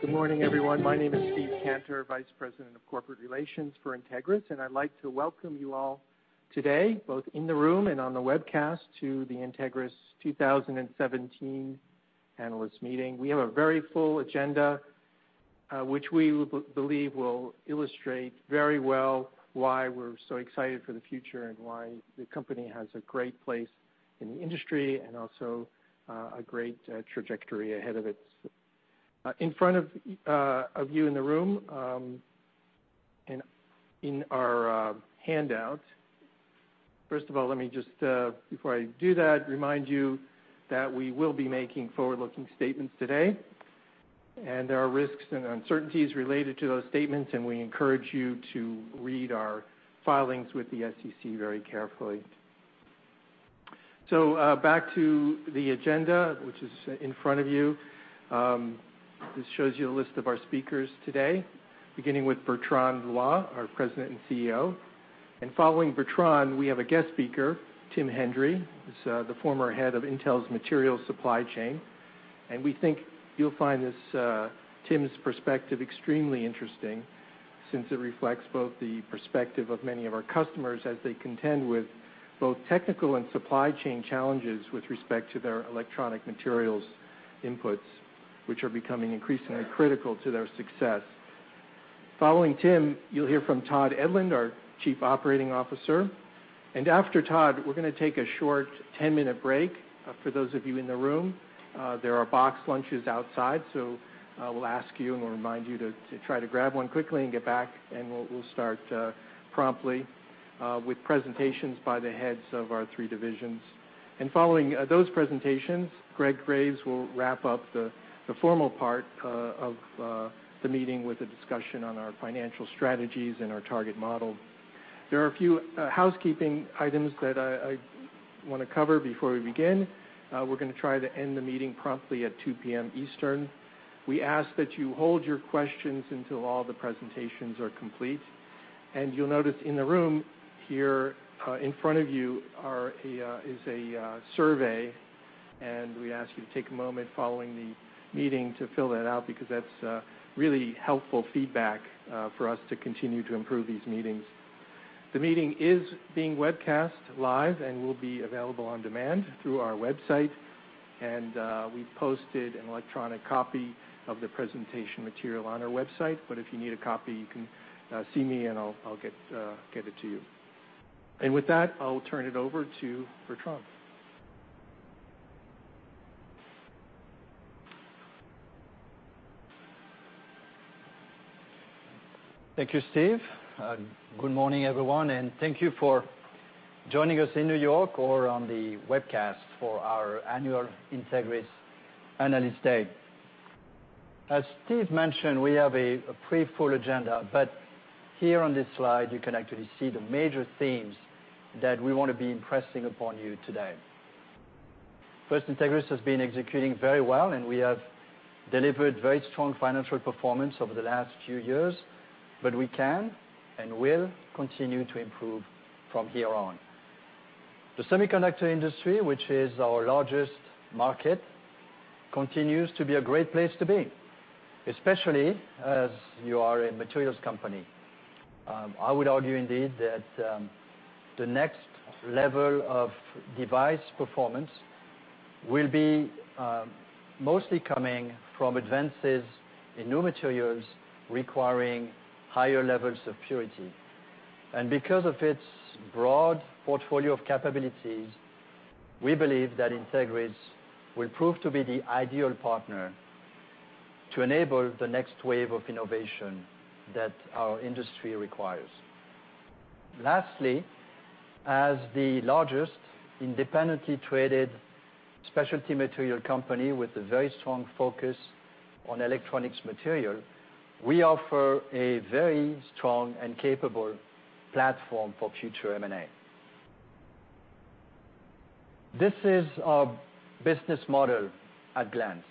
Good morning, everyone. My name is Steve Cantor, Vice President of Corporate Relations for Entegris. I'd like to welcome you all today, both in the room and on the webcast, to the Entegris 2017 Analyst Meeting. We have a very full agenda, which we believe will illustrate very well why we're so excited for the future and why the company has a great place in the industry and also, a great trajectory ahead of it. Remind you that we will be making forward-looking statements today. There are risks and uncertainties related to those statements, we encourage you to read our filings with the SEC very carefully. Back to the agenda, which is in front of you. This shows you a list of our speakers today, beginning with Bertrand Loy, our President and CEO. Following Bertrand, we have a guest speaker, Tim Hendry. He's the former head of Intel's material supply chain. We think you'll find Tim's perspective extremely interesting since it reflects both the perspective of many of our customers as they contend with both technical and supply chain challenges with respect to their electronic materials inputs, which are becoming increasingly critical to their success. Following Tim, you'll hear from Todd Edlund, our Chief Operating Officer. After Todd, we're going to take a short 10-minute break. For those of you in the room, there are boxed lunches outside, we'll ask you and we'll remind you to try to grab one quickly and get back, and we'll start promptly with presentations by the heads of our three divisions. Following those presentations, Gregory Graves will wrap up the formal part of the meeting with a discussion on our financial strategies and our target model. There are a few housekeeping items that I want to cover before we begin. We're going to try to end the meeting promptly at 2:00 P.M. Eastern. We ask that you hold your questions until all the presentations are complete. You'll notice in the room here in front of you is a survey, and we ask you to take a moment following the meeting to fill that out, because that's really helpful feedback for us to continue to improve these meetings. The meeting is being webcast live and will be available on demand through our website. We posted an electronic copy of the presentation material on our website. If you need a copy, you can see me and I'll get it to you. With that, I'll turn it over to Bertrand. Thank you, Steve. Good morning, everyone, and thank you for joining us in New York or on the webcast for our annual Entegris Analyst Day. As Steve mentioned, we have a pretty full agenda, but here on this slide, you can actually see the major themes that we want to be impressing upon you today. First, Entegris has been executing very well, and we have delivered very strong financial performance over the last few years, but we can and will continue to improve from here on. The semiconductor industry, which is our largest market, continues to be a great place to be, especially as you are a materials company. I would argue indeed that the next level of device performance will be mostly coming from advances in new materials requiring higher levels of purity. Because of its broad portfolio of capabilities, we believe that Entegris will prove to be the ideal partner to enable the next wave of innovation that our industry requires. Lastly, as the largest independently traded specialty material company with a very strong focus on electronics material, we offer a very strong and capable platform for future M&A. This is our business model at glance.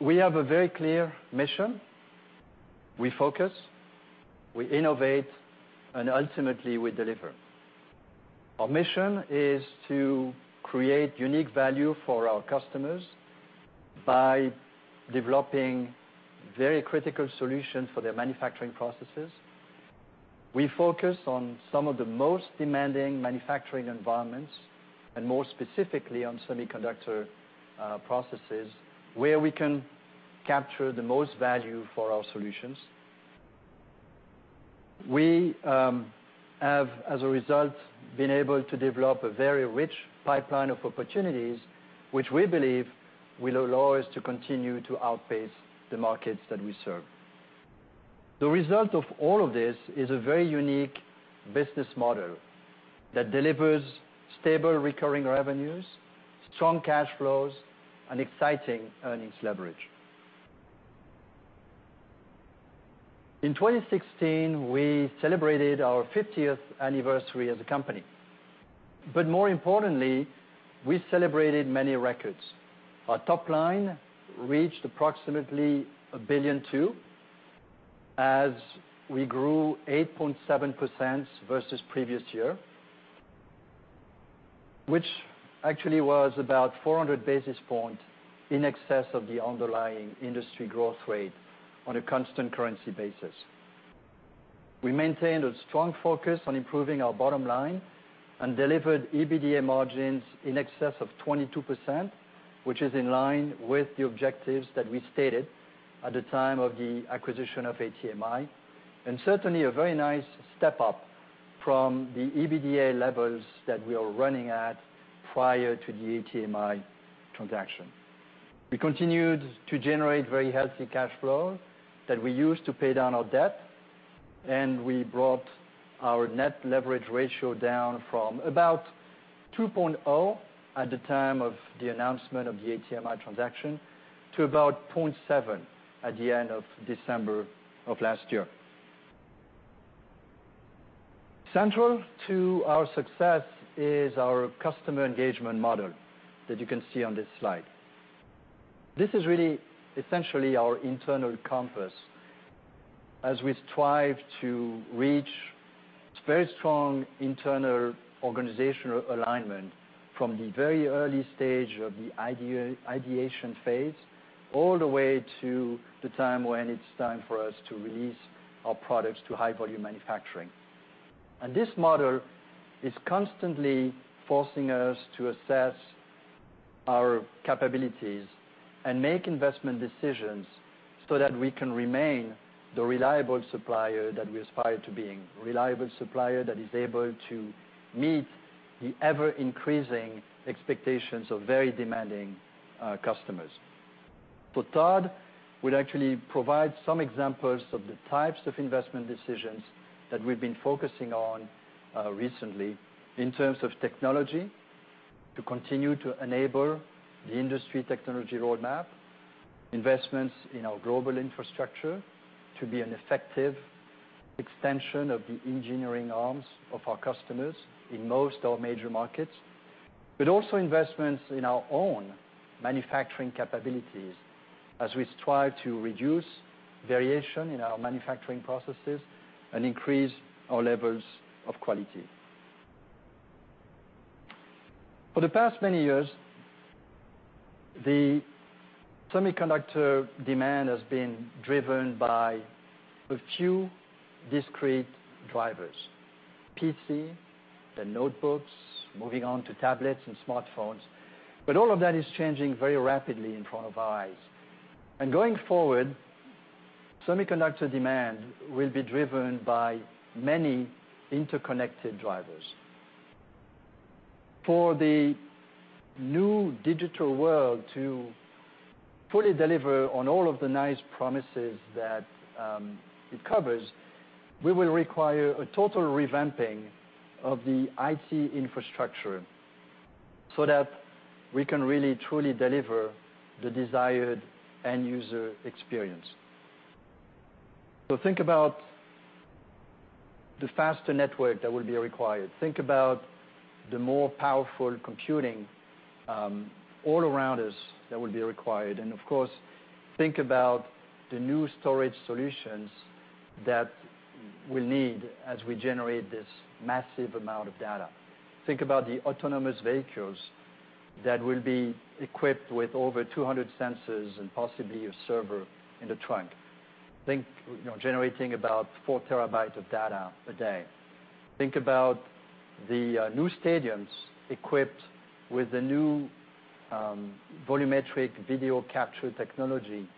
We have a very clear mission. We focus, we innovate, and ultimately, we deliver. Our mission is to create unique value for our customers by developing very critical solutions for their manufacturing processes. We focus on some of the most demanding manufacturing environments, and more specifically on semiconductor processes where we can capture the most value for our solutions. We have, as a result, been able to develop a very rich pipeline of opportunities, which we believe will allow us to continue to outpace the markets that we serve. The result of all of this is a very unique business model that delivers stable, recurring revenues, strong cash flows, and exciting earnings leverage. In 2016, we celebrated our 50th anniversary as a company. More importantly, we celebrated many records. Our top line reached approximately $1.2 billion, as we grew 8.7% versus previous year, which actually was about 400 basis points in excess of the underlying industry growth rate on a constant currency basis. We maintained a strong focus on improving our bottom line and delivered EBITDA margins in excess of 22%, which is in line with the objectives that we stated at the time of the acquisition of ATMI, and certainly a very nice step up from the EBITDA levels that we are running at prior to the ATMI transaction. We continued to generate very healthy cash flow that we used to pay down our debt, and we brought our net leverage ratio down from about 2.0 at the time of the announcement of the ATMI transaction to about 0.7 at the end of December of last year. Central to our success is our customer engagement model that you can see on this slide. This is really essentially our internal compass as we strive to reach very strong internal organizational alignment from the very early stage of the ideation phase, all the way to the time when it's time for us to release our products to high-volume manufacturing. This model is constantly forcing us to assess our capabilities and make investment decisions so that we can remain the reliable supplier that we aspire to being. Reliable supplier that is able to meet the ever-increasing expectations of very demanding customers. Third, we'll actually provide some examples of the types of investment decisions that we've been focusing on recently in terms of technology to continue to enable the industry technology roadmap, investments in our global infrastructure to be an effective extension of the engineering arms of our customers in most of our major markets. Also investments in our own manufacturing capabilities as we strive to reduce variation in our manufacturing processes and increase our levels of quality. For the past many years, the semiconductor demand has been driven by a few discrete drivers, PC, the notebooks, moving on to tablets and smartphones, but all of that is changing very rapidly in front of our eyes. Going forward, semiconductor demand will be driven by many interconnected drivers. For the new digital world to fully deliver on all of the nice promises that it covers, we will require a total revamping of the IT infrastructure so that we can really truly deliver the desired end-user experience. Think about the faster network that will be required. Think about the more powerful computing all around us that will be required. Of course, think about the new storage solutions that we'll need as we generate this massive amount of data. Think about the autonomous vehicles that will be equipped with over 200 sensors and possibly a server in the trunk. Think generating about four terabytes of data a day. Think about the new stadiums equipped with the new volumetric video capture technology,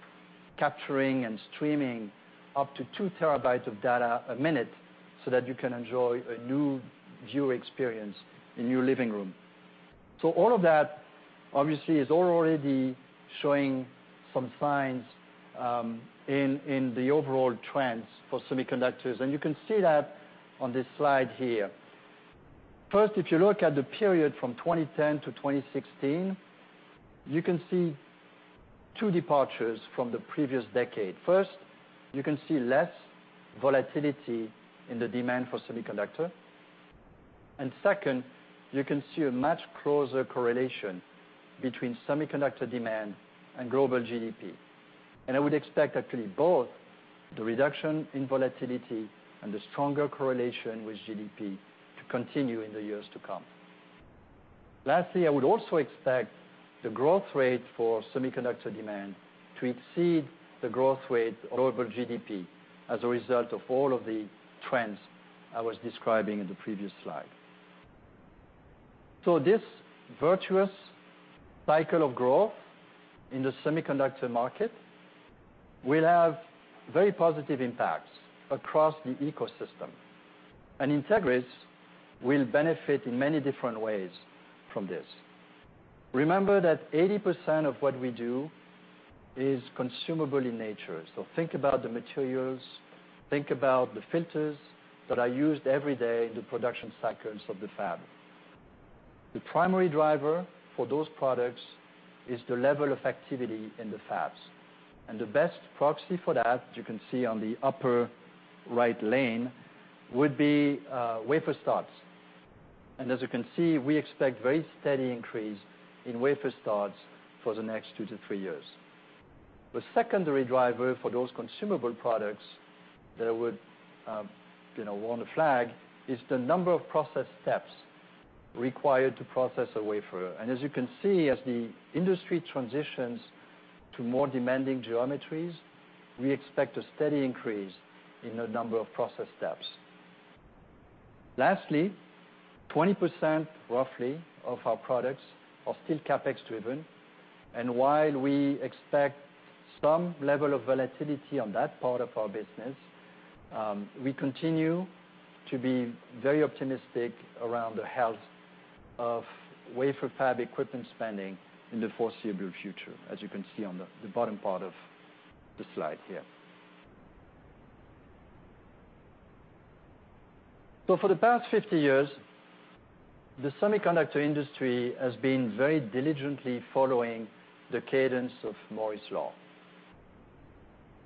capturing and streaming up to two terabytes of data a minute, so that you can enjoy a new viewer experience in your living room. All of that, obviously, is already showing some signs in the overall trends for semiconductors. You can see that on this slide here. First, if you look at the period from 2010 to 2016, you can see two departures from the previous decade. First, you can see less volatility in the demand for semiconductor. Second, you can see a much closer correlation between semiconductor demand and global GDP. I would expect actually both the reduction in volatility and the stronger correlation with GDP to continue in the years to come. Lastly, I would also expect the growth rate for semiconductor demand to exceed the growth rate of global GDP as a result of all of the trends I was describing in the previous slide. This virtuous cycle of growth in the semiconductor market will have very positive impacts across the ecosystem. Entegris will benefit in many different ways from this. Remember that 80% of what we do is consumable in nature. Think about the materials, think about the filters that are used every day in the production cycles of the fab. The primary driver for those products is the level of activity in the fabs. The best proxy for that, as you can see on the upper right pane, would be wafer starts. As you can see, we expect very steady increase in wafer starts for the next two to three years. The secondary driver for those consumable products that I would warn a flag, is the number of process steps required to process a wafer. As you can see, as the industry transitions to more demanding geometries, we expect a steady increase in the number of process steps. Lastly, 20% roughly of our products are still CapEx driven, and while we expect some level of volatility on that part of our business, we continue to be very optimistic around the health of wafer fab equipment spending in the foreseeable future, as you can see on the bottom part of the slide here. For the past 50 years, the semiconductor industry has been very diligently following the cadence of Moore's Law.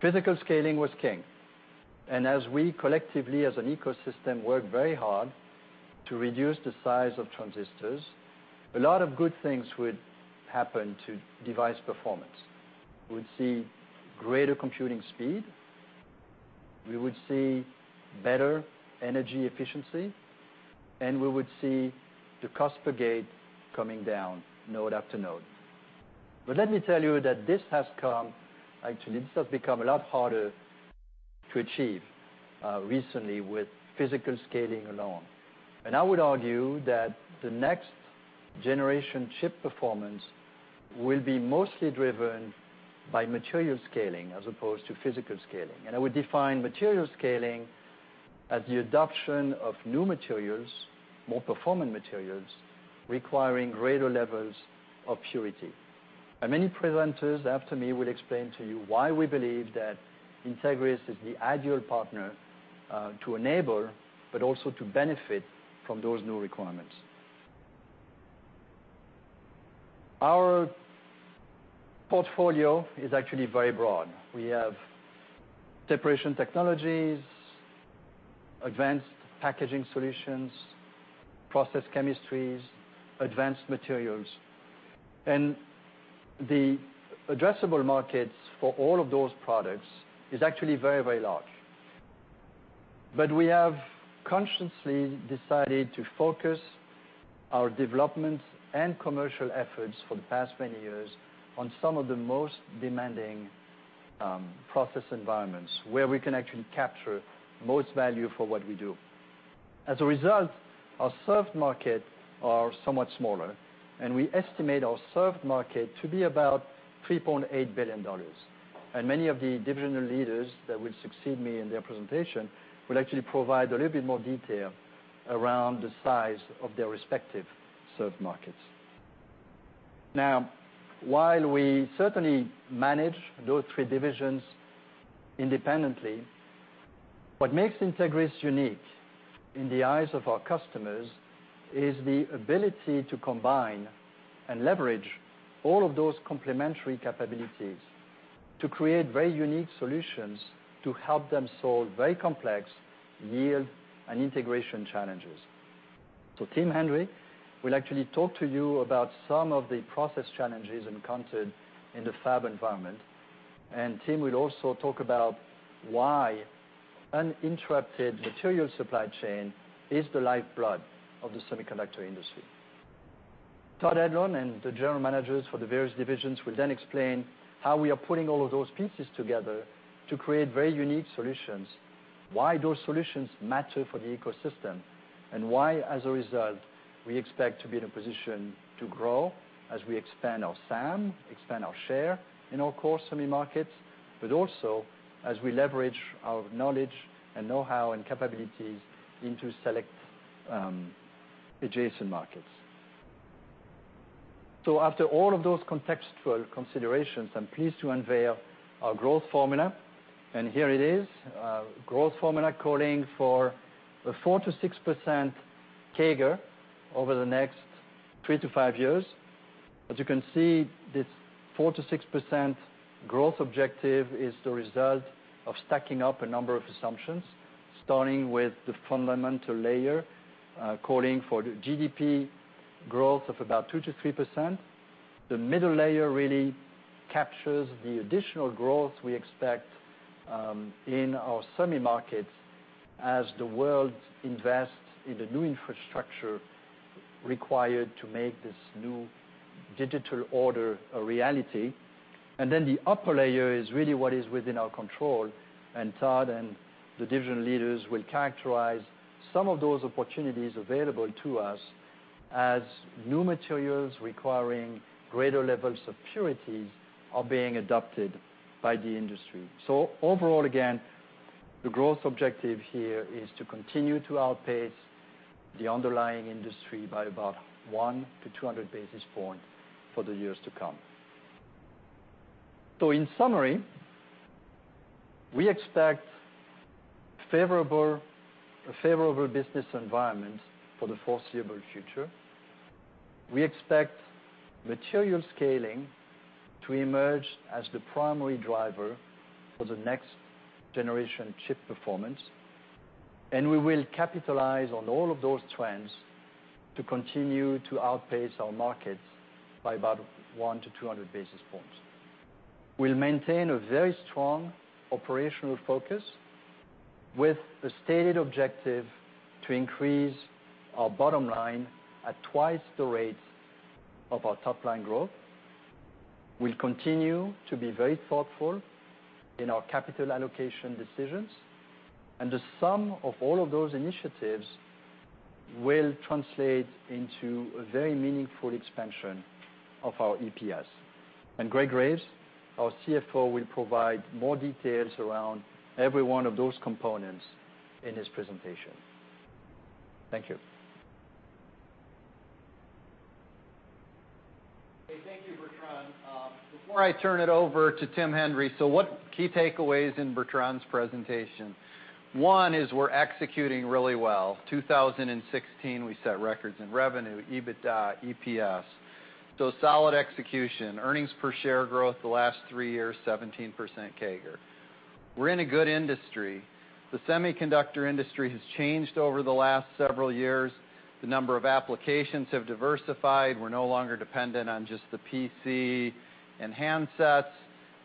Physical scaling was king, and as we collectively, as an ecosystem, work very hard to reduce the size of transistors, a lot of good things would happen to device performance. We would see greater computing speed, we would see better energy efficiency, and we would see the cost per gate coming down node after node. Let me tell you that this has become a lot harder to achieve recently with physical scaling alone. I would argue that the next generation chip performance will be mostly driven by material scaling as opposed to physical scaling. I would define material scaling as the adoption of new materials, more performant materials, requiring greater levels of purity. Many presenters after me will explain to you why we believe that Entegris is the ideal partner to enable, but also to benefit from those new requirements. Our portfolio is actually very broad. We have separation technologies, advanced packaging solutions, process chemistries, advanced materials. The addressable markets for all of those products is actually very large. We have consciously decided to focus our development and commercial efforts for the past many years on some of the most demanding process environments, where we can actually capture most value for what we do. As a result, our served market are somewhat smaller, and we estimate our served market to be about $3.8 billion. Many of the divisional leaders that will succeed me in their presentation will actually provide a little bit more detail around the size of their respective served markets. While we certainly manage those three divisions independently, what makes Entegris unique in the eyes of our customers is the ability to combine and leverage all of those complementary capabilities to create very unique solutions to help them solve very complex yield and integration challenges. Tim Hendry will actually talk to you about some of the process challenges encountered in the fab environment. Tim will also talk about why uninterrupted material supply chain is the lifeblood of the semiconductor industry. Todd Edlund and the general managers for the various divisions will then explain how we are putting all of those pieces together to create very unique solutions, why those solutions matter for the ecosystem. Why, as a result, we expect to be in a position to grow as we expand our SAM, expand our share in our core semi markets, but also as we leverage our knowledge and know-how and capabilities into select adjacent markets. After all of those contextual considerations, I'm pleased to unveil our growth formula, and here it is. Growth formula calling for a 4%-6% CAGR over the next three to five years. As you can see, this 4%-6% growth objective is the result of stacking up a number of assumptions, starting with the fundamental layer, calling for the GDP growth of about 2%-3%. The middle layer really captures the additional growth we expect in our semi markets as the world invests in the new infrastructure required to make this new digital order a reality. The upper layer is really what is within our control, and Todd and the division leaders will characterize some of those opportunities available to us as new materials requiring greater levels of purities are being adopted by the industry. Overall, again, the growth objective here is to continue to outpace the underlying industry by about 100-200 basis points for the years to come. In summary, we expect a favorable business environment for the foreseeable future. We expect material scaling to emerge as the primary driver for the next generation chip performance. We will capitalize on all of those trends to continue to outpace our markets by about 100-200 basis points. We'll maintain a very strong operational focus with the stated objective to increase our bottom line at twice the rate of our top-line growth. We'll continue to be very thoughtful in our capital allocation decisions, the sum of all of those initiatives will translate into a very meaningful expansion of our EPS. Gregory Graves, our CFO, will provide more details around every one of those components in his presentation. Thank you. Okay. Thank you, Bertrand. Before I turn it over to Tim Hendry, what key takeaways in Bertrand's presentation? One is we're executing really well. 2016, we set records in revenue, EBITDA, EPS. Solid execution. Earnings per share growth the last three years, 17% CAGR. We're in a good industry. The semiconductor industry has changed over the last several years. The number of applications have diversified. We're no longer dependent on just the PC and handsets.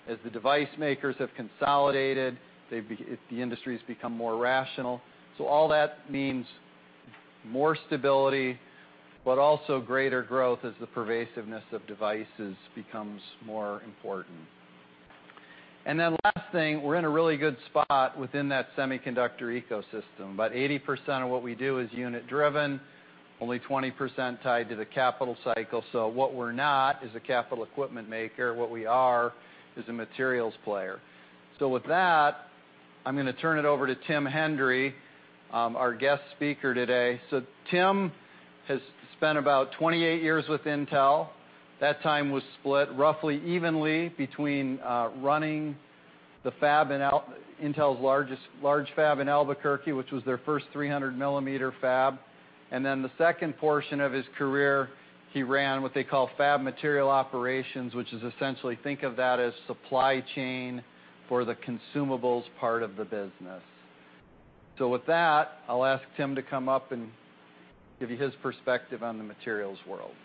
As the device makers have consolidated, the industry's become more rational. All that means more stability, but also greater growth as the pervasiveness of devices becomes more important. Last thing, we're in a really good spot within that semiconductor ecosystem. About 80% of what we do is unit driven, only 20% tied to the capital cycle. What we're not is a capital equipment maker. What we are is a materials player. With that, I'm going to turn it over to Tim Hendry, our guest speaker today. Tim has spent about 28 years with Intel. That time was split roughly evenly between running the fab in Intel's large fab in Albuquerque, which was their first 300-millimeter fab. The second portion of his career, he ran what they call fab material operations, which is essentially think of that as supply chain for the consumables part of the business. With that, I'll ask Tim to come up and give you his perspective on the materials world.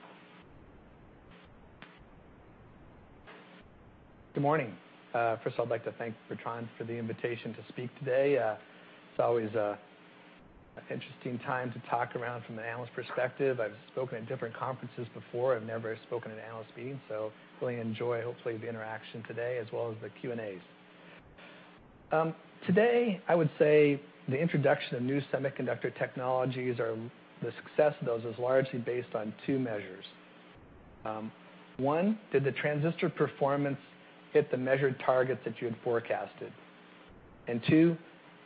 Good morning. First I'd like to thank Bertrand for the invitation to speak today. It's always an interesting time to talk around from the analyst perspective. I've spoken at different conferences before. I've never spoken at Analyst Meeting, really enjoy hopefully the interaction today as well as the Q&As. Today, I would say the introduction of new semiconductor technologies or the success of those is largely based on two measures. One, did the transistor performance hit the measured targets that you had forecasted? Two,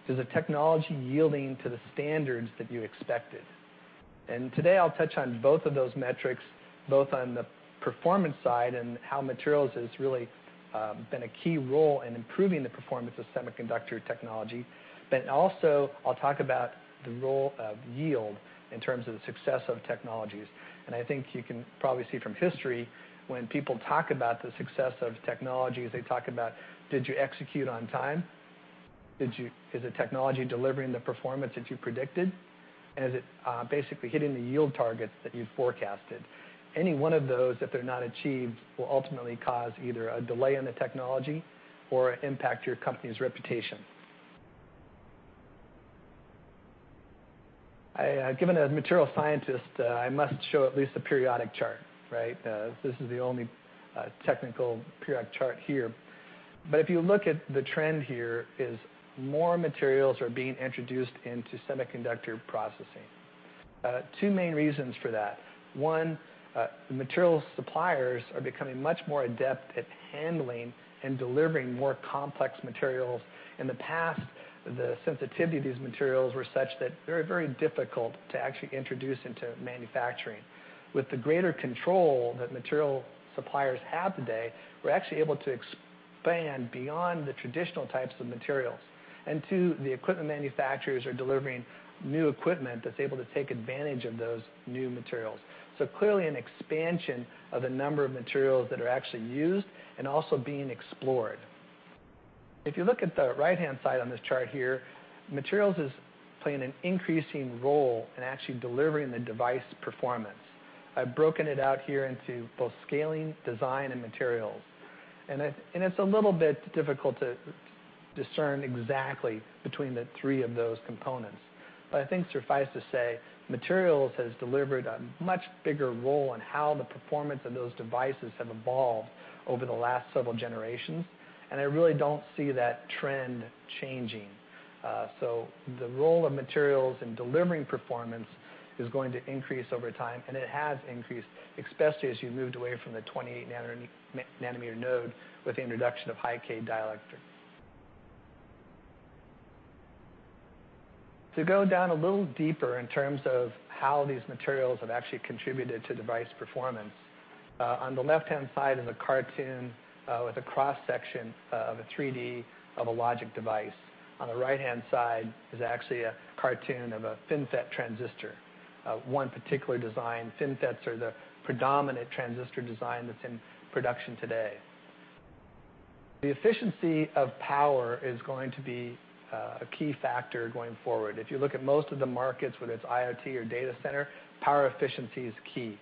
is the technology yielding to the standards that you expected? Today, I'll touch on both of those metrics, both on the performance side and how materials has really been a key role in improving the performance of semiconductor technology. Also, I'll talk about the role of yield in terms of the success of technologies. I think you can probably see from history, when people talk about the success of technologies, they talk about, did you execute on time? Is the technology delivering the performance that you predicted? Is it basically hitting the yield targets that you forecasted? Any one of those, if they're not achieved, will ultimately cause either a delay in the technology or impact your company's reputation. Given a material scientist, I must show at least a periodic chart, right? This is the only technical periodic chart here. If you look at the trend here is more materials are being introduced into semiconductor processing. Two main reasons for that. One, material suppliers are becoming much more adept at handling and delivering more complex materials. In the past, the sensitivity of these materials were such that very, very difficult to actually introduce into manufacturing. With the greater control that material suppliers have today, we're actually able to expand beyond the traditional types of materials. Two, the equipment manufacturers are delivering new equipment that's able to take advantage of those new materials. Clearly an expansion of the number of materials that are actually used and also being explored. If you look at the right-hand side on this chart here, materials is playing an increasing role in actually delivering the device performance. I've broken it out here into both scaling, design, and materials. It's a little bit difficult to discern exactly between the three of those components. I think suffice to say, materials has delivered a much bigger role in how the performance of those devices have evolved over the last several generations, and I really don't see that trend changing. The role of materials in delivering performance is going to increase over time, and it has increased, especially as you moved away from the 28-nanometer node with the introduction of high-k dielectric. To go down a little deeper in terms of how these materials have actually contributed to device performance, on the left-hand side is a cartoon, with a cross-section of a 3D of a logic device. On the right-hand side is actually a cartoon of a FinFET transistor. One particular design, FinFETs are the predominant transistor design that's in production today. The efficiency of power is going to be a key factor going forward. If you look at most of the markets, whether it's IoT or data center, power efficiency is key.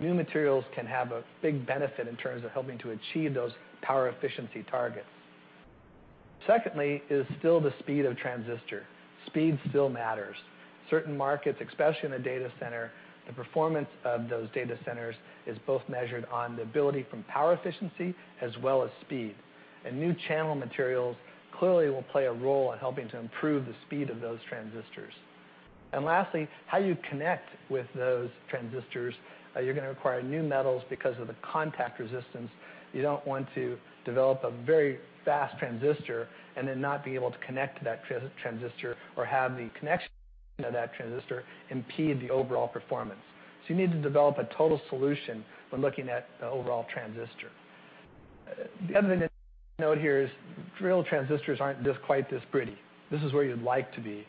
New materials can have a big benefit in terms of helping to achieve those power efficiency targets. Secondly is still the speed of transistor. Speed still matters. Certain markets, especially in a data center, the performance of those data centers is both measured on the ability from power efficiency as well as speed. New channel materials clearly will play a role in helping to improve the speed of those transistors. Lastly, how you connect with those transistors. You're going to require new metals because of the contact resistance. You don't want to develop a very fast transistor and then not be able to connect to that transistor or have the connection of that transistor impede the overall performance. You need to develop a total solution when looking at the overall transistor. The other thing to note here is real transistors aren't quite this pretty. This is where you'd like to be.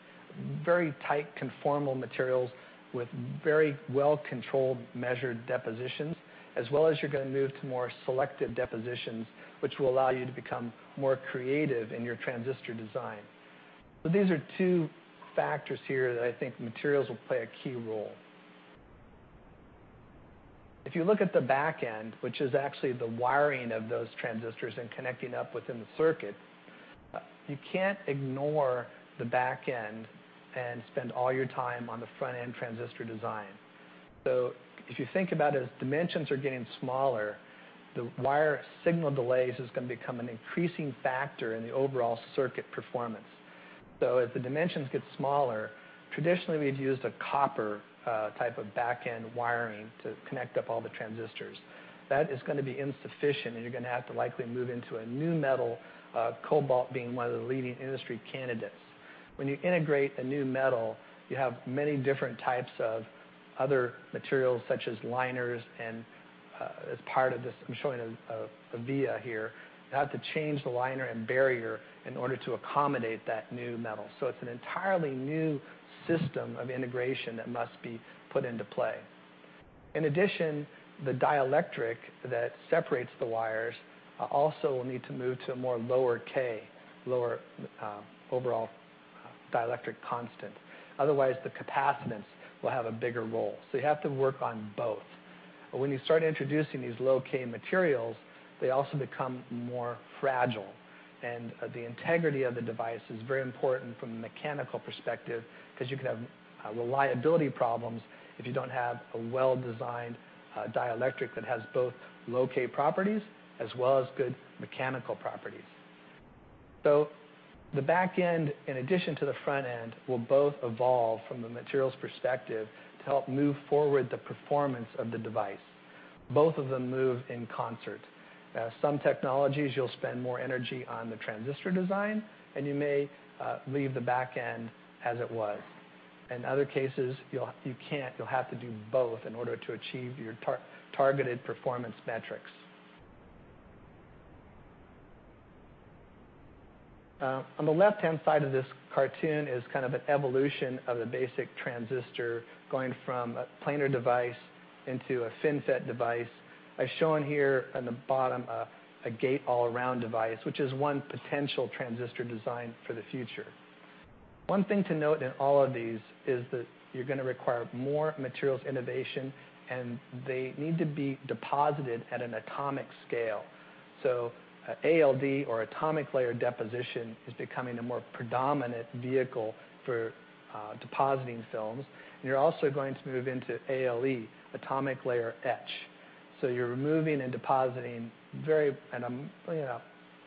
Very tight conformal materials with very well-controlled, measured depositions, as well as you're going to move to more selective depositions, which will allow you to become more creative in your transistor design. These are two factors here that I think materials will play a key role. If you look at the back end, which is actually the wiring of those transistors and connecting up within the circuit, you can't ignore the back end and spend all your time on the front-end transistor design. If you think about it, as dimensions are getting smaller, the wire signal delays is going to become an increasing factor in the overall circuit performance. As the dimensions get smaller, traditionally, we've used a copper type of back-end wiring to connect up all the transistors. That is going to be insufficient, and you're going to have to likely move into a new metal, cobalt being one of the leading industry candidates. When you integrate a new metal, you have many different types of other materials, such as liners, and as part of this, I'm showing a via here. You have to change the liner and barrier in order to accommodate that new metal. It's an entirely new system of integration that must be put into play. In addition, the dielectric that separates the wires also will need to move to a more low-k, lower overall dielectric constant. Otherwise, the capacitance will have a bigger role. You have to work on both. When you start introducing these low-k materials, they also become more fragile, and the integrity of the device is very important from a mechanical perspective because you could have reliability problems if you don't have a well-designed dielectric that has both low-k properties as well as good mechanical properties. The back end, in addition to the front end, will both evolve from the materials perspective to help move forward the performance of the device. Both of them move in concert. Some technologies, you'll spend more energy on the transistor design, and you may leave the back end as it was. In other cases, you can't. You'll have to do both in order to achieve your targeted performance metrics. On the left-hand side of this cartoon is kind of an evolution of the basic transistor going from a planar device into a FinFET device, as shown here on the bottom, a gate-all-around device, which is one potential transistor design for the future. One thing to note in all of these is that you're going to require more materials innovation, and they need to be deposited at an atomic scale. ALD, or atomic layer deposition, is becoming a more predominant vehicle for depositing films. You're also going to move into ALE, atomic layer etch. You're removing and depositing at a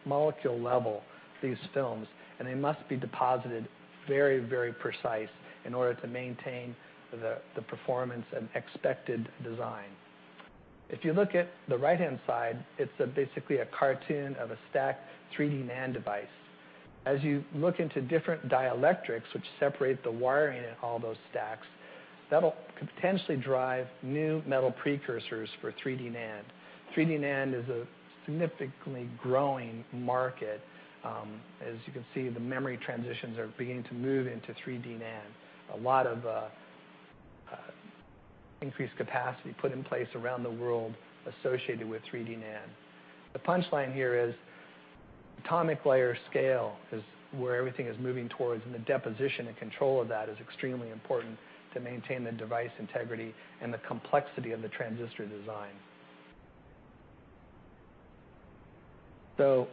molecule level these films, and they must be deposited very precise in order to maintain the performance and expected design. If you look at the right-hand side, it's basically a cartoon of a stacked 3D NAND device. As you look into different dielectrics, which separate the wiring in all those stacks, that'll potentially drive new metal precursors for 3D NAND. 3D NAND is a significantly growing market. As you can see, the memory transitions are beginning to move into 3D NAND. A lot of increased capacity put in place around the world associated with 3D NAND. The punchline here is atomic layer scale is where everything is moving towards, and the deposition and control of that is extremely important to maintain the device integrity and the complexity of the transistor design.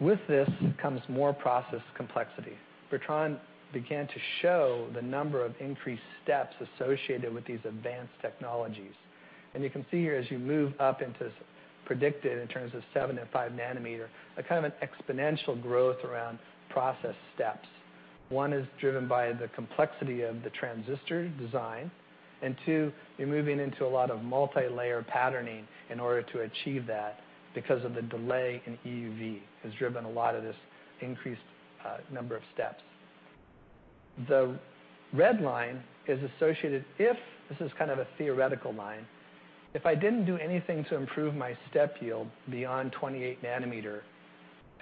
With this comes more process complexity. Bertrand began to show the number of increased steps associated with these advanced technologies. You can see here as you move up into predicted in terms of seven and five nanometer, a kind of an exponential growth around process steps. One is driven by the complexity of the transistor design, two, you're moving into a lot of multilayer patterning in order to achieve that because of the delay in EUV has driven a lot of this increased number of steps. The red line is associated. This is kind of a theoretical line. If I didn't do anything to improve my step yield beyond 28 nanometer,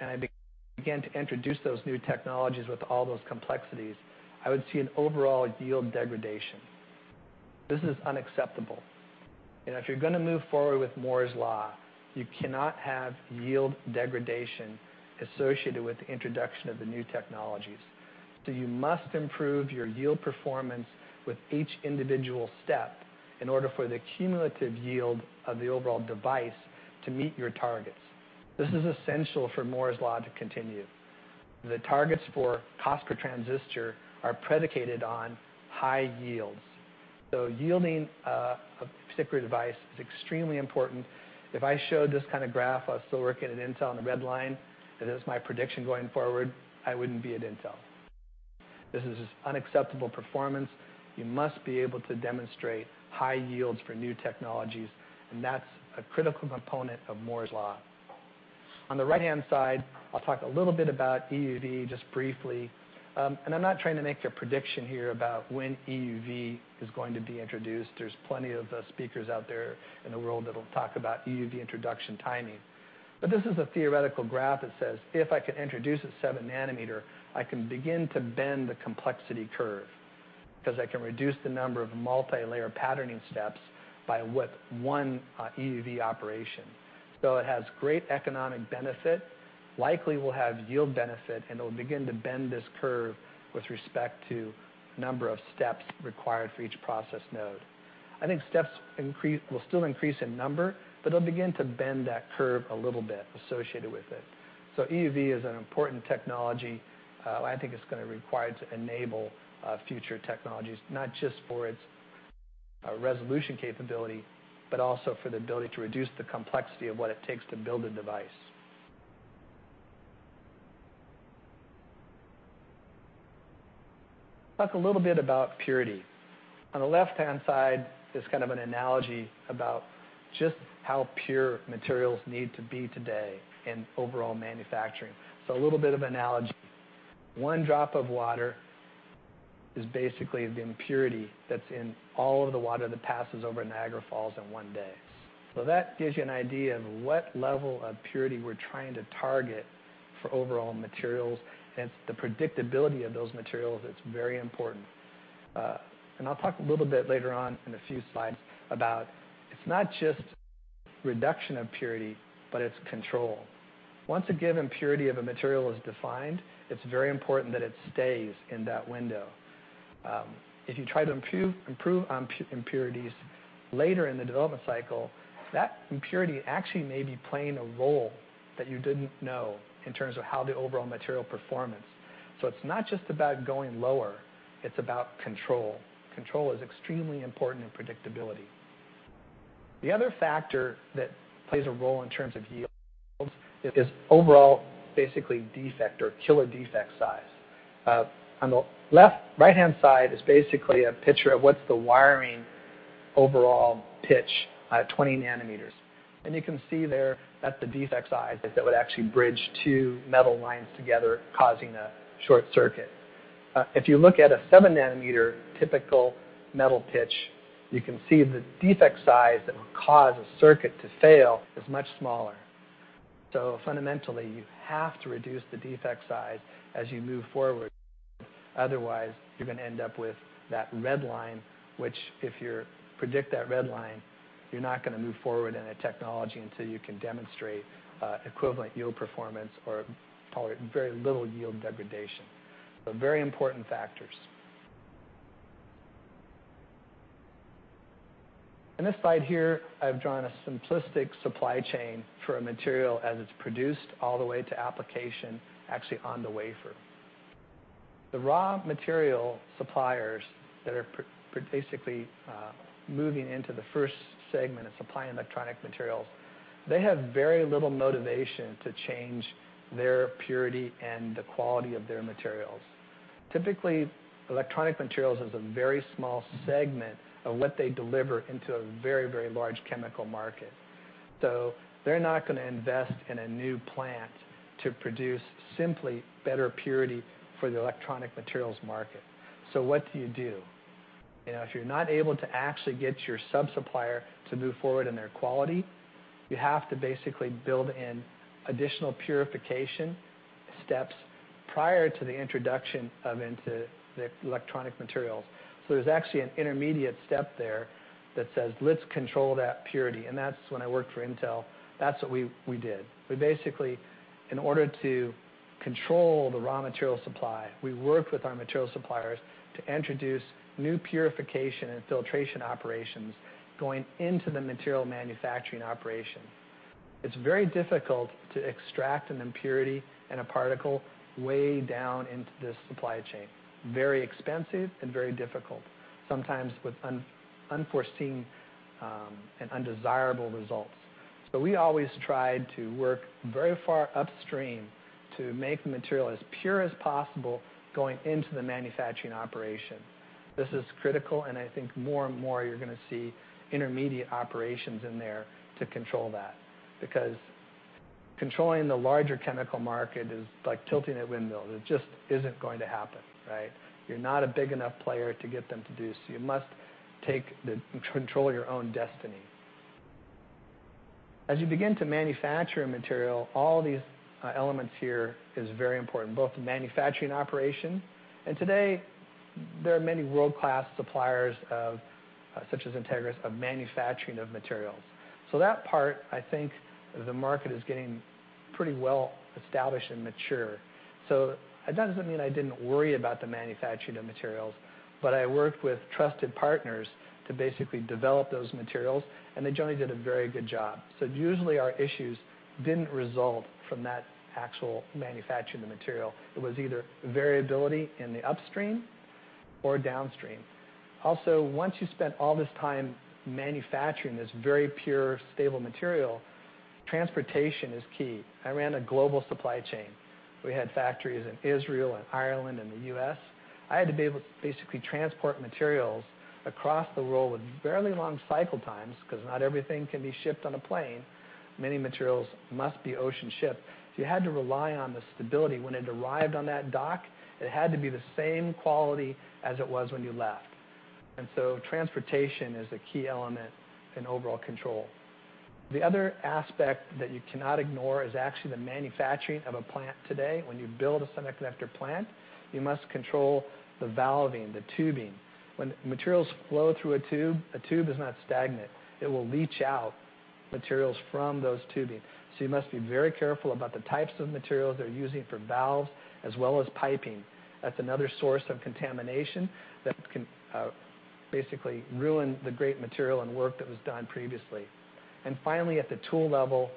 I began to introduce those new technologies with all those complexities, I would see an overall yield degradation. This is unacceptable. If you're going to move forward with Moore's Law, you cannot have yield degradation associated with the introduction of the new technologies. You must improve your yield performance with each individual step in order for the cumulative yield of the overall device to meet your targets. This is essential for Moore's Law to continue. The targets for cost per transistor are predicated on high yields. Yielding a particular device is extremely important. If I showed this kind of graph, I was still working at Intel, and the red line is my prediction going forward, I wouldn't be at Intel. This is unacceptable performance. You must be able to demonstrate high yields for new technologies, and that's a critical component of Moore's Law. On the right-hand side, I'll talk a little bit about EUV just briefly. I'm not trying to make a prediction here about when EUV is going to be introduced. There's plenty of speakers out there in the world that'll talk about EUV introduction timing. This is a theoretical graph that says, if I can introduce a seven nanometer, I can begin to bend the complexity curve because I can reduce the number of multilayer patterning steps by one EUV operation. It has great economic benefit, likely will have yield benefit, and it will begin to bend this curve with respect to number of steps required for each process node. I think steps will still increase in number, but they'll begin to bend that curve a little bit associated with it. EUV is an important technology. I think it's going to require to enable future technologies, not just for its resolution capability, but also for the ability to reduce the complexity of what it takes to build a device. Talk a little bit about purity. On the left-hand side is kind of an analogy about just how pure materials need to be today in overall manufacturing. A little bit of analogy. One drop of water is basically the impurity that's in all of the water that passes over Niagara Falls in one day. That gives you an idea of what level of purity we're trying to target for overall materials, and it's the predictability of those materials that's very important. I'll talk a little later on in a few slides about it's not just reduction of purity, but it's control. Once a given purity of a material is defined, it's very important that it stays in that window. If you try to improve on impurities later in the development cycle, that impurity actually may be playing a role that you didn't know in terms of how the overall material performance. It's not just about going lower, it's about control. Control is extremely important in predictability. The other factor that plays a role in terms of yields is overall basically defect or killer defect size. On the right-hand side is basically a picture of what's the wiring overall pitch at 20 nanometers. You can see there that the defect size that would actually bridge two metal lines together, causing a short circuit. If you look at a seven nanometer typical metal pitch, you can see the defect size that would cause a circuit to fail is much smaller. Fundamentally, you have to reduce the defect size as you move forward. Otherwise, you're going to end up with that red line, which if you predict that red line, you're not going to move forward in a technology until you can demonstrate equivalent yield performance or very little yield degradation. Very important factors. In this slide here, I've drawn a simplistic supply chain for a material as it's produced all the way to application actually on the wafer. The raw material suppliers that are basically moving into the first segment of supplying electronic materials, they have very little motivation to change their purity and the quality of their materials. Typically, electronic materials is a very small segment of what they deliver into a very large chemical market. They're not going to invest in a new plant to produce simply better purity for the electronic materials market. What do you do? If you're not able to actually get your sub-supplier to move forward in their quality, you have to basically build in additional purification steps prior to the introduction of into the electronic materials. There's actually an intermediate step there that says, let's control that purity. When I worked for Intel, that's what we did. We basically, in order to control the raw material supply, we worked with our material suppliers to introduce new purification and filtration operations going into the material manufacturing operation. It's very difficult to extract an impurity and a particle way down into this supply chain. Very expensive and very difficult, sometimes with unforeseen and undesirable results. We always tried to work very far upstream to make the material as pure as possible going into the manufacturing operation. This is critical, and I think more and more you're going to see intermediate operations in there to control that. Controlling the larger chemical market is like tilting at windmills. It just isn't going to happen, right? You're not a big enough player to get them to do, you must control your own destiny. As you begin to manufacture a material, all these elements here are very important, both the manufacturing operation, and today there are many world-class suppliers, such as Entegris, of manufacturing of materials. That part, I think, the market is getting pretty well established and mature. That doesn't mean I didn't worry about the manufacturing of materials, but I worked with trusted partners to basically develop those materials, and they generally did a very good job. Usually our issues didn't result from that actual manufacturing of the material. It was either variability in the upstream or downstream. Also, once you've spent all this time manufacturing this very pure, stable material, transportation is key. I ran a global supply chain. We had factories in Israel, and Ireland, and the U.S. I had to be able to basically transport materials across the world with fairly long cycle times, because not everything can be shipped on a plane. Many materials must be ocean shipped. You had to rely on the stability. When it arrived on that dock, it had to be the same quality as it was when you left. Transportation is a key element in overall control. The other aspect that you cannot ignore is actually the manufacturing of a plant today. When you build a semiconductor plant, you must control the valving, the tubing. When materials flow through a tube, a tube is not stagnant. It will leach out materials from those tubing. You must be very careful about the types of materials they're using for valves, as well as piping. That's another source of contamination that can basically ruin the great material and work that was done previously. Finally, at the tool level,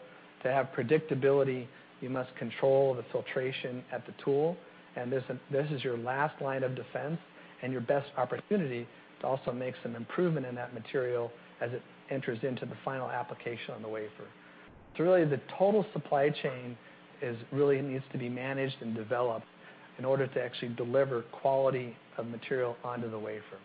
to have predictability, you must control the filtration at the tool, and this is your last line of defense and your best opportunity to also make some improvement in that material as it enters into the final application on the wafer. Really, the total supply chain really needs to be managed and developed in order to actually deliver quality of material onto the wafer.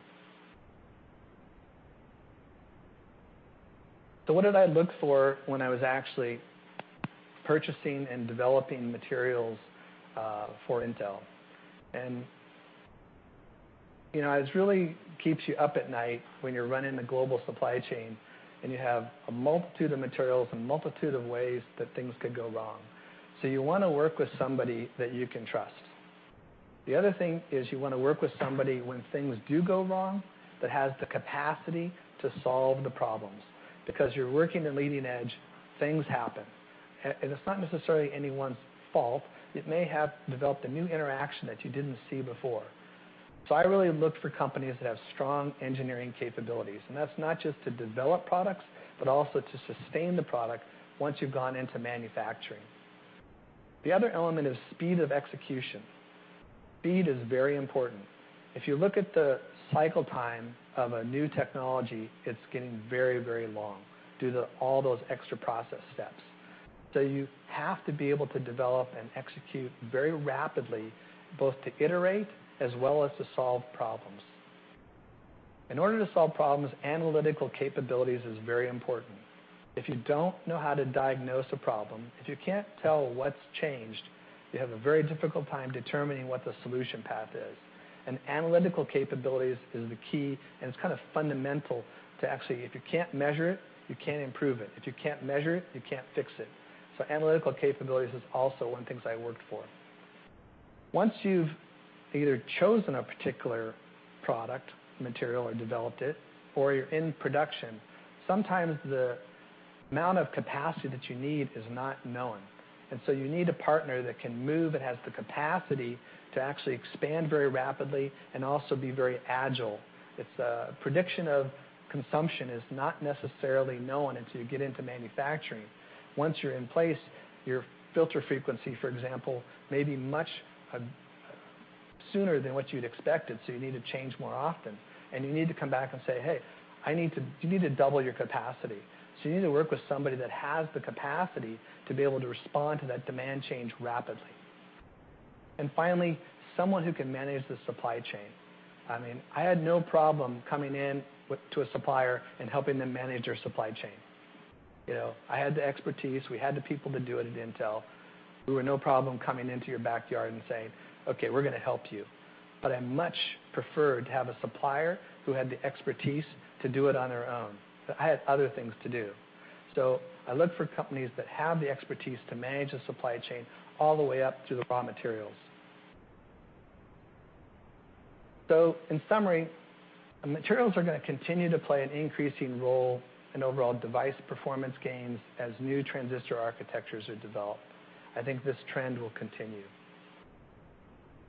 What did I look for when I was actually purchasing and developing materials for Intel? It really keeps you up at night when you're running a global supply chain and you have a multitude of materials and multitude of ways that things could go wrong. You want to work with somebody that you can trust. The other thing is you want to work with somebody when things do go wrong that has the capacity to solve the problems, because you're working the leading edge, things happen. It's not necessarily anyone's fault. It may have developed a new interaction that you didn't see before. I really look for companies that have strong engineering capabilities, and that's not just to develop products, but also to sustain the product once you've gone into manufacturing. The other element is speed of execution. Speed is very important. If you look at the cycle time of a new technology, it's getting very long due to all those extra process steps. You have to be able to develop and execute very rapidly, both to iterate as well as to solve problems. In order to solve problems, analytical capabilities is very important. If you don't know how to diagnose a problem, if you can't tell what's changed, you have a very difficult time determining what the solution path is. Analytical capabilities is the key, and it's kind of fundamental to actually, if you can't measure it, you can't improve it. If you can't measure it, you can't fix it. Analytical capabilities is also one of the things I worked for. Once you've either chosen a particular product, material, or developed it, or you're in production, sometimes the amount of capacity that you need is not known. You need a partner that can move and has the capacity to actually expand very rapidly and also be very agile. If the prediction of consumption is not necessarily known until you get into manufacturing. Once you're in place, your filter frequency, for example, may be much sooner than what you'd expected, so you need to change more often. You need to come back and say, "Hey, you need to double your capacity." You need to work with somebody that has the capacity to be able to respond to that demand change rapidly. Finally, someone who can manage the supply chain. I had no problem coming in to a supplier and helping them manage their supply chain. I had the expertise. We had the people to do it at Intel. We were no problem coming into your backyard and saying, "Okay, we're going to help you." I much preferred to have a supplier who had the expertise to do it on their own. I had other things to do. I look for companies that have the expertise to manage the supply chain all the way up to the raw materials. In summary, materials are going to continue to play an increasing role in overall device performance gains as new transistor architectures are developed. I think this trend will continue.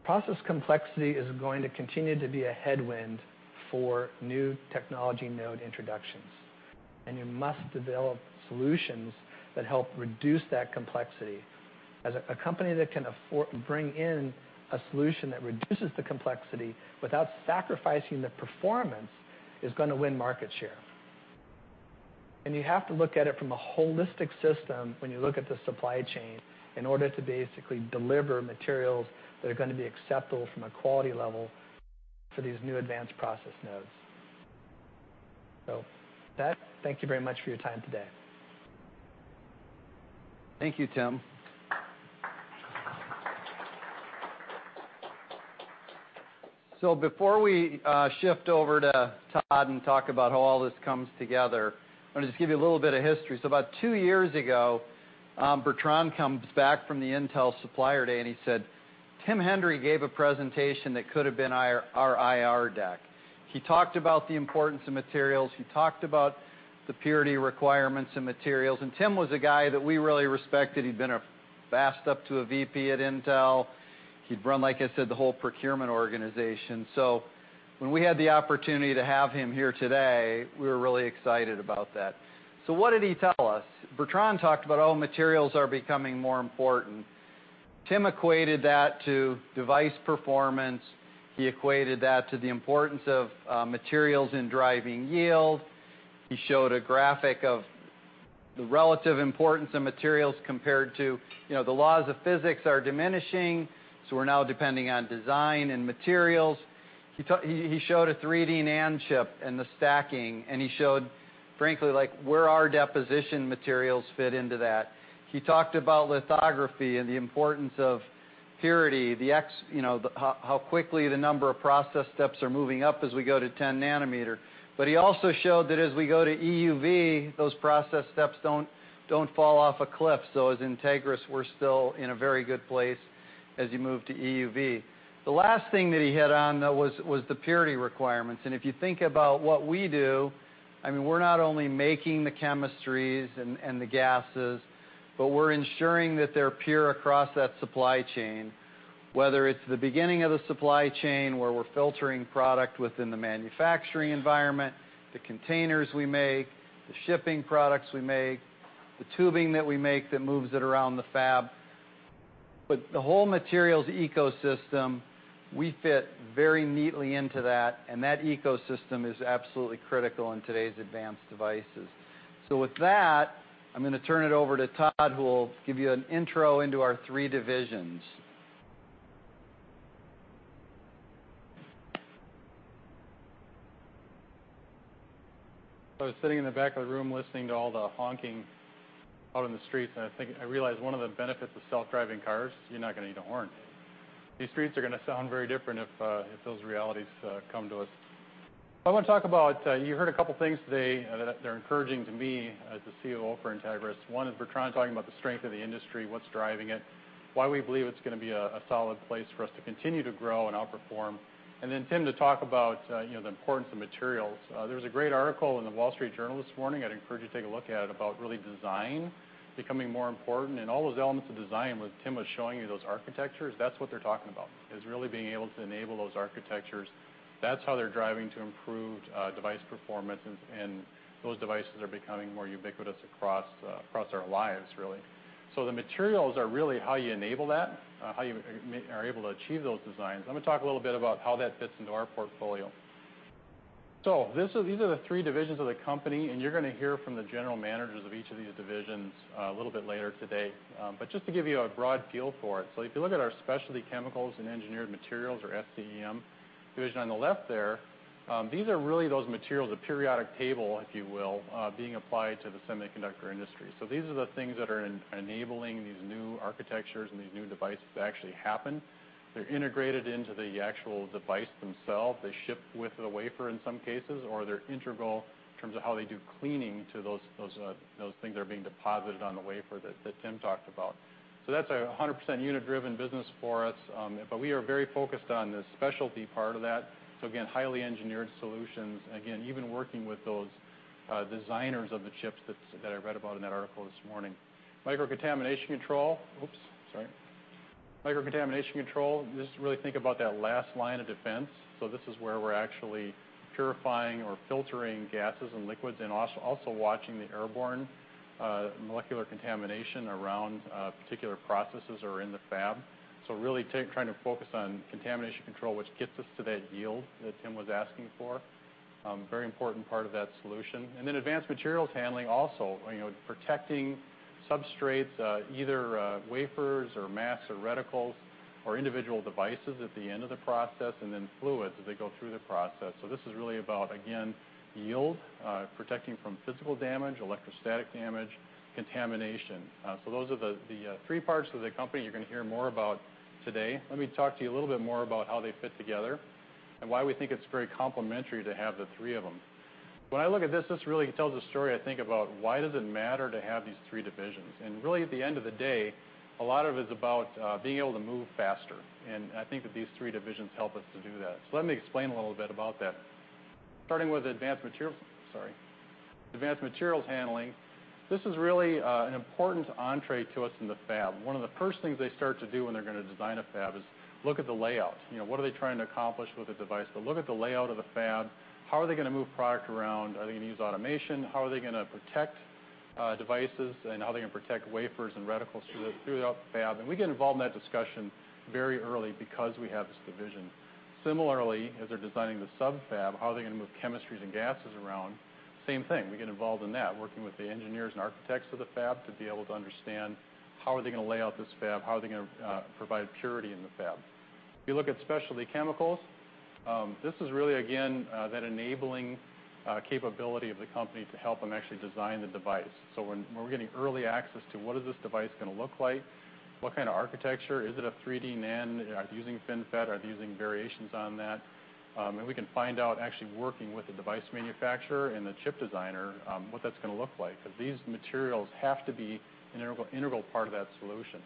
Process complexity is going to continue to be a headwind for new technology node introductions, and you must develop solutions that help reduce that complexity. As a company that can bring in a solution that reduces the complexity without sacrificing the performance is going to win market share. You have to look at it from a holistic system when you look at the supply chain in order to basically deliver materials that are going to be acceptable from a quality level for these new advanced process nodes. With that, thank you very much for your time today. Thank you, Tim. Before we shift over to Todd and talk about how all this comes together, I want to just give you a little bit of history. About two years ago, Bertrand comes back from the Intel Supplier Day, and he said Tim Hendry gave a presentation that could have been our IR deck. He talked about the importance of materials. He talked about the purity requirements of materials. Tim was a guy that we really respected. He'd been fast up to a VP at Intel. He'd run, like I said, the whole procurement organization. When we had the opportunity to have him here today, we were really excited about that. What did he tell us? Bertrand talked about how materials are becoming more important. Tim equated that to device performance. He equated that to the importance of materials in driving yield. He showed a graphic of the relative importance of materials compared to the laws of physics are diminishing, we're now depending on design and materials. He showed a 3D NAND chip and the stacking, and he showed, frankly, where our deposition materials fit into that. He talked about lithography and the importance of purity, how quickly the number of process steps are moving up as we go to 10 nanometer. He also showed that as we go to EUV, those process steps don't fall off a cliff. As Entegris, we're still in a very good place as you move to EUV. The last thing that he hit on, though, was the purity requirements. If you think about what we do, we're not only making the chemistries and the gases, but we're ensuring that they're pure across that supply chain, whether it's the beginning of the supply chain, where we're filtering product within the manufacturing environment, the containers we make, the shipping products we make, the tubing that we make that moves it around the fab. The whole materials ecosystem, we fit very neatly into that, and that ecosystem is absolutely critical in today's advanced devices. With that, I'm going to turn it over to Todd, who will give you an intro into our three divisions. I was sitting in the back of the room listening to all the honking out in the streets, I think I realized one of the benefits of self-driving cars, you're not going to need a horn. These streets are going to sound very different if those realities come to us. I want to talk about, you heard a couple of things today that are encouraging to me as the COO for Entegris. One is Bertrand talking about the strength of the industry, what's driving it, why we believe it's going to be a solid place for us to continue to grow and outperform. Then Tim to talk about the importance of materials. There was a great article in The Wall Street Journal this morning, I'd encourage you to take a look at it, about really design becoming more important and all those elements of design, what Tim was showing you, those architectures, that's what they're talking about, is really being able to enable those architectures. That's how they're driving to improve device performance, and those devices are becoming more ubiquitous across our lives, really. The materials are really how you enable that, how you are able to achieve those designs. I'm going to talk a little bit about how that fits into our portfolio. These are the three divisions of the company, you're going to hear from the general managers of each of these divisions a little bit later today. Just to give you a broad feel for it, if you look at our Specialty Chemicals and Engineered Materials or SCEM division on the left there, these are really those materials, the periodic table, if you will, being applied to the semiconductor industry. These are the things that are enabling these new architectures and these new devices to actually happen. They're integrated into the actual device themselves. They ship with the wafer in some cases, or they're integral in terms of how they do cleaning to those things that are being deposited on the wafer that Tim talked about. That's 100% unit-driven business for us, we are very focused on the specialty part of that. Again, highly engineered solutions, again, even working with those designers of the chips that I read about in that article this morning. Microcontamination Control. Microcontamination Control, just really think about that last line of defense. This is where we're actually purifying or filtering gases and liquids and also watching the airborne molecular contamination around particular processes or in the fab. Really trying to focus on contamination control, which gets us to that yield that Tim was asking for. Very important part of that solution. Advanced Materials Handling also, protecting substrates, either wafers or masks or reticles or individual devices at the end of the process, and then fluids as they go through the process. This is really about, again, yield, protecting from physical damage, electrostatic damage, contamination. Those are the three parts of the company you're going to hear more about today. Let me talk to you a little bit more about how they fit together and why we think it's very complementary to have the three of them. When I look at this really tells a story, I think, about why does it matter to have these three divisions? Really, at the end of the day, a lot of it is about being able to move faster. I think that these three divisions help us to do that. Let me explain a little bit about that. Starting with Advanced Materials Handling, this is really an important entree to us in the fab. One of the first things they start to do when they're going to design a fab is look at the layout. What are they trying to accomplish with the device? They'll look at the layout of the fab. How are they going to move product around? Are they going to use automation? How are they going to protect devices, and how are they going to protect wafers and reticles throughout the fab? We get involved in that discussion very early because we have this division. Similarly, as they're designing the sub-fab, how are they going to move chemistries and gases around? Same thing. We get involved in that, working with the engineers and architects of the fab to be able to understand how are they going to lay out this fab? How are they going to provide purity in the fab? If you look at specialty chemicals, this is really, again, that enabling capability of the company to help them actually design the device. We're getting early access to what is this device going to look like? What kind of architecture? Is it a 3D NAND? Are they using FinFET? Are they using variations on that? We can find out actually working with the device manufacturer and the chip designer, what that's going to look like, because these materials have to be an integral part of that solution.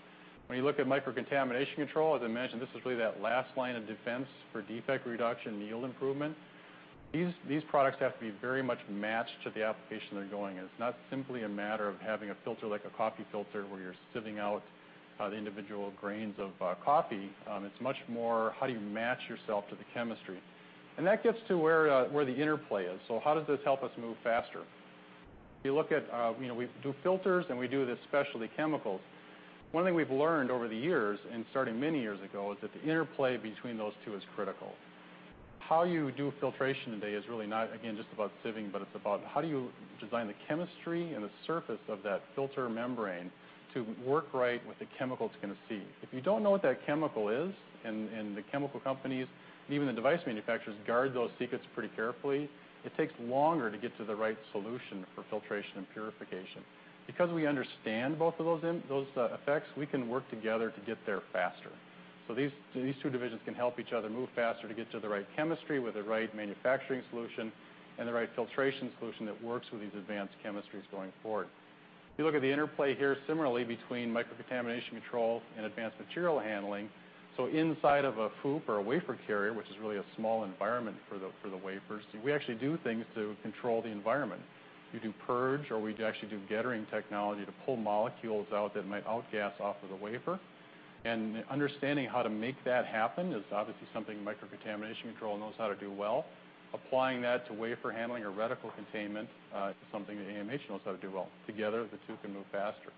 When you look at microcontamination control, as I mentioned, this is really that last line of defense for defect reduction and yield improvement. These products have to be very much matched to the application they're going in. It's not simply a matter of having a filter like a coffee filter, where you're sieving out the individual grains of coffee. It's much more, how do you match yourself to the chemistry? That gets to where the interplay is. How does this help us move faster? We do filters, and we do the specialty chemicals. One thing we've learned over the years, starting many years ago, is that the interplay between those two is critical. How you do filtration today is really not, again, just about sieving, but it's about how you design the chemistry and the surface of that filter membrane to work right with the chemical it's going to see. If you don't know what that chemical is, and the chemical companies and even the device manufacturers guard those secrets pretty carefully, it takes longer to get to the right solution for filtration and purification. Because we understand both of those effects, we can work together to get there faster. These two divisions can help each other move faster to get to the right chemistry with the right manufacturing solution and the right filtration solution that works with these advanced chemistries going forward. If you look at the interplay here similarly between Microcontamination Control and Advanced Materials Handling, inside of a FOUP or a wafer carrier, which is really a small environment for the wafers, we actually do things to control the environment. We do purge, or we actually do gettering technology to pull molecules out that might outgas off of the wafer. Understanding how to make that happen is obviously something Microcontamination Control knows how to do well. Applying that to wafer handling or reticle containment is something that AMH knows how to do well. Together, the two can move faster.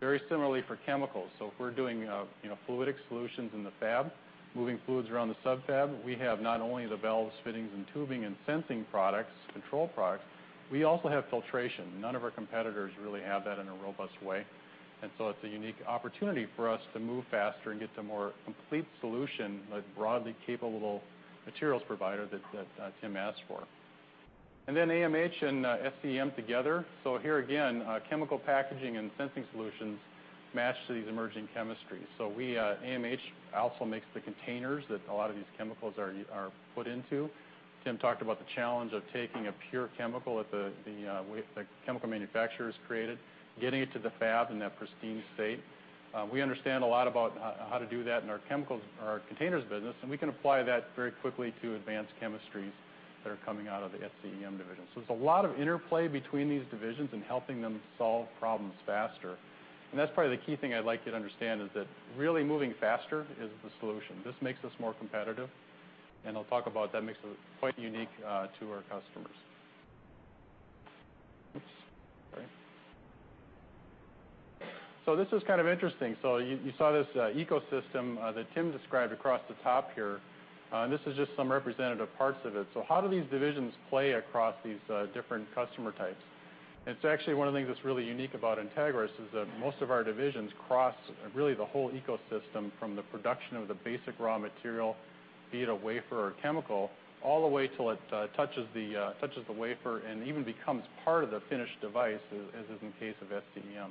Very similarly for chemicals. If we're doing fluidic solutions in the fab, moving fluids around the sub-fab, we have not only the valves, fittings, and tubing and sensing products, control products, we also have filtration. None of our competitors really have that in a robust way. It's a unique opportunity for us to move faster and get to more complete solution, that broadly capable materials provider that Tim asked for. Then AMH and SCEM together. Here again, chemical packaging and sensing solutions match to these emerging chemistries. AMH also makes the containers that a lot of these chemicals are put into. Tim talked about the challenge of taking a pure chemical that the chemical manufacturer has created, getting it to the fab in that pristine state. We understand a lot about how to do that in our chemicals or our containers business, and we can apply that very quickly to advanced chemistries that are coming out of the SCEM division. There's a lot of interplay between these divisions and helping them solve problems faster, and that's probably the key thing I'd like you to understand is that really moving faster is the solution. This makes us more competitive, and I'll talk about that makes us quite unique to our customers. Oops, sorry. This is kind of interesting. You saw this ecosystem that Tim described across the top here, and this is just some representative parts of it. How do these divisions play across these different customer types? It's actually one of the things that's really unique about Entegris is that most of our divisions cross really the whole ecosystem from the production of the basic raw material, be it a wafer or chemical, all the way till it touches the wafer and even becomes part of the finished device, as is in case of SCEM.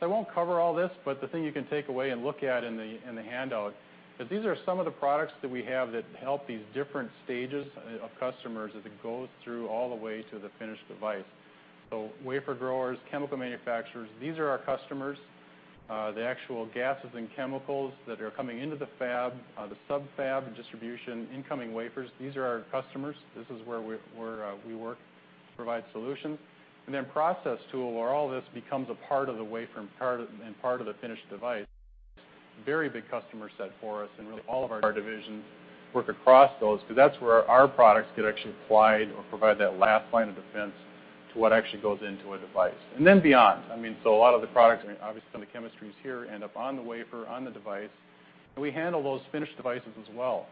I won't cover all this, but the thing you can take away and look at in the handout is these are some of the products that we have that help these different stages of customers as it goes through all the way to the finished device. Wafer growers, chemical manufacturers, these are our customers. The actual gases and chemicals that are coming into the fab, the sub-fab, distribution, incoming wafers, these are our customers. This is where we work to provide solutions. Process tool, where all this becomes a part of the wafer and part of the finished device. Very big customer set for us, and really all of our divisions work across those because that's where our products get actually applied or provide that last line of defense to what actually goes into a device. Beyond. A lot of the products, obviously some of the chemistries here end up on the wafer, on the device, and we handle those finished devices as well.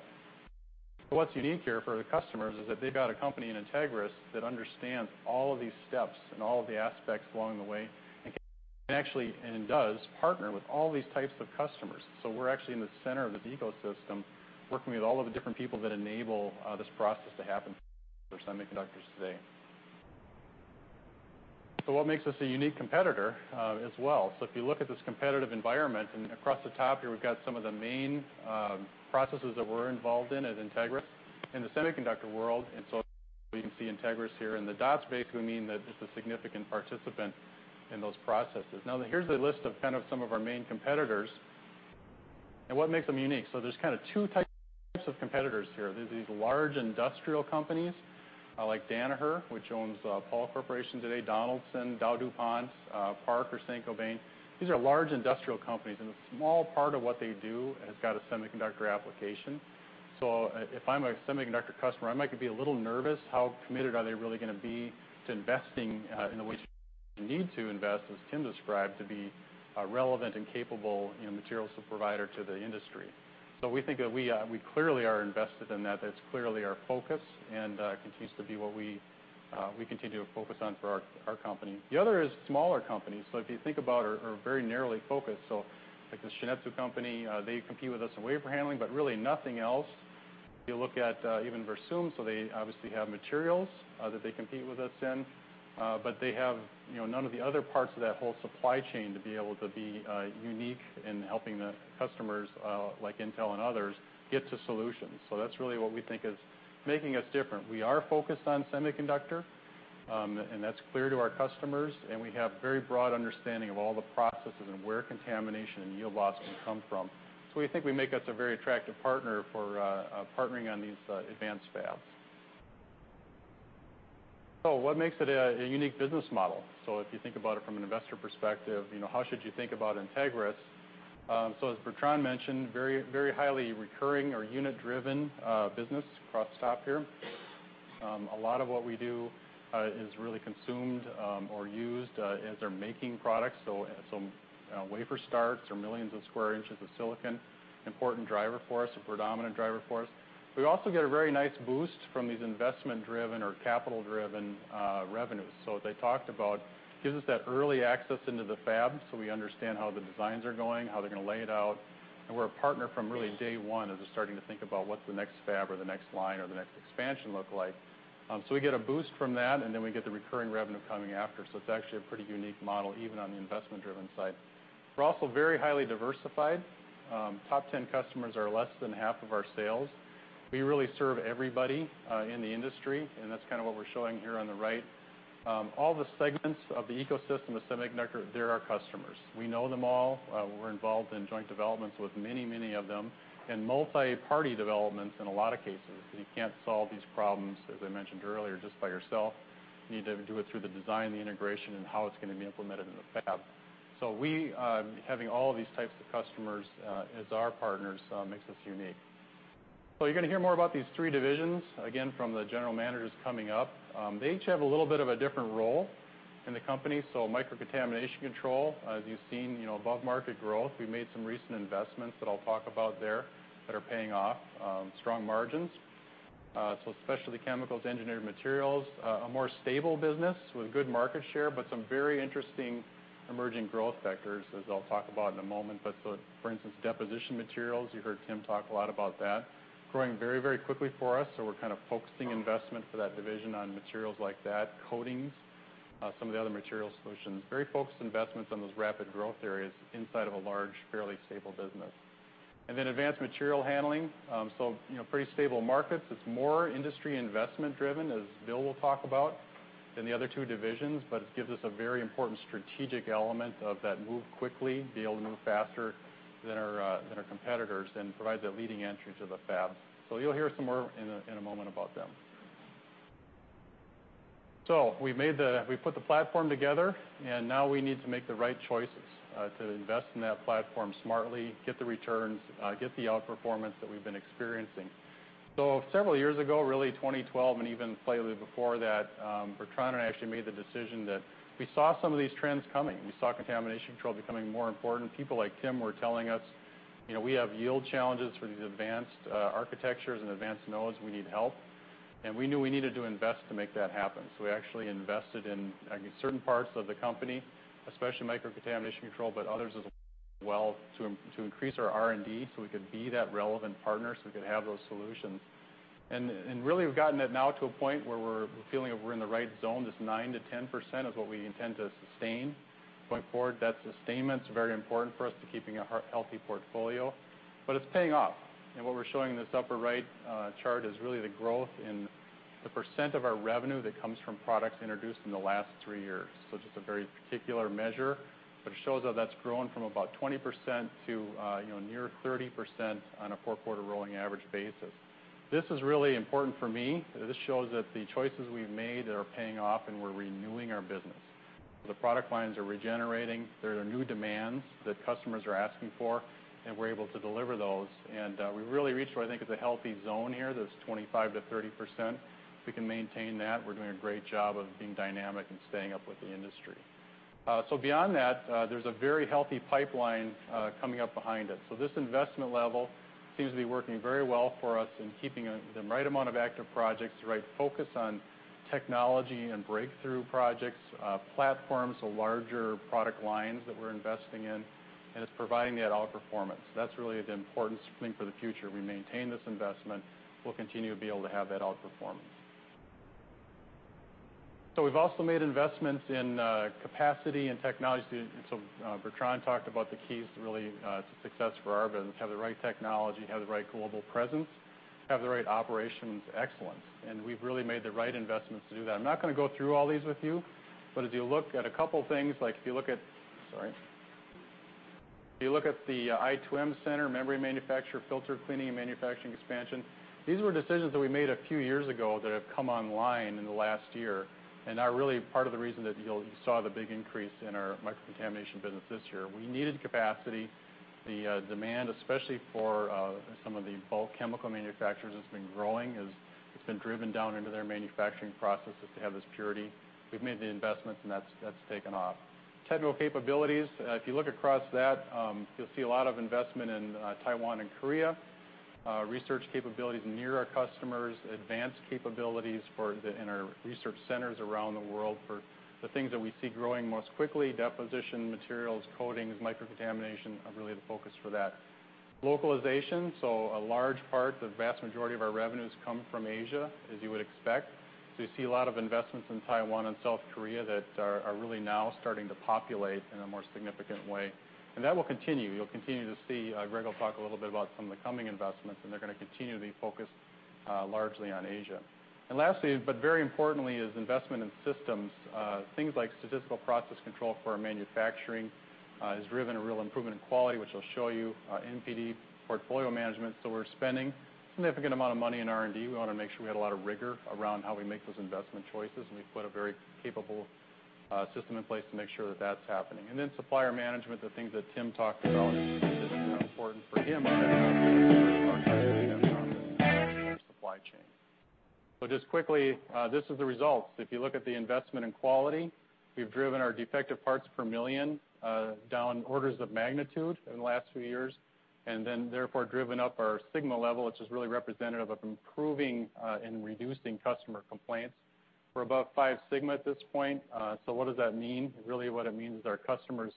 What's unique here for the customers is that they've got a company in Entegris that understands all of these steps and all of the aspects along the way and can actually, and does, partner with all these types of customers. We're actually in the center of this ecosystem, working with all of the different people that enable this process to happen for semiconductors today. What makes us a unique competitor as well? If you look at this competitive environment, and across the top here, we've got some of the main processes that we're involved in at Entegris in the semiconductor world. We can see Entegris here, and the dots basically mean that it's a significant participant in those processes. Now, here's a list of some of our main competitors and what makes them unique. There's kind of two types of competitors here. There's these large industrial companies like Danaher, which owns Pall Corporation today, Donaldson, DowDuPont, Parker, Saint-Gobain. These are large industrial companies, and a small part of what they do has got a semiconductor application. If I'm a semiconductor customer, I might be a little nervous how committed are they really going to be to investing in the ways you need to invest, as Tim described, to be relevant and capable materials provider to the industry. We think that we clearly are invested in that. That's clearly our focus and continues to be what we continue to focus on for our company. The other is smaller companies. If you think about are very narrowly focused, so like the Shin-Etsu company, they compete with us in wafer handling, but really nothing else. If you look at even Versum, they obviously have materials that they compete with us in, but they have none of the other parts of that whole supply chain to be able to be unique in helping the customers, like Intel and others, get to solutions. That's really what we think is making us different. We are focused on semiconductor, and that's clear to our customers, and we have very broad understanding of all the processes and where contamination and yield loss can come from. We think we make us a very attractive partner for partnering on these advanced fabs. What makes it a unique business model? If you think about it from an investor perspective, how should you think about Entegris? As Bertrand mentioned, very highly recurring or unit-driven business across the top here. A lot of what we do is really consumed or used as they're making products. Wafer starts or millions of square inches of silicon, important driver for us, a predominant driver for us. We also get a very nice boost from these investment-driven or capital-driven revenues. They talked about, gives us that early access into the fab, so we understand how the designs are going, how they're going to lay it out. We're a partner from really day one as they're starting to think about what the next fab or the next line or the next expansion look like. We get a boost from that, and then we get the recurring revenue coming after. It's actually a pretty unique model, even on the investment-driven side. We're also very highly diversified. Top 10 customers are less than half of our sales. We really serve everybody in the industry, and that's kind of what we're showing here on the right. All the segments of the ecosystem of semiconductor, they're our customers. We know them all. We're involved in joint developments with many of them. In multi-party developments, in a lot of cases, because you can't solve these problems, as I mentioned earlier, just by yourself. You need to do it through the design, the integration, and how it's going to be implemented in the fab. We, having all of these types of customers as our partners, makes us unique. You're going to hear more about these three divisions, again, from the general managers coming up. They each have a little bit of a different role in the company. Microcontamination control, as you've seen, above-market growth. We made some recent investments that I'll talk about there that are paying off. Strong margins. Specialty Chemicals, Engineered Materials, a more stable business with good market share, but some very interesting emerging growth vectors, as I'll talk about in a moment. For instance, deposition materials, you heard Tim talk a lot about that. Growing very quickly for us, we're kind of focusing investment for that division on materials like that, coatings, some of the other material solutions. Very focused investments on those rapid growth areas inside of a large, fairly stable business. Advanced Material Handling. Pretty stable markets. It's more industry investment driven, as Bill will talk about, than the other two divisions, but it gives us a very important strategic element of that move quickly, be able to move faster than our competitors and provide that leading entry to the fabs. You'll hear some more in a moment about them. We put the platform together, now we need to make the right choices to invest in that platform smartly, get the returns, get the outperformance that we've been experiencing. Several years ago, really 2012 and even slightly before that, Bertrand and I actually made the decision that we saw some of these trends coming. We saw contamination control becoming more important. People like Tim were telling us, "We have yield challenges for these advanced architectures and advanced nodes. We need help." We knew we needed to invest to make that happen. We actually invested in certain parts of the company, especially Microcontamination Control, but others as well, to increase our R&D so we could be that relevant partner, so we could have those solutions. And really, we've gotten it now to a point where we're feeling that we're in the right zone. This 9%-10% is what we intend to sustain going forward. That sustainment's very important for us to keeping a healthy portfolio. But it's paying off. And what we're showing in this upper right chart is really the growth in the percent of our revenue that comes from products introduced in the last three years. So it's a very particular measure, but it shows how that's grown from about 20% to near 30% on a four-quarter rolling average basis. This is really important for me. This shows that the choices we've made are paying off, and we're renewing our business. The product lines are regenerating. There are new demands that customers are asking for, and we're able to deliver those. And we really reached what I think is a healthy zone here, this 25%-30%. If we can maintain that, we're doing a great job of being dynamic and staying up with the industry. Beyond that, there's a very healthy pipeline coming up behind us. So this investment level seems to be working very well for us in keeping the right amount of active projects, the right focus on technology and breakthrough projects, platforms, so larger product lines that we're investing in, and it's providing that outperformance. That's really the important thing for the future. We maintain this investment, we'll continue to be able to have that outperformance. We've also made investments in capacity and technology. Bertrand talked about the keys to really, to success for our business, have the right technology, have the right global presence, have the right operations excellence. And we've really made the right investments to do that. I'm not going to go through all these with you, but as you look at a couple of things, if you look at the i2M Center, memory manufacturer, filter cleaning, and manufacturing expansion, these were decisions that we made a few years ago that have come online in the last year and are really part of the reason that you saw the big increase in our Microcontamination business this year. We needed capacity. The demand, especially for some of the bulk chemical manufacturers, has been growing. It's been driven down into their manufacturing processes to have this purity. We've made the investments, that's taken off. Technical capabilities, if you look across that, you'll see a lot of investment in Taiwan and Korea, research capabilities near our customers, advanced capabilities in our research centers around the world for the things that we see growing most quickly, deposition materials, coatings, microcontamination are really the focus for that. Localization. A large part, the vast majority of our revenues come from Asia, as you would expect. So you see a lot of investments in Taiwan and South Korea that are really now starting to populate in a more significant way, and that will continue. You'll continue to see, Greg will talk a little bit about some of the coming investments, and they're going to continue to be focused largely on Asia. Lastly, but very importantly, is investment in systems. Things like statistical process control for our manufacturing has driven a real improvement in quality, which I'll show you, NPD portfolio management. We're spending a significant amount of money in R&D. We want to make sure we had a lot of rigor around how we make those investment choices, and we've put a very capable system in place to make sure that that's happening. Supplier management, the things that Tim talked about, is really important for him our supply chain. Just quickly, this is the results. If you look at the investment in quality, we've driven our defective parts per million down orders of magnitude in the last few years, and then therefore driven up our sigma level, which is really representative of improving, and reducing customer complaints. We're above 5 sigma at this point. What does that mean? Really what it means is our customers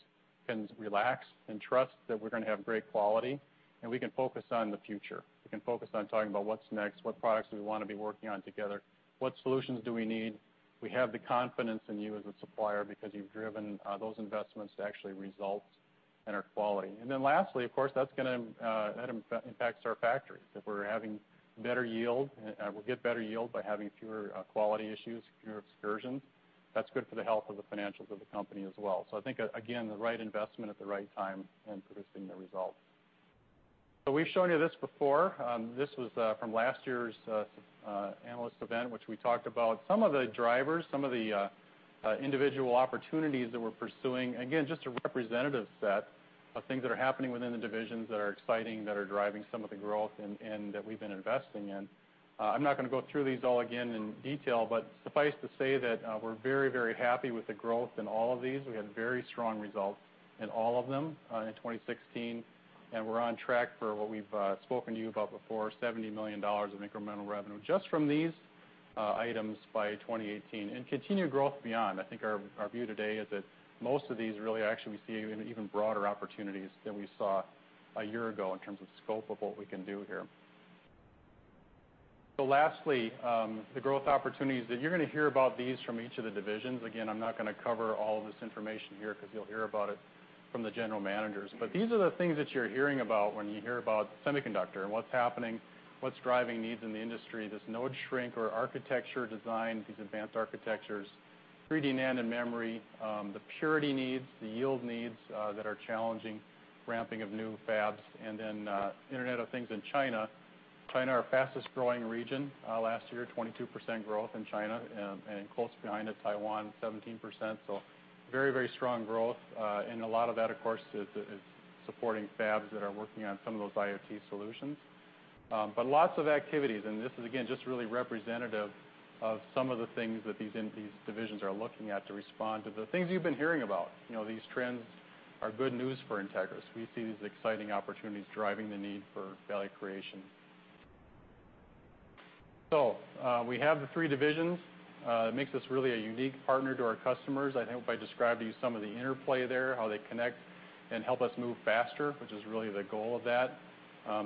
can relax and trust that we're going to have great quality, and we can focus on the future. We can focus on talking about what's next, what products do we want to be working on together, what solutions do we need. We have the confidence in you as a supplier because you've driven those investments to actually result in our quality. Lastly, of course, that impacts our factories. If we're having better yield, we'll get better yield by having fewer quality issues, fewer excursions. That's good for the health of the financials of the company as well. I think, again, the right investment at the right time and producing the results. We've shown you this before. This was from last year's analyst event, which we talked about some of the drivers, some of the individual opportunities that we're pursuing. Again, just a representative set of things that are happening within the divisions that are exciting, that are driving some of the growth and that we've been investing in. I'm not going to go through these all again in detail, but suffice to say that we're very, very happy with the growth in all of these. We had very strong results in all of them in 2016, and we're on track for what we've spoken to you about before, $70 million of incremental revenue just from these items by 2018. Continued growth beyond. I think our view today is that most of these really actually we see even broader opportunities than we saw a year ago in terms of scope of what we can do here. Lastly, the growth opportunities that you're going to hear about these from each of the divisions. Again, I'm not going to cover all of this information here because you'll hear about it from the general managers. These are the things that you're hearing about when you hear about semiconductor and what's happening, what's driving needs in the industry, this node shrink or architecture design, these advanced architectures, 3D NAND and memory, the purity needs, the yield needs that are challenging ramping of new fabs, and then Internet of Things in China. China, our fastest-growing region. Last year, 22% growth in China, and close behind is Taiwan, 17%. Very, very strong growth. A lot of that, of course, is supporting fabs that are working on some of those IoT solutions. Lots of activities, and this is, again, just really representative of some of the things that these divisions are looking at to respond to the things you've been hearing about. We see these exciting opportunities driving the need for value creation. We have the three divisions. It makes us really a unique partner to our customers. I hope I described to you some of the interplay there, how they connect and help us move faster, which is really the goal of that.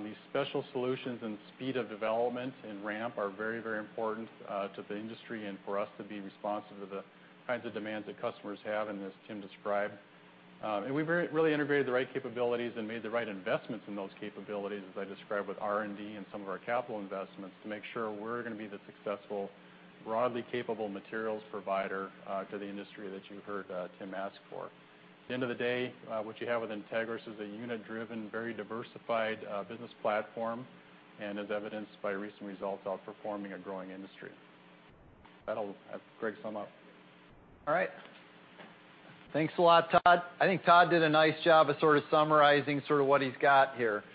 These special solutions and speed of development and ramp are very, very important to the industry and for us to be responsive to the kinds of demands that customers have, and as Tim described. We've really integrated the right capabilities and made the right investments in those capabilities, as I described with R&D and some of our capital investments, to make sure we're going to be the successful, broadly capable materials provider to the industry that you heard Tim ask for. At the end of the day, what you have with Entegris is a unit-driven, very diversified business platform, and as evidenced by recent results, outperforming a growing industry. I'll have Greg sum up. All right. Thanks a lot, Todd. I think Todd did a nice job of sort of summarizing sort of what he's got here.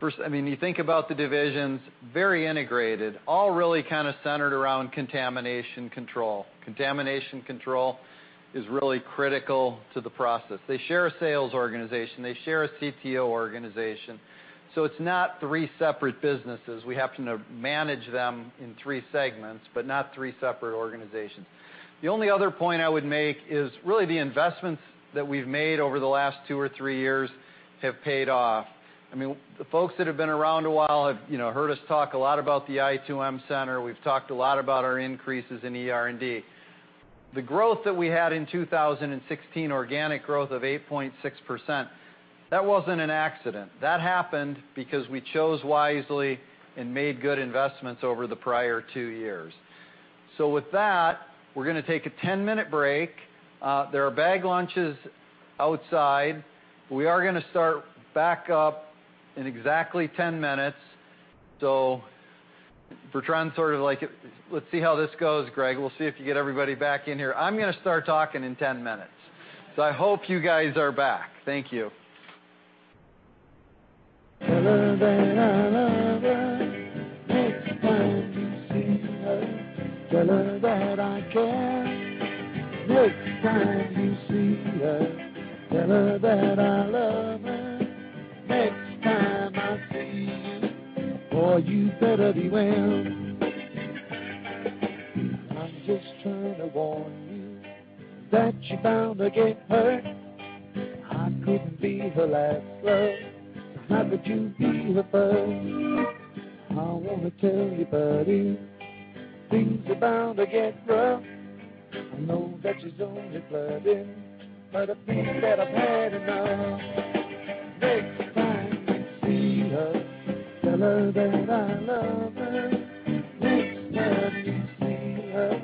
First, you think about the divisions, very integrated, all really kind of centered around contamination control. Contamination control is really critical to the process. They share a sales organization. They share a CTO organization. It's not three separate businesses. We happen to manage them in three segments, but not three separate organizations. The only other point I would make is really the investments that we've made over the last two or three years have paid off. The folks that have been around a while have heard us talk a lot about the i2M Center. We've talked a lot about our increases in ER&D. The growth that we had in 2016, organic growth of 8.6%, that wasn't an accident. That happened because we chose wisely and made good investments over the prior two years. With that, we're going to take a 10-minute break. There are bag lunches outside. We are going to start back up in exactly 10 minutes. For trying to sort of like Let's see how this goes, Greg. We'll see if you get everybody back in here. I'm going to start talking in 10 minutes. I hope you guys are back. Thank you. Tell her that I love her next time you see her. Tell her that I care next time you see her. Tell her that I love her next time I see you. Boy, you better beware. She's just trying to warn you that you're bound to get hurt. I couldn't be her last love, so how could you be her first? I want to tell you, buddy, things are bound to get rough. I know that she's only flirting, but I think that I've had enough. Next time you see her, tell her that I love her. Next time you see her,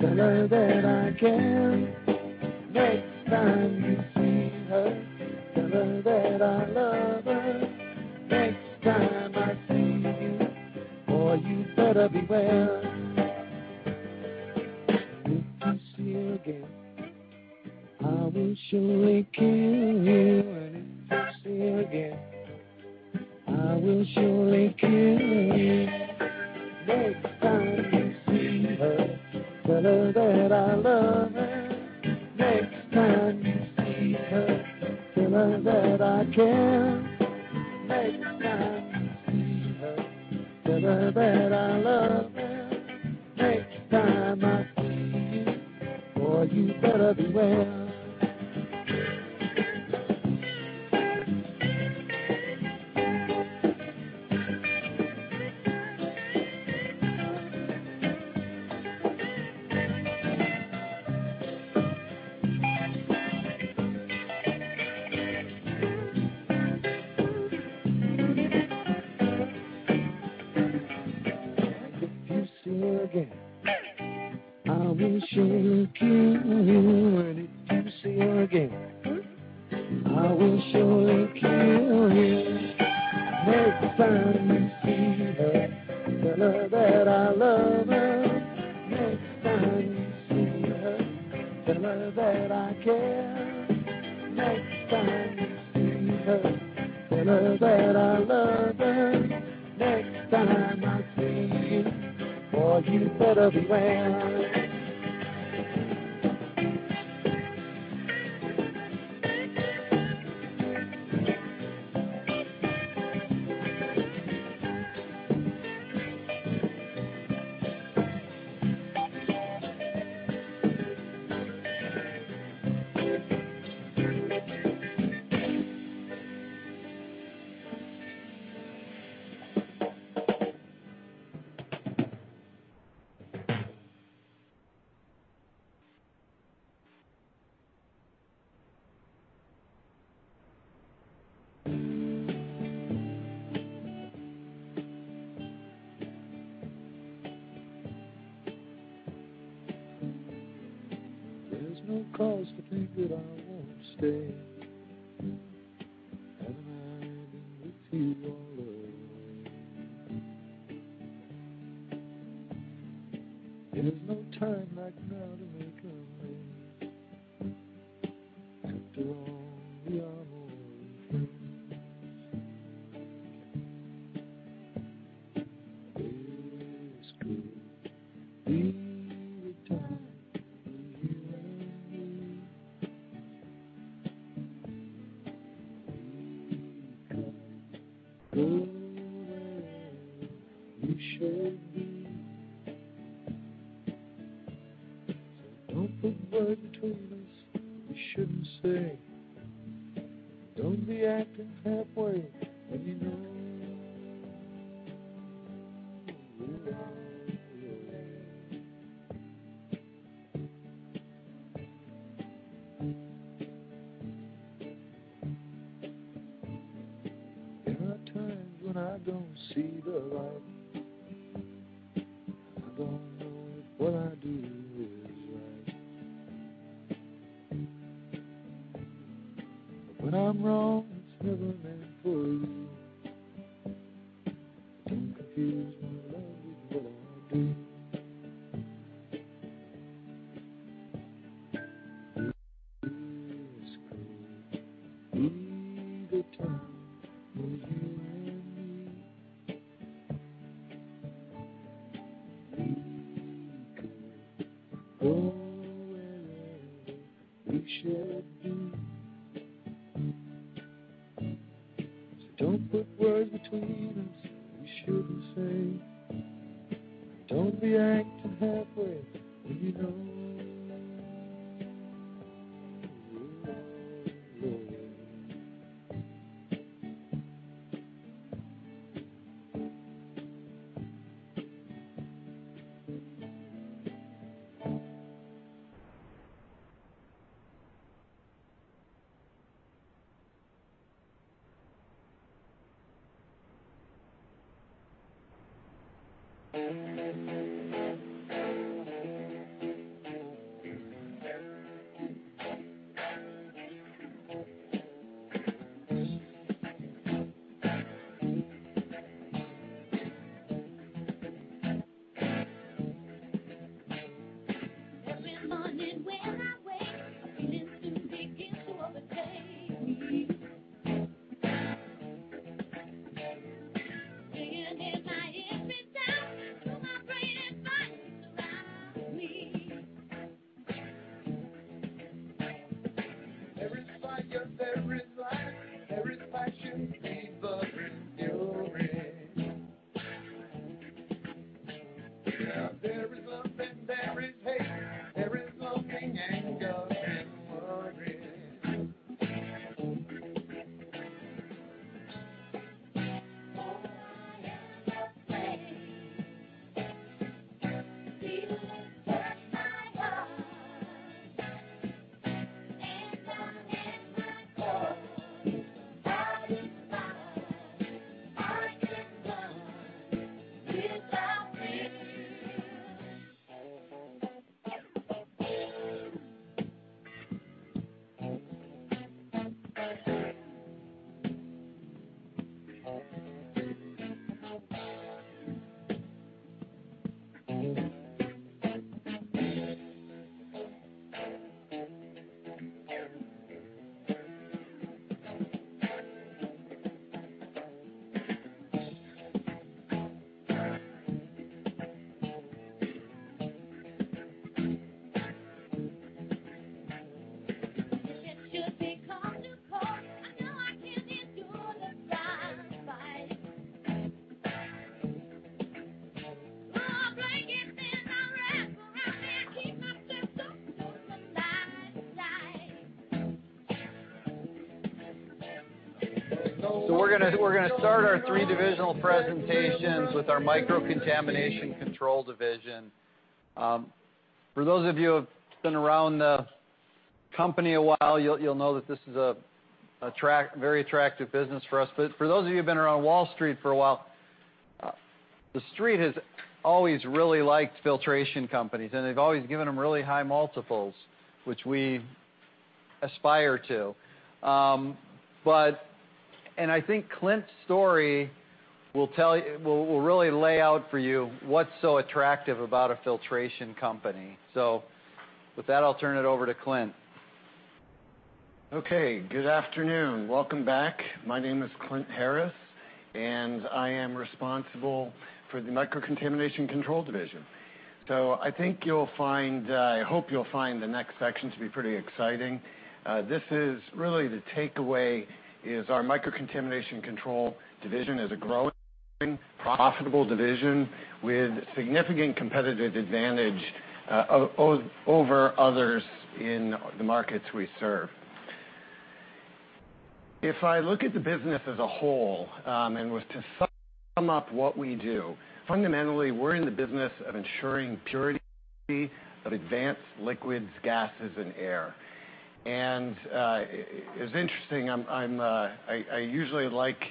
tell her that I care. Next time you see her, tell her that I love her. Next time I see you, boy, you better beware. If you see her again, I will surely kill you. If you see her again, I will surely kill you. Next time you see her, tell her that I love her. Next time you see her, tell her that I care. Next time you see her, tell her that I love her. Next time I see you, boy, you better cause to think that I won't stay. Haven't I been with you all the way? There's no time like now to make a way. After all, we are more than friends. This could be the time for you and me. We could go wherever we should be. Don't put words between us we shouldn't say. Don't be I think Clint's story will really lay out for you what's so attractive about a filtration company. With that, I'll turn it over to Clint. Okay. Good afternoon. Welcome back. My name is Clint Harris, and I am responsible for the Microcontamination Control Division. I hope you'll find the next section to be pretty exciting. Really, the takeaway is our Microcontamination Control Division is a growing, profitable division with significant competitive advantage over others in the markets we serve. If I look at the business as a whole, and was to sum up what we do, fundamentally, we're in the business of ensuring purity of advanced liquids, gases, and air. It's interesting, I usually like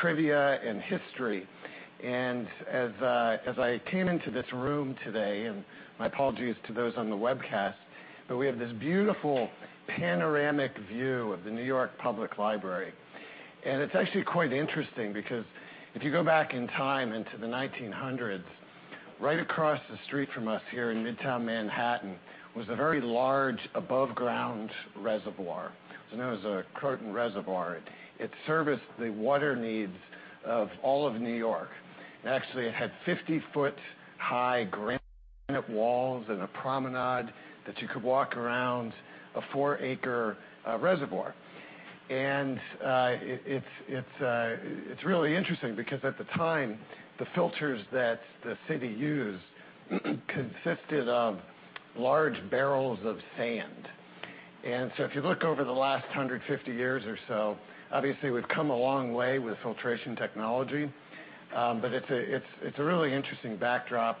trivia and history, and as I came into this room today, and my apologies to those on the webcast, but we have this beautiful panoramic view of the New York Public Library. It's actually quite interesting because if you go back in time into the 1900s, right across the street from us here in Midtown Manhattan was a very large above-ground reservoir. It was known as the Croton Reservoir. It serviced the water needs of all of New York. It had 50-foot high granite walls and a promenade that you could walk around a four-acre reservoir. It's really interesting because, at the time, the filters that the city used consisted of large barrels of sand. If you look over the last 150 years or so, obviously, we've come a long way with filtration technology, but it's a really interesting backdrop.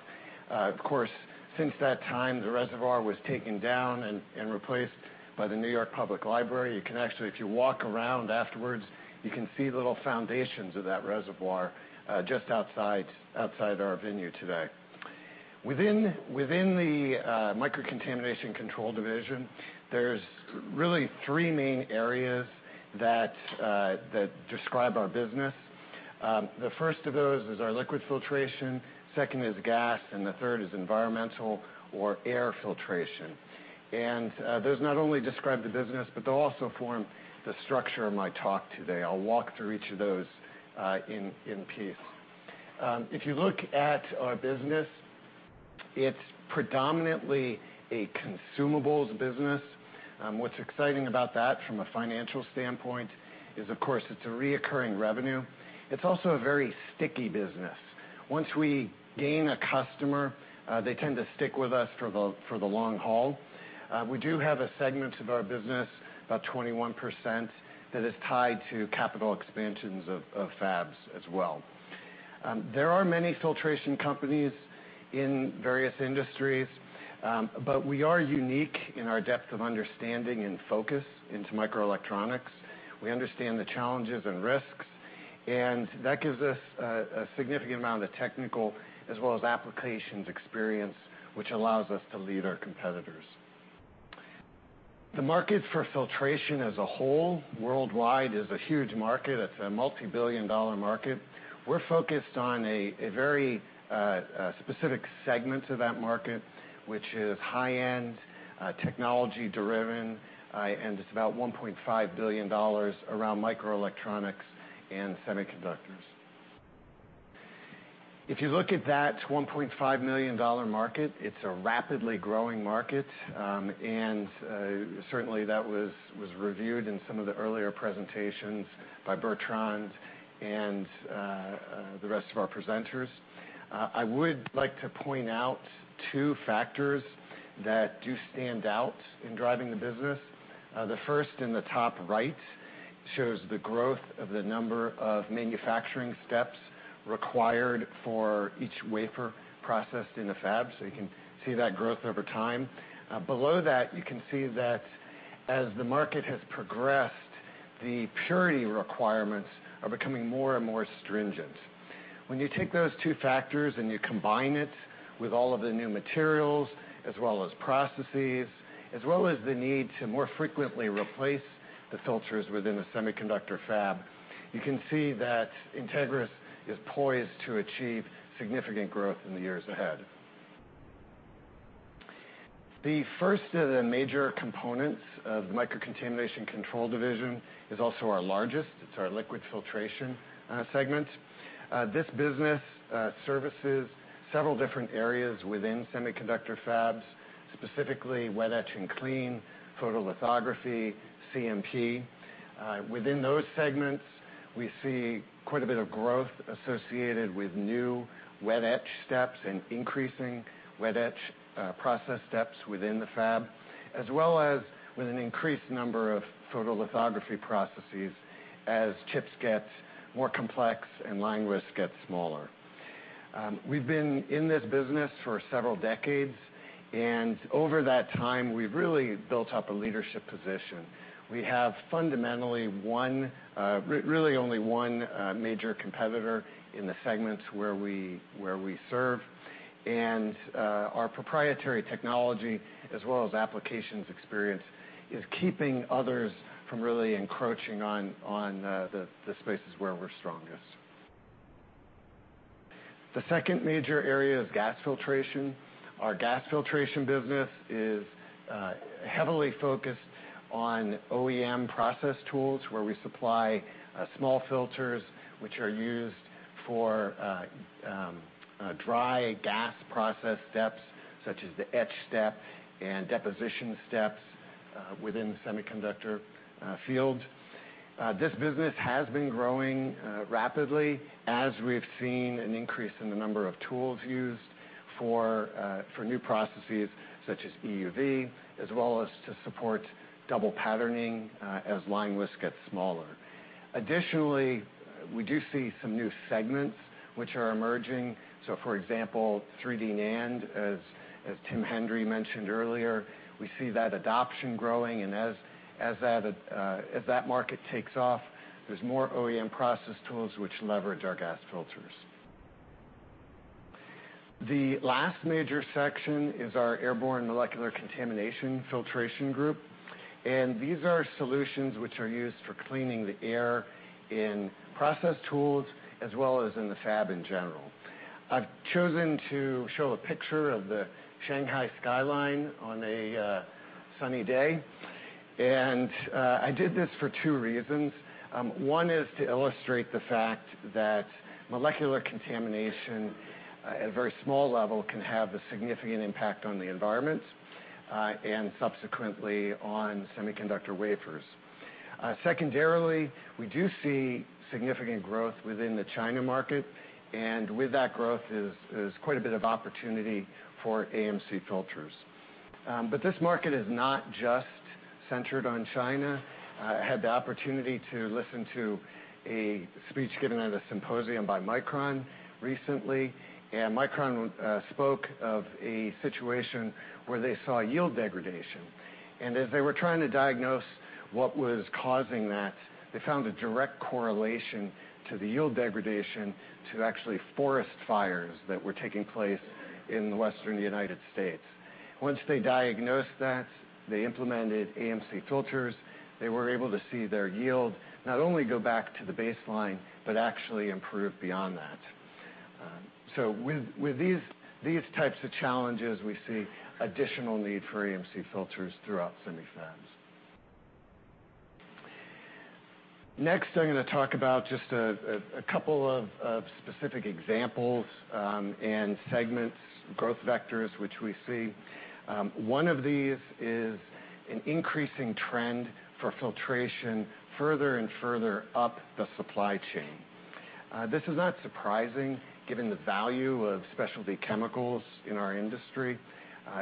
Of course, since that time, the reservoir was taken down and replaced by the New York Public Library. If you walk around afterwards, you can see little foundations of that reservoir just outside our venue today. Within the Microcontamination Control Division, there's really three main areas that describe our business. The first of those is our liquid filtration, second is gas, and the third is environmental or air filtration. Those not only describe the business, but they'll also form the structure of my talk today. I'll walk through each of those in piece. If you look at our business, it's predominantly a consumables business. What's exciting about that from a financial standpoint is, of course, it's a reoccurring revenue. It's also a very sticky business. Once we gain a customer, they tend to stick with us for the long haul. We do have a segment of our business, about 21%, that is tied to capital expansions of fabs as well. There are many filtration companies in various industries, but we are unique in our depth of understanding and focus into microelectronics. We understand the challenges and risks, and that gives us a significant amount of technical as well as applications experience, which allows us to lead our competitors. The market for filtration as a whole worldwide is a huge market. It's a multi-billion dollar market. We're focused on a very specific segment of that market, which is high-end, technology-driven, and it's about $1.5 billion around microelectronics and semiconductors. If you look at that $1.5 million market, it's a rapidly growing market, and certainly that was reviewed in some of the earlier presentations by Bertrand and the rest of our presenters. I would like to point out two factors that do stand out in driving the business. The first in the top right shows the growth of the number of manufacturing steps required for each wafer processed in the fab, so you can see that growth over time. Below that, you can see that as the market has progressed, the purity requirements are becoming more and more stringent. When you take those two factors and you combine it with all of the new materials as well as processes, as well as the need to more frequently replace the filters within a semiconductor fab, you can see that Entegris is poised to achieve significant growth in the years ahead. The first of the major components of the Microcontamination Control division is also our largest. It's our liquid filtration segment. This business services several different areas within semiconductor fabs, specifically wet etch and clean, photolithography, CMP. Within those segments, we see quite a bit of growth associated with new wet etch steps and increasing wet etch process steps within the fab, as well as with an increased number of photolithography processes as chips get more complex and line widths get smaller. We've been in this business for several decades, and over that time, we've really built up a leadership position. We have fundamentally, really only one major competitor in the segments where we serve. Our proprietary technology, as well as applications experience, is keeping others from really encroaching on the spaces where we're strongest. The second major area is gas filtration. Our gas filtration business is heavily focused on OEM process tools, where we supply small filters which are used for dry gas process steps, such as the etch step and deposition steps within the semiconductor field. This business has been growing rapidly as we've seen an increase in the number of tools used for new processes such as EUV, as well as to support double patterning as line widths get smaller. Additionally, we do see some new segments which are emerging. For example, 3D NAND, as Tim Hendry mentioned earlier. We see that adoption growing, and as that market takes off, there's more OEM process tools which leverage our gas filters. The last major section is our airborne molecular contamination filtration group. These are solutions which are used for cleaning the air in process tools, as well as in the fab in general. I've chosen to show a picture of the Shanghai skyline on a sunny day. I did this for two reasons. One is to illustrate the fact that molecular contamination at a very small level can have a significant impact on the environment, subsequently on semiconductor wafers. Secondarily, we do see significant growth within the China market. With that growth is quite a bit of opportunity for AMC filters. This market is not just centered on China. I had the opportunity to listen to a speech given at a symposium by Micron recently. Micron spoke of a situation where they saw yield degradation. As they were trying to diagnose what was causing that, they found a direct correlation to the yield degradation to actually forest fires that were taking place in the Western U.S. Once they diagnosed that, they implemented AMC filters. They were able to see their yield not only go back to the baseline but actually improve beyond that. With these types of challenges, we see additional need for AMC filters throughout semi fabs. I'm going to talk about just a couple of specific examples and segments, growth vectors, which we see. One of these is an increasing trend for filtration further and further up the supply chain. This is not surprising given the value of specialty chemicals in our industry.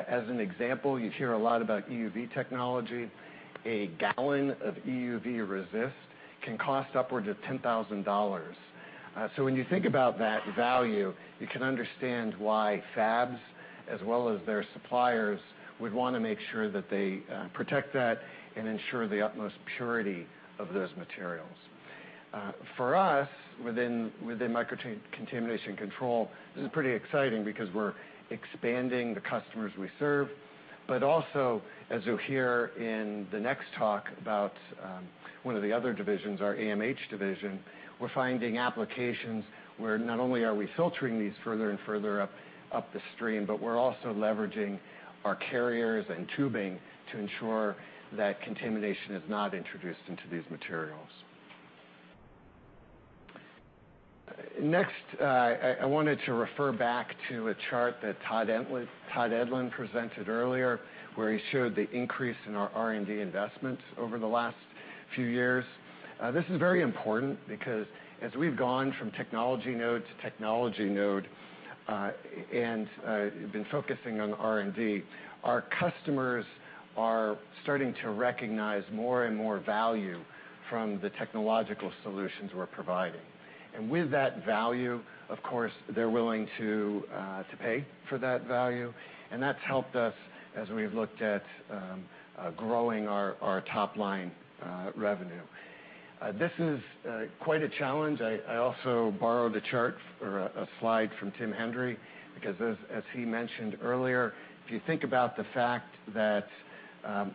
As an example, you hear a lot about EUV technology. A gallon of EUV resist can cost upwards of $10,000. When you think about that value, you can understand why fabs, as well as their suppliers, would want to make sure that they protect that and ensure the utmost purity of those materials. For us, within micro contamination control, this is pretty exciting because we're expanding the customers we serve. As you'll hear in the next talk about one of the other divisions, our AMH division, we're finding applications where not only are we filtering these further and further up the stream, but we're also leveraging our carriers and tubing to ensure that contamination is not introduced into these materials. I wanted to refer back to a chart that Todd Edlund presented earlier, where he showed the increase in our R&D investments over the last few years. This is very important because as we've gone from technology node to technology node, and been focusing on R&D, our customers are starting to recognize more and more value from the technological solutions we're providing. With that value, of course, they're willing to pay for that value. That's helped us as we've looked at growing our top-line revenue. This is quite a challenge. I also borrowed a chart or a slide from Tim Hendry because as he mentioned earlier, if you think about the fact that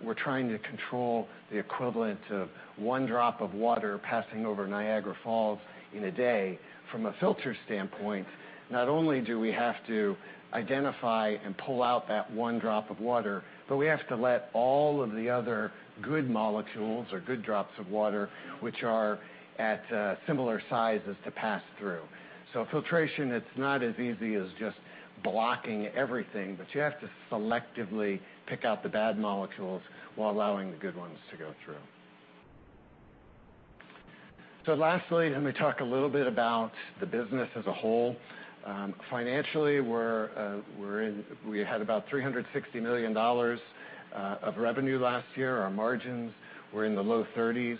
we're trying to control the equivalent of one drop of water passing over Niagara Falls in a day from a filter standpoint, not only do we have to identify and pull out that one drop of water, but we have to let all of the other good molecules or good drops of water, which are at similar sizes, to pass through. Filtration, it's not as easy as just blocking everything, but you have to selectively pick out the bad molecules while allowing the good ones to go through. Lastly, let me talk a little bit about the business as a whole. Financially, we had about $360 million of revenue last year. Our margins were in the low 30s.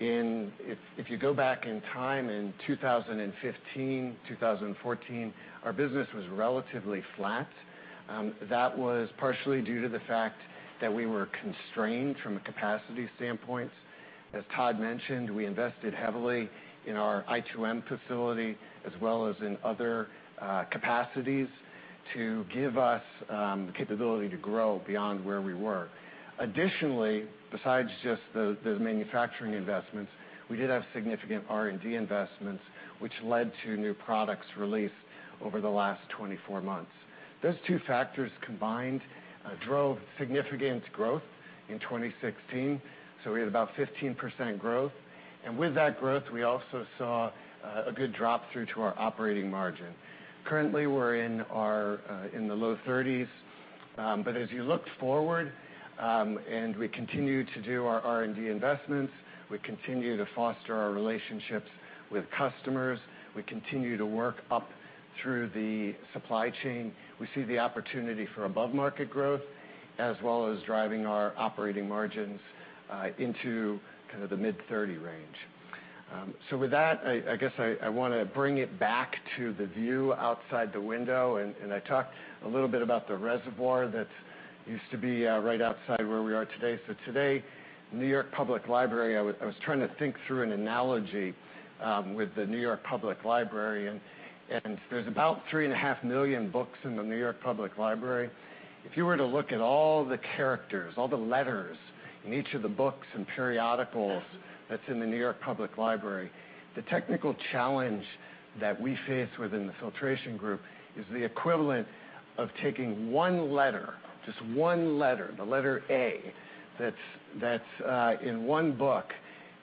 If you go back in time in 2015, 2014, our business was relatively flat. That was partially due to the fact that we were constrained from a capacity standpoint. As Todd mentioned, we invested heavily in our i2M facility as well as in other capacities to give us the capability to grow beyond where we were. Additionally, besides just the manufacturing investments, we did have significant R&D investments, which led to new products released over the last 24 months. Those two factors combined drove significant growth in 2016, so we had about 15% growth. With that growth, we also saw a good drop through to our operating margin. Currently, we're in the low 30s. As you look forward, we continue to do our R&D investments, we continue to foster our relationships with customers, we continue to work up through the supply chain, we see the opportunity for above-market growth, as well as driving our operating margins into kind of the mid-30 range. With that, I guess I want to bring it back to the view outside the window, I talked a little bit about the reservoir that used to be right outside where we are today. Today, New York Public Library, I was trying to think through an analogy with the New York Public Library, and there's about three and a half million books in the New York Public Library. If you were to look at all the characters, all the letters in each of the books and periodicals that's in the New York Public Library, the technical challenge that we face within the filtration group is the equivalent of taking one letter, just one letter, the letter A, that's in one book,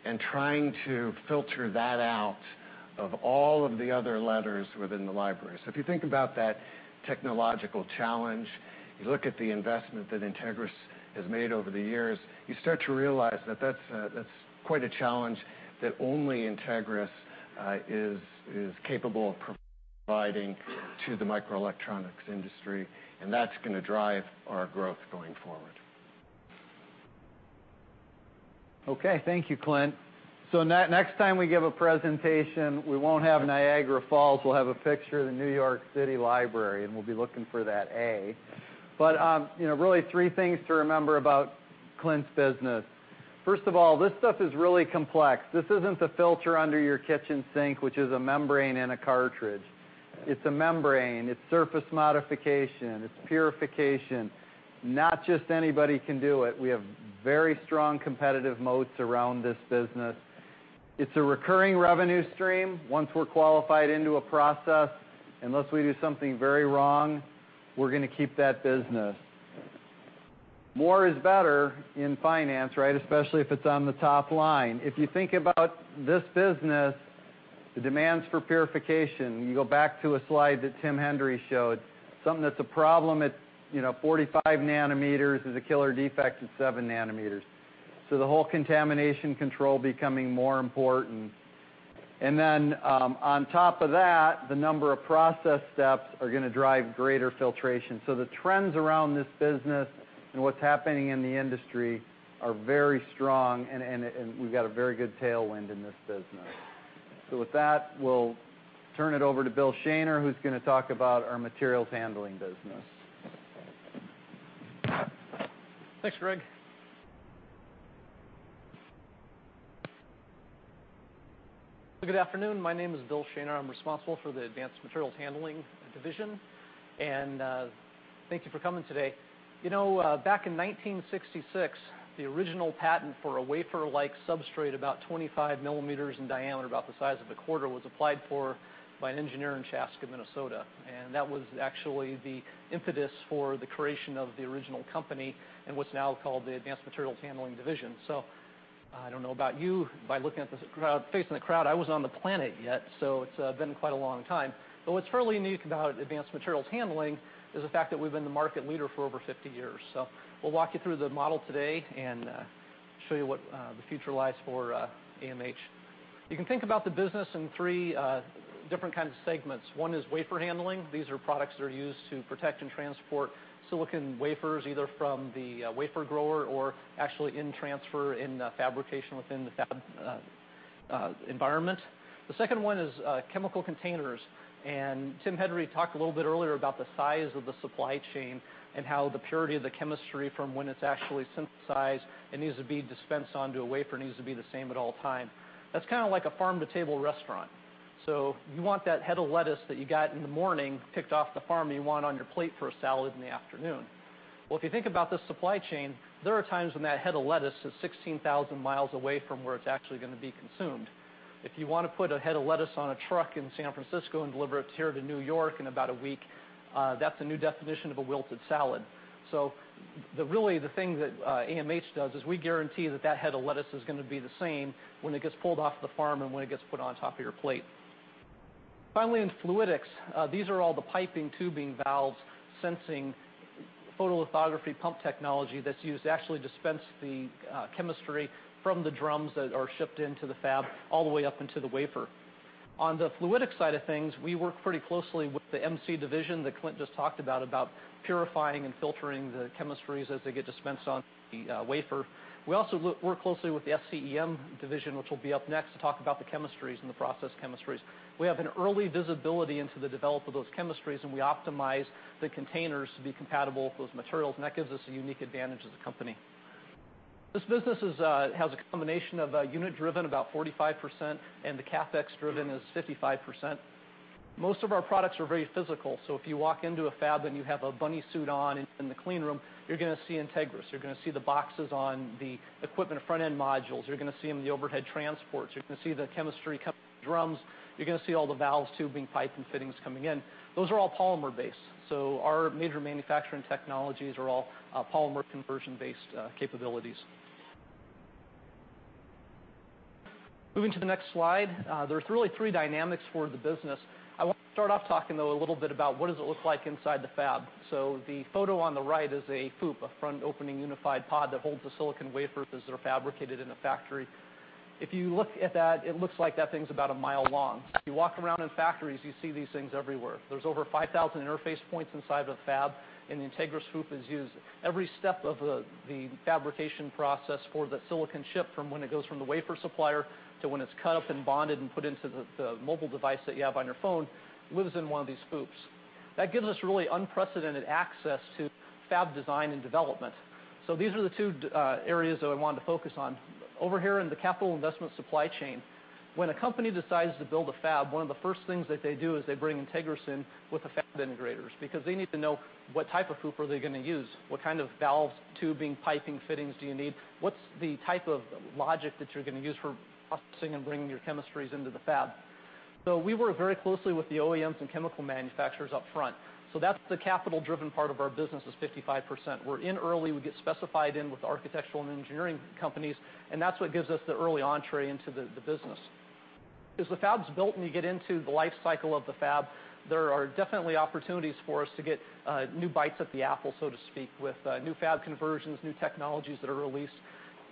and trying to filter that out of all of the other letters within the library. If you think about that technological challenge, you look at the investment that Entegris has made over the years, you start to realize that that's quite a challenge that only Entegris is capable of providing to the microelectronics industry, that's going to drive our growth going forward. Okay. Thank you, Clint. Next time we give a presentation, we won't have Niagara Falls, we'll have a picture of the New York City Library, we'll be looking for that A. Really three things to remember about Clint's business. First of all, this stuff is really complex. This isn't the filter under your kitchen sink, which is a membrane in a cartridge. It's a membrane. It's surface modification. It's purification. Not just anybody can do it. We have very strong competitive moats around this business. It's a recurring revenue stream. Once we're qualified into a process, unless we do something very wrong, we're going to keep that business. More is better in finance, right? Especially if it's on the top line. If you think about this business, the demands for purification, you go back to a slide that Tim Hendry showed. Something that's a problem at 45 nanometers is a killer defect at seven nanometers. The whole contamination control becoming more important. On top of that, the number of process steps are going to drive greater filtration. The trends around this business and what's happening in the industry are very strong, we've got a very good tailwind in this business. With that, we'll turn it over to Bill Shaner, who's going to talk about our materials handling business. Thanks, Greg. Good afternoon. My name is Bill Shaner. I am responsible for the Advanced Materials Handling Division. Thank you for coming today. Back in 1966, the original patent for a wafer-like substrate about 25 millimeters in diameter, about the size of a quarter, was applied for by an engineer in Chaska, Minnesota. That was actually the impetus for the creation of the original company in what is now called the Advanced Materials Handling Division. I don't know about you, by looking at this crowd, facing the crowd, I was not on the planet yet, so it has been quite a long time. What is fairly unique about Advanced Materials Handling is the fact that we have been the market leader for over 50 years. We will walk you through the model today and show you what the future lies for AMH. You can think about the business in three different kinds of segments. One is wafer handling. These are products that are used to protect and transport silicon wafers, either from the wafer grower or actually in transfer in fabrication within the fab environment. The second one is chemical containers. Tim Hendry talked a little bit earlier about the size of the supply chain and how the purity of the chemistry from when it is actually synthesized and needs to be dispensed onto a wafer needs to be the same at all times. That is kind of like a farm-to-table restaurant. You want that head of lettuce that you got in the morning, picked off the farm, you want on your plate for a salad in the afternoon. Well, if you think about this supply chain, there are times when that head of lettuce is 16,000 miles away from where it is actually going to be consumed. If you want to put a head of lettuce on a truck in San Francisco and deliver it here to New York in about one week, that is a new definition of a wilted salad. Really, the thing that AMH does is we guarantee that that head of lettuce is going to be the same when it gets pulled off the farm and when it gets put on top of your plate. Finally, in fluidics, these are all the piping, tubing, valves, sensing, photolithography pump technology that is used to actually dispense the chemistry from the drums that are shipped into the fab all the way up into the wafer. On the fluidic side of things, we work pretty closely with the MC Division that Clint just talked about purifying and filtering the chemistries as they get dispensed on the wafer. We also work closely with the SCEM Division, which will be up next to talk about the chemistries and the process chemistries. We have an early visibility into the develop of those chemistries. We optimize the containers to be compatible with those materials. That gives us a unique advantage as a company. This business has a combination of unit driven, about 45%, and the CapEx driven is 55%. Most of our products are very physical, so if you walk into a fab and you have a bunny suit on in the clean room, you are going to see Entegris. You are going to see the boxes on the equipment front-end modules. You're going to see them in the overhead transports. You're going to see the chemistry coming out of the drums. You're going to see all the valves, tubing, pipe, and fittings coming in. Those are all polymer-based. Our major manufacturing technologies are all polymer conversion-based capabilities. Moving to the next slide, there's really three dynamics for the business. I want to start off talking, though, a little bit about what does it look like inside the fab. The photo on the right is a FOUP, a Front Opening Unified Pod that holds the silicon wafers as they're fabricated in a factory. If you look at that, it looks like that thing's about 1 mile long. If you walk around in factories, you see these things everywhere. There's over 5,000 interface points inside of the fab. The Entegris FOUP is used every step of the fabrication process for the silicon chip from when it goes from the wafer supplier to when it's cut up and bonded and put into the mobile device that you have on your phone, lives in one of these FOUPs. That gives us really unprecedented access to fab design and development. These are the two areas that we wanted to focus on. Over here in the capital investment supply chain, when a company decides to build a fab, one of the first things that they do is they bring Entegris in with the fab integrators because they need to know what type of FOUP are they going to use, what kind of valves, tubing, piping, fittings do you need? What's the type of logic that you're going to use for processing and bringing your chemistries into the fab? We work very closely with the OEMs and chemical manufacturers up front. That's the capital-driven part of our business, is 55%. We're in early. We get specified in with the architectural and engineering companies, and that's what gives us the early entrée into the business. As the fab's built and you get into the life cycle of the fab, there are definitely opportunities for us to get new bites at the apple, so to speak, with new fab conversions, new technologies that are released.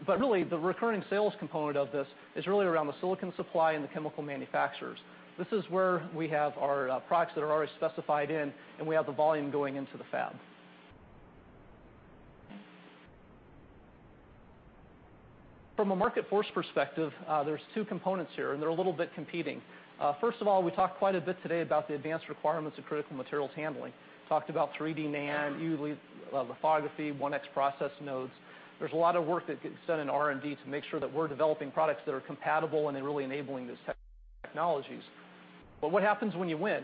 Really, the recurring sales component of this is really around the silicon supply and the chemical manufacturers. This is where we have our products that are already specified in, and we have the volume going into the fab. From a market force perspective, there's two components here. They're a little bit competing. First of all, we talked quite a bit today about the advanced requirements of critical materials handling. Talked about 3D NAND, EUV lithography, 1X process nodes. There's a lot of work that gets done in R&D to make sure that we're developing products that are compatible and then really enabling those technologies. What happens when you win?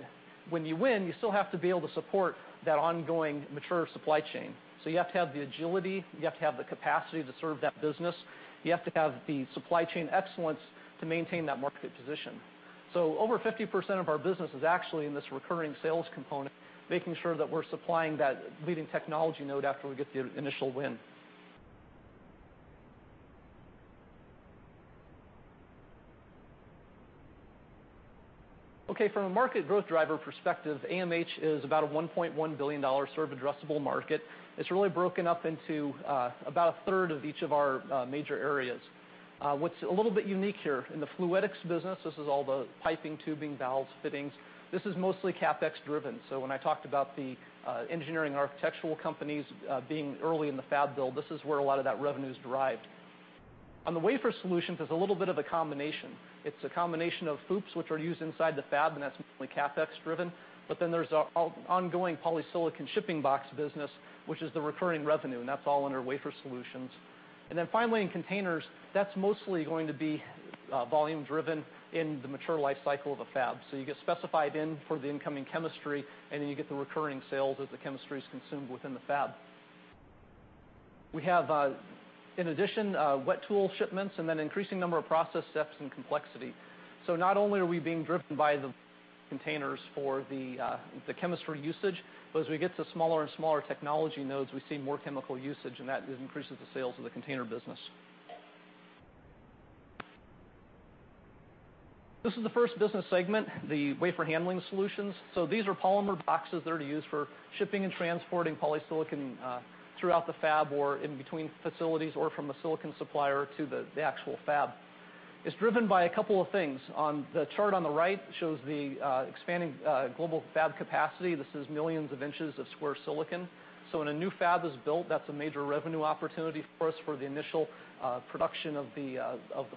When you win, you still have to be able to support that ongoing mature supply chain. You have to have the agility, you have to have the capacity to serve that business. You have to have the supply chain excellence to maintain that market position. Over 50% of our business is actually in this recurring sales component, making sure that we're supplying that leading technology node after we get the initial win. From a market growth driver perspective, AMH is about a $1.1 billion sort of addressable market. It's really broken up into about a third of each of our major areas. What's a little bit unique here, in the fluidics business, this is all the piping, tubing, valves, fittings. This is mostly CapEx driven. When I talked about the engineering architectural companies being early in the fab build, this is where a lot of that revenue is derived. On the wafer solutions, it's a little bit of a combination. It's a combination of FOUPs, which are used inside the fab, and that's mostly CapEx driven. There's our ongoing polysilicon shipping box business, which is the recurring revenue, and that's all under wafer solutions. Finally, in containers, that's mostly going to be volume driven in the mature life cycle of a fab. You get specified in for the incoming chemistry, and then you get the recurring sales as the chemistry is consumed within the fab. We have, in addition, wet tool shipments and an increasing number of process steps and complexity. Not only are we being driven by the containers for the chemistry usage. As we get to smaller and smaller technology nodes, we see more chemical usage, and that increases the sales of the container business. This is the first business segment, the wafer handling solutions. These are polymer boxes that are used for shipping and transporting polysilicon throughout the fab or in between facilities or from the silicon supplier to the actual fab. It's driven by a couple of things. On the chart on the right, shows the expanding global fab capacity. This is millions of inches of square silicon. When a new fab is built, that's a major revenue opportunity for us for the initial production of the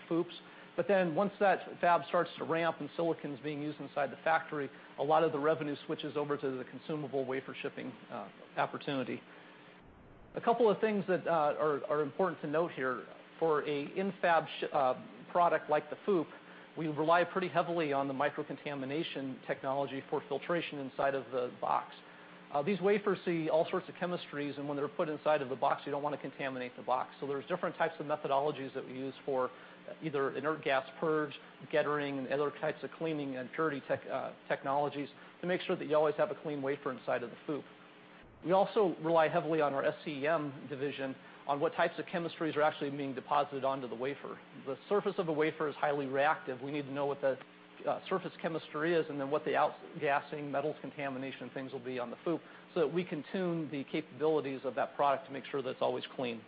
FOUPs. Once that fab starts to ramp and silicon's being used inside the factory, a lot of the revenue switches over to the consumable wafer shipping opportunity. A couple of things that are important to note here, for a in-fab product like the FOUP, we rely pretty heavily on the micro-contamination technology for filtration inside of the box. These wafers see all sorts of chemistries, and when they're put inside of the box, you don't want to contaminate the box. There's different types of methodologies that we use for either inert gas purge, gettering, and other types of cleaning and purity technologies to make sure that you always have a clean wafer inside of the FOUP. We also rely heavily on our SCEM division on what types of chemistries are actually being deposited onto the wafer. The surface of a wafer is highly reactive. We need to know what the surface chemistry is, and then what the outgassing, metal contamination things will be on the FOUP, so that we can tune the capabilities of that product to make sure that it's always clean.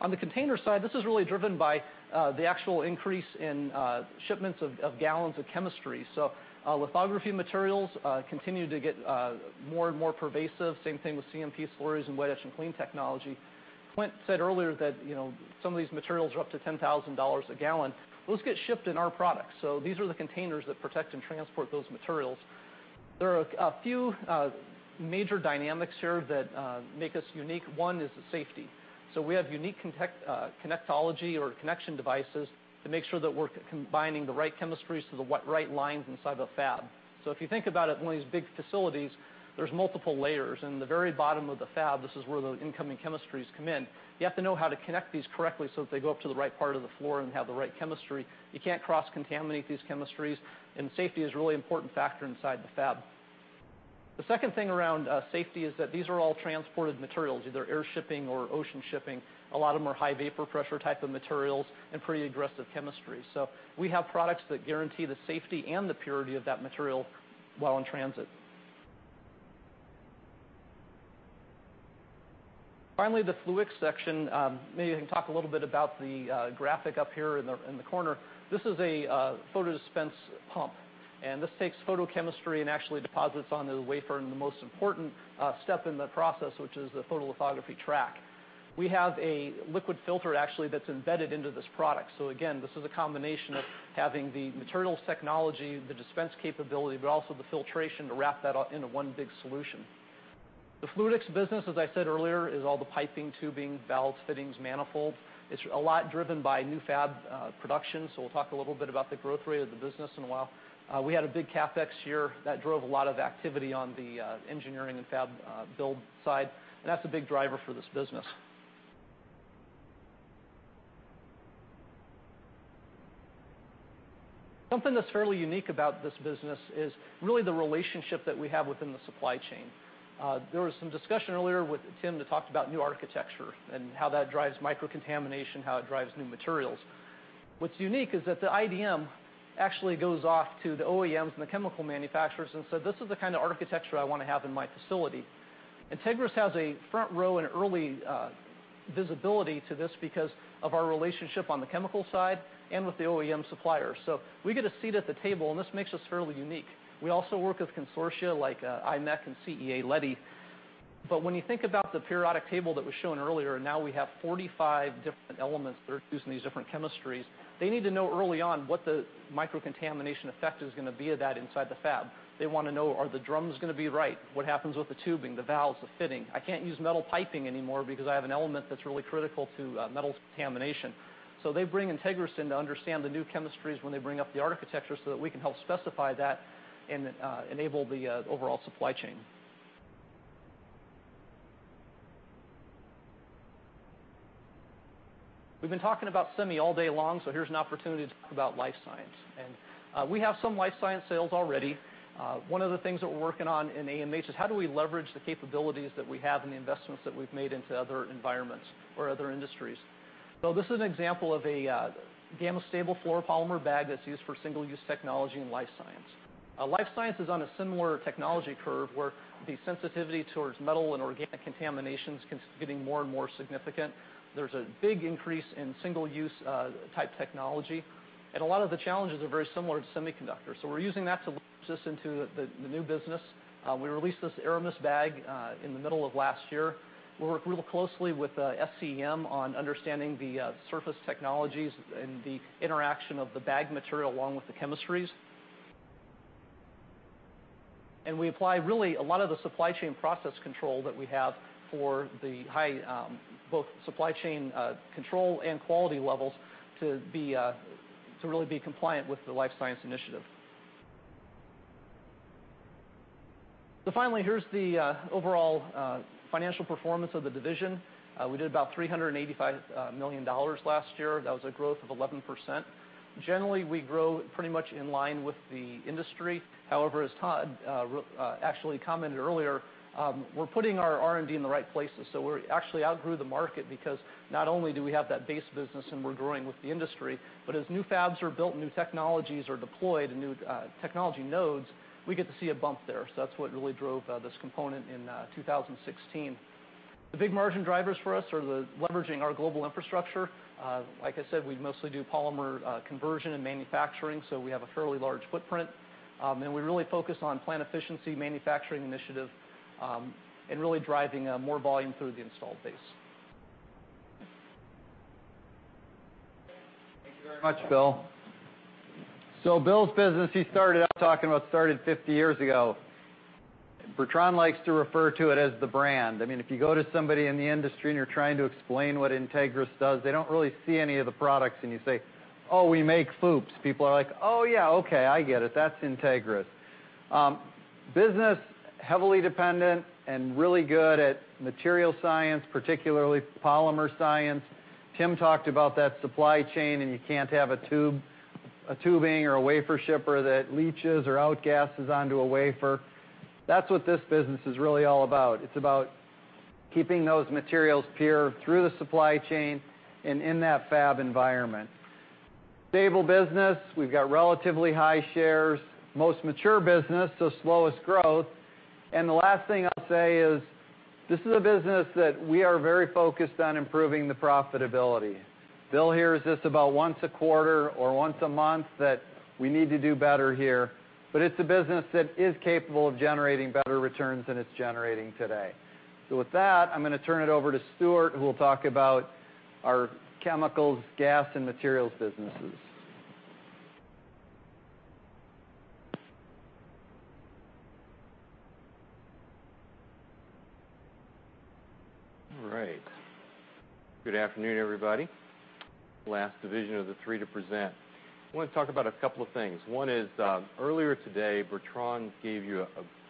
On the container side, this is really driven by the actual increase in shipments of gallons of chemistry. Lithography materials continue to get more and more pervasive, same thing with CMP slurries and wet etch and clean technology. Clint said earlier that some of these materials are up to $10,000 a gallon. Those get shipped in our products. These are the containers that protect and transport those materials. There are a few major dynamics here that make us unique. One is the safety. We have unique connectology or connection devices to make sure that we're combining the right chemistries to the right lines inside the fab. If you think about it, in one of these big facilities, there's multiple layers, and the very bottom of the fab, this is where the incoming chemistries come in. You have to know how to connect these correctly so that they go up to the right part of the floor and have the right chemistry. You can't cross-contaminate these chemistries, and safety is a really important factor inside the fab. The second thing around safety is that these are all transported materials, either air shipping or ocean shipping. A lot of them are high vapor pressure type of materials and pretty aggressive chemistry. We have products that guarantee the safety and the purity of that material while in transit. Finally, the Fluidics section. Maybe I can talk a little bit about the graphic up here in the corner. This is a photo dispense pump, and this takes photochemistry and actually deposits onto the wafer in the most important step in the process, which is the photolithography track. We have a liquid filter, actually, that's embedded into this product. Again, this is a combination of having the materials technology, the dispense capability, but also the filtration to wrap that up into one big solution. The Fluidics business, as I said earlier, is all the piping, tubing, valves, fittings, manifold. It's a lot driven by new fab production. We'll talk a little bit about the growth rate of the business in a while. We had a big CapEx year. That drove a lot of activity on the engineering and fab build side. That's a big driver for this business. Something that's fairly unique about this business is really the relationship that we have within the supply chain. There was some discussion earlier with Tim that talked about new architecture and how that drives microcontamination, how it drives new materials. What's unique is that the IDM actually goes off to the OEMs and the chemical manufacturers and says, "This is the kind of architecture I want to have in my facility." Entegris has a front-row and early visibility to this because of our relationship on the chemical side and with the OEM supplier. We get a seat at the table, and this makes us fairly unique. We also work with consortia like imec and CEA-Leti. When you think about the periodic table that was shown earlier, now we have 45 different elements that are used in these different chemistries. They need to know early on what the microcontamination effect is going to be of that inside the fab. They want to know, are the drums going to be right? What happens with the tubing, the valves, the fitting? I can't use metal piping anymore because I have an element that's really critical to metal contamination. They bring Entegris in to understand the new chemistries when they bring up the architecture that we can help specify that and enable the overall supply chain. We've been talking about semi all day long. Here's an opportunity to talk about life science. We have some life science sales already. One of the things that we're working on in AMH is how do we leverage the capabilities that we have and the investments that we've made into other environments or other industries? This is an example of a gamma-stable fluoropolymer bag that's used for single-use technology in life science. Life science is on a similar technology curve, where the sensitivity towards metal and organic contamination is getting more and more significant. There's a big increase in single-use type technology, a lot of the challenges are very similar to semiconductors. We're using that to launch this into the new business. We released this Aramus bag in the middle of last year. We work really closely with SCEM on understanding the surface technologies and the interaction of the bag material along with the chemistries. We apply really a lot of the supply chain process control that we have for the high supply chain control and quality levels to really be compliant with the life science initiative. Finally, here's the overall financial performance of the division. We did about $385 million last year. That was a growth of 11%. Generally, we grow pretty much in line with the industry. However, as Todd actually commented earlier, we're putting our R&D in the right places. We actually outgrew the market because not only do we have that base business and we're growing with the industry, but as new fabs are built, new technologies are deployed, new technology nodes, we get to see a bump there. That's what really drove this component in 2016. The big margin drivers for us are leveraging our global infrastructure. Like I said, we mostly do polymer conversion and manufacturing, we have a fairly large footprint. We really focus on plant efficiency, manufacturing initiative, really driving more volume through the installed base. Thank you very much, Bill. Bill's business he started out talking about started 50 years ago. Bertrand likes to refer to it as the brand. If you go to somebody in the industry you're trying to explain what Entegris does, they don't really see any of the products, you say, "Oh, we make FOUPs." People are like, "Oh, yeah, okay, I get it." That's Entegris. Business, heavily dependent and really good at material science, particularly polymer science. Tim talked about that supply chain, you can't have a tubing or a wafer shipper that leaches or outgasses onto a wafer. That's what this business is really all about. It's about keeping those materials pure through the supply chain and in that fab environment. Stable business. We've got relatively high shares, most mature business, slowest growth. The last thing I will say is this is a business that we are very focused on improving the profitability. Bill hears this about once a quarter or once a month that we need to do better here, it is a business that is capable of generating better returns than it is generating today. With that, I am going to turn it over to Stuart, who will talk about our chemicals, gas, and materials businesses. All right. Good afternoon, everybody. Last division of the three to present. I want to talk about a couple of things. One is, earlier today, Bertrand gave you a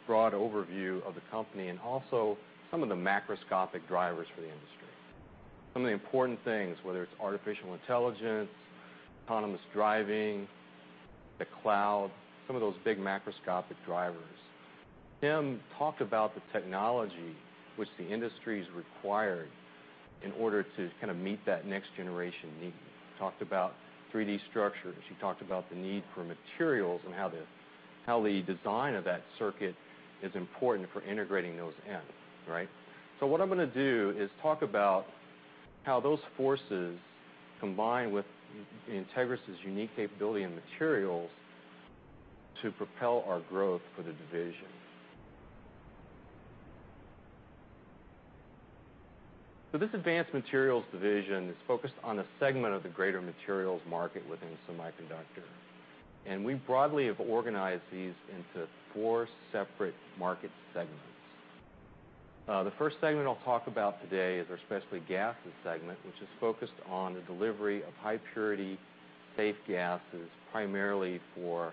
broad overview of the company and also some of the macroscopic drivers for the industry. Some of the important things, whether it is artificial intelligence, autonomous driving, the cloud, some of those big macroscopic drivers. Tim talked about the technology which the industry is required in order to kind of meet that next generation need. Talked about 3D structures. He talked about the need for materials and how the design of that circuit is important for integrating those in. Right? What I am going to do is talk about how those forces combine with Entegris' unique capability and materials to propel our growth for the division. This Advanced Materials Division is focused on a segment of the greater materials market within semiconductor. We broadly have organized these into four separate market segments. The first segment I will talk about today is our Specialty Gases Segment, which is focused on the delivery of high purity, safe gases, primarily for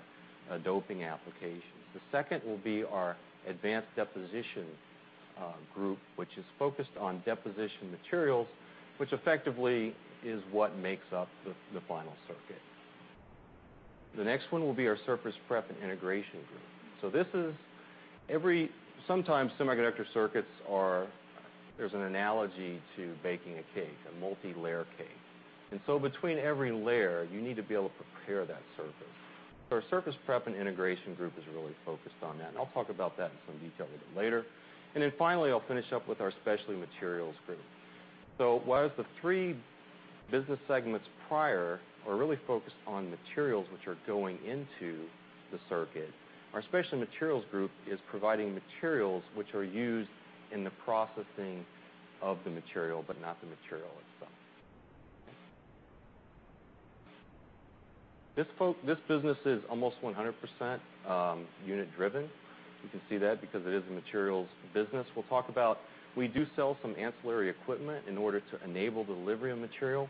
doping applications. The second will be our Advanced Deposition Group, which is focused on deposition materials, which effectively is what makes up the final circuit. The next one will be our Surface Prep and Integration Group. Sometimes semiconductor circuits there is an analogy to baking a cake, a multi-layer cake. Between every layer, you need to be able to prepare that surface. Our Surface Prep and Integration Group is really focused on that, and I will talk about that in some detail a little later. Finally, I will finish up with our Specialty Materials Group. Whereas the three business segments prior are really focused on materials which are going into the circuit, our Specialty Materials Group is providing materials which are used in the processing of the material, but not the material itself. This business is almost 100% unit-driven. You can see that because it is a materials business. We do sell some ancillary equipment in order to enable delivery of material.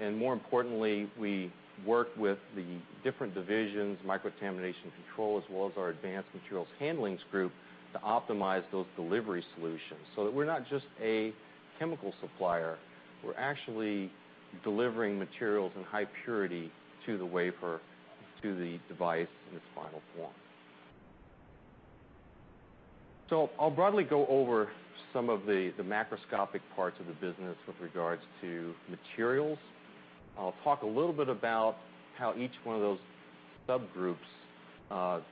More importantly, we work with the different divisions, Microcontamination Control, as well as our Advanced Materials Handling Group, to optimize those delivery solutions so that we are not just a chemical supplier, we are actually delivering materials in high purity to the wafer, to the device in its final form. I will broadly go over some of the macroscopic parts of the business with regards to materials. I'll talk a little bit about how each one of those subgroups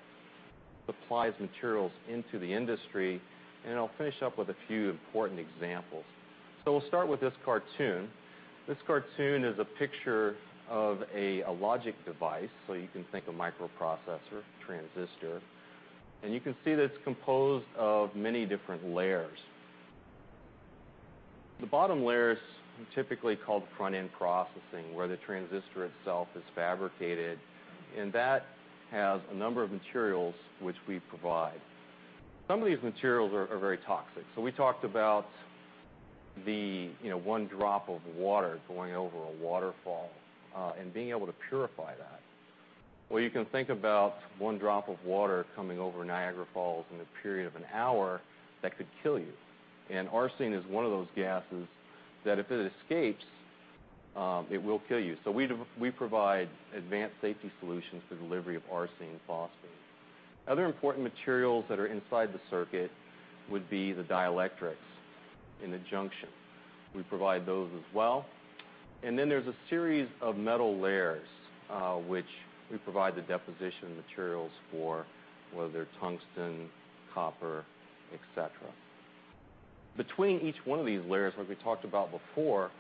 applies materials into the industry, then I'll finish up with a few important examples. We'll start with this cartoon. This cartoon is a picture of a logic device, you can think a microprocessor, transistor, and you can see that it's composed of many different layers. The bottom layer is typically called the front-end processing, where the transistor itself is fabricated, and that has a number of materials which we provide. Some of these materials are very toxic. We talked about the one drop of water going over a waterfall, and being able to purify that. Well, you can think about one drop of water coming over Niagara Falls in a period of an hour that could kill you. arsine is one of those gases that if it escapes, it will kill you. We provide advanced safety solutions for delivery of arsine and phosphine. Other important materials that are inside the circuit would be the dielectrics in the junction. We provide those as well. There's a series of metal layers, which we provide the deposition materials for, whether they're tungsten, copper, et cetera. Between each one of these layers, like we talked about before,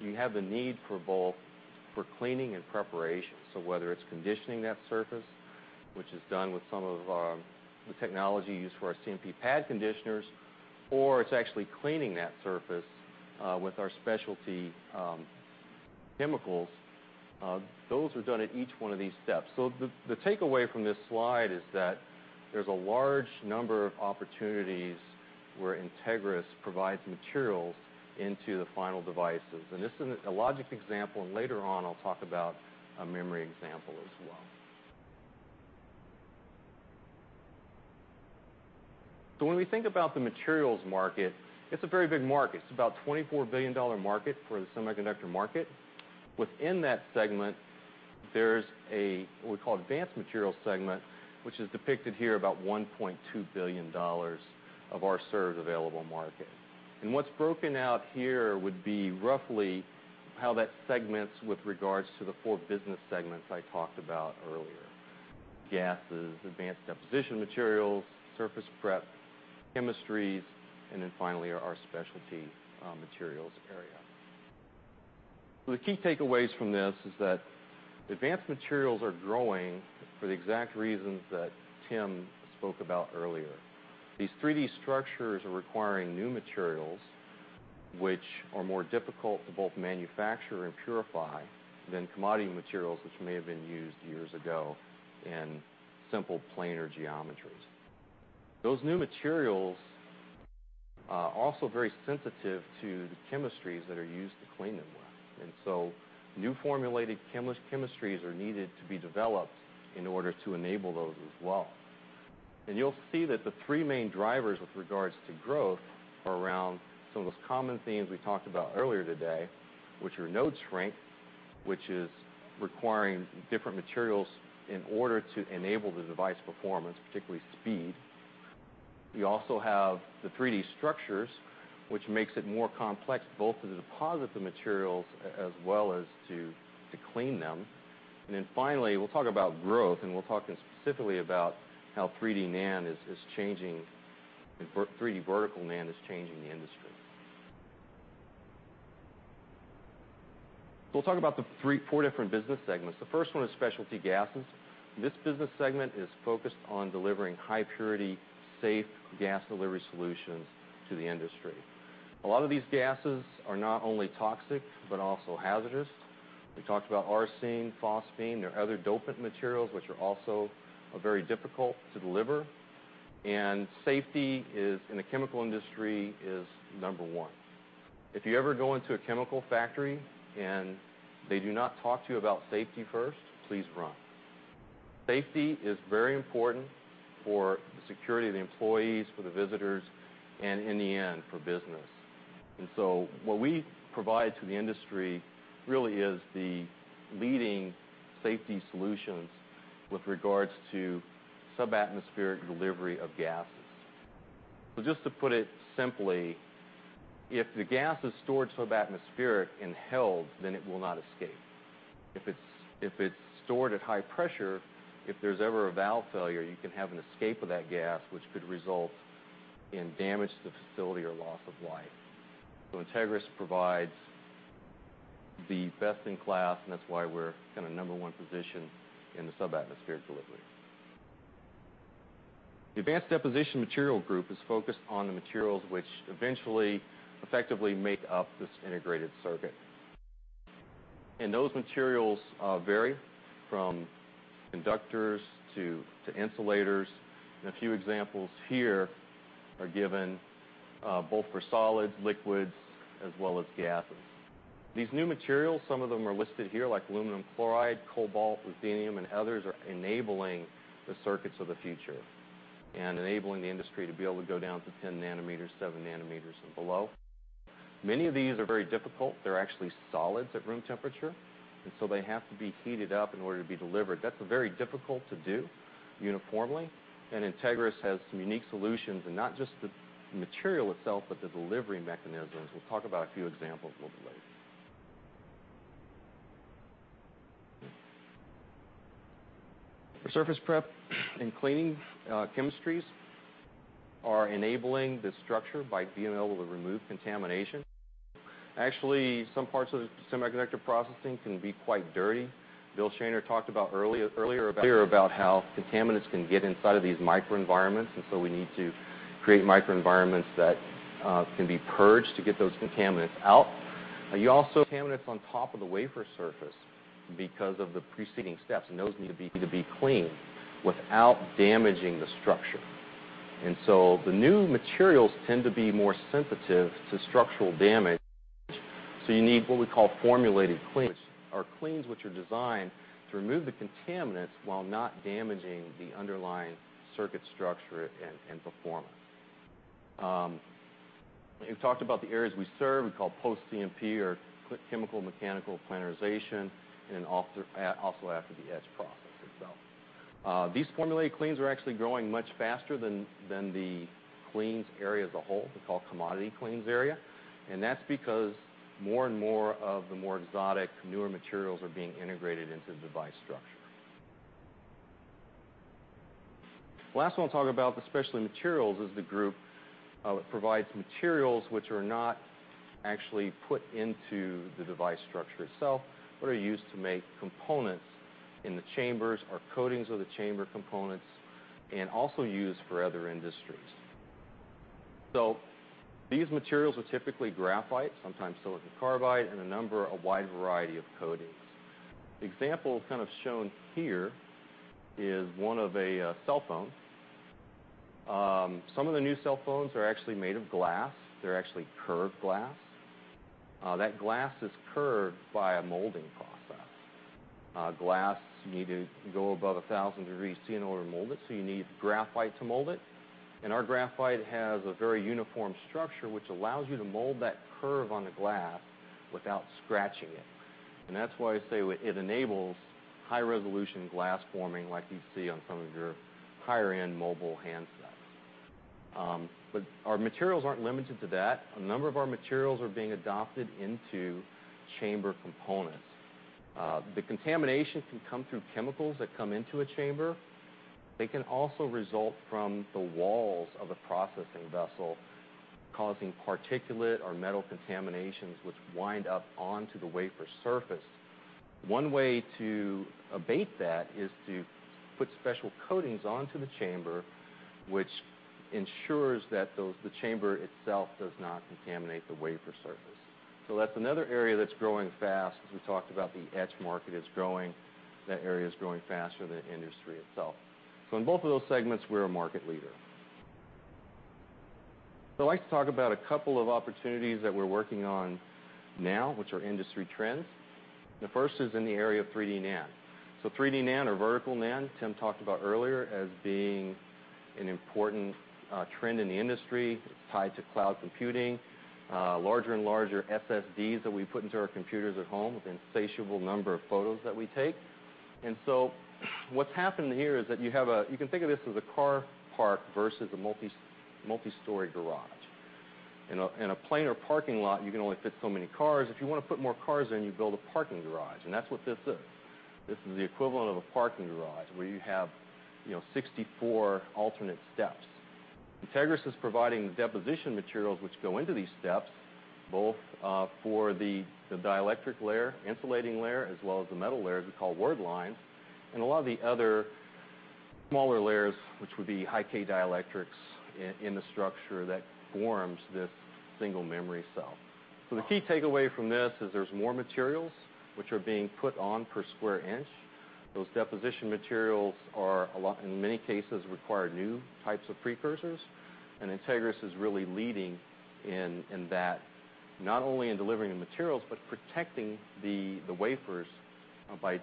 you have the need for both for cleaning and preparation. Whether it's conditioning that surface, which is done with some of the technology used for our CMP pad conditioners, or it's actually cleaning that surface with our specialty chemicals, those are done at each one of these steps. The takeaway from this slide is that there's a large number of opportunities where Entegris provides materials into the final devices. This is a logic example, and later on I'll talk about a memory example as well. When we think about the materials market, it's a very big market. It's about a $24 billion market for the semiconductor market. Within that segment, there's a what we call advanced materials segment, which is depicted here, about $1.2 billion of our served available market. What's broken out here would be roughly how that segments with regards to the four business segments I talked about earlier. Gases, advanced deposition materials, surface prep, chemistries, then finally, our specialty materials area. The key takeaways from this is that advanced materials are growing for the exact reasons that Tim spoke about earlier. These 3D structures are requiring new materials, which are more difficult to both manufacture and purify than commodity materials, which may have been used years ago in simple planar geometries. Those new materials are also very sensitive to the chemistries that are used to clean them with. New formulated chemistries are needed to be developed in order to enable those as well. You'll see that the three main drivers with regards to growth are around some of those common themes we talked about earlier today, which are node shrink, which is requiring different materials in order to enable the device performance, particularly speed. You also have the 3D structures, which makes it more complex both to deposit the materials as well as to clean them. Finally, we'll talk about growth, and we'll talk specifically about how 3D NAND is changing, 3D vertical NAND is changing the industry. We'll talk about the four different business segments. The first one is specialty gases. This business segment is focused on delivering high purity, safe gas delivery solutions to the industry. A lot of these gases are not only toxic but also hazardous. We talked about Arsine, Phosphine. There are other dopant materials which are also very difficult to deliver. Safety in the chemical industry is number one. If you ever go into a chemical factory and they do not talk to you about safety first, please run. Safety is very important for the security of the employees, for the visitors, and in the end, for business. What we provide to the industry really is the leading safety solutions with regards to subatmospheric delivery of gases. Just to put it simply, if the gas is stored subatmospheric and held, then it will not escape. If it's stored at high pressure, if there's ever a valve failure, you can have an escape of that gas, which could result in damage to the facility or loss of life. Entegris provides the best-in-class, and that's why we're kind of number one position in the subatmospheric delivery. The advanced deposition material group is focused on the materials which eventually effectively make up this integrated circuit. Those materials vary from conductors to insulators, and a few examples here are given, both for solids, liquids, as well as gases. These new materials, some of them are listed here, like aluminum chloride, cobalt, ruthenium, and others, are enabling the circuits of the future and enabling the industry to be able to go down to 10 nanometers, seven nanometers, and below. Many of these are very difficult. They're actually solids at room temperature, and so they have to be heated up in order to be delivered. That's very difficult to do uniformly, and Entegris has some unique solutions, and not just the material itself, but the delivery mechanisms. We'll talk about a few examples a little later. For surface prep and cleaning, chemistries are enabling the structure by being able to remove contamination. Actually, some parts of the semiconductor processing can be quite dirty. Bill Shaner talked earlier about how contaminants can get inside of these microenvironments, and so we need to create microenvironments that can be purged to get those contaminants out. You also have contaminants on top of the wafer surface because of the preceding steps, and those need to be clean without damaging the structure. The new materials tend to be more sensitive to structural damage, so you need what we call formulated cleans, or cleans which are designed to remove the contaminants while not damaging the underlying circuit structure and performance. We've talked about the areas we serve. We call post CMP or chemical mechanical planarization, and also after the etch process itself. These formulated cleans are actually growing much faster than the cleans area as a whole, we call commodity cleans area. That's because more and more of the more exotic newer materials are being integrated into device structure. Last one I'll talk about, the specialty materials is the group that provides materials which are not actually put into the device structure itself, but are used to make components in the chambers or coatings of the chamber components, and also used for other industries. These materials are typically graphite, sometimes silicon carbide, and a number of wide variety of coatings. The example shown here is one of a cellphone. Some of the new cellphones are actually made of glass. They're actually curved glass. That glass is curved by a molding process. Glass, you need to go above 1,000 degrees Celsius in order to mold it. You need graphite to mold it. Our graphite has a very uniform structure, which allows you to mold that curve on the glass without scratching it. That's why I say it enables high-resolution glass forming like you see on some of your higher-end mobile handsets. Our materials aren't limited to that. A number of our materials are being adopted into chamber components. The contamination can come through chemicals that come into a chamber. They can also result from the walls of a processing vessel causing particulate or metal contaminations which wind up onto the wafer surface. One way to abate that is to put special coatings onto the chamber, which ensures that the chamber itself does not contaminate the wafer surface. That's another area that's growing fast. As we talked about the etch market is growing. That area is growing faster than the industry itself. In both of those segments, we're a market leader. I'd like to talk about a couple of opportunities that we're working on now, which are industry trends. The first is in the area of 3D NAND. 3D NAND or vertical NAND, Tim talked about earlier as being an important trend in the industry. It's tied to cloud computing, larger and larger SSDs that we put into our computers at home with the insatiable number of photos that we take. What's happened here is that you can think of this as a car park versus a multi-story garage. In a plainer parking lot, you can only fit so many cars. If you want to put more cars in, you build a parking garage. That's what this is. This is the equivalent of a parking garage where you have 64 alternate steps. Entegris is providing the deposition materials which go into these steps, both for the dielectric layer, insulating layer, as well as the metal layer, as we call wordline, and a lot of the other smaller layers, which would be high-k dielectrics in the structure that forms this single memory cell. The key takeaway from this is there's more materials which are being put on per square inch. Those deposition materials, in many cases, require new types of precursors. Entegris is really leading in that, not only in delivering the materials, but protecting the wafers by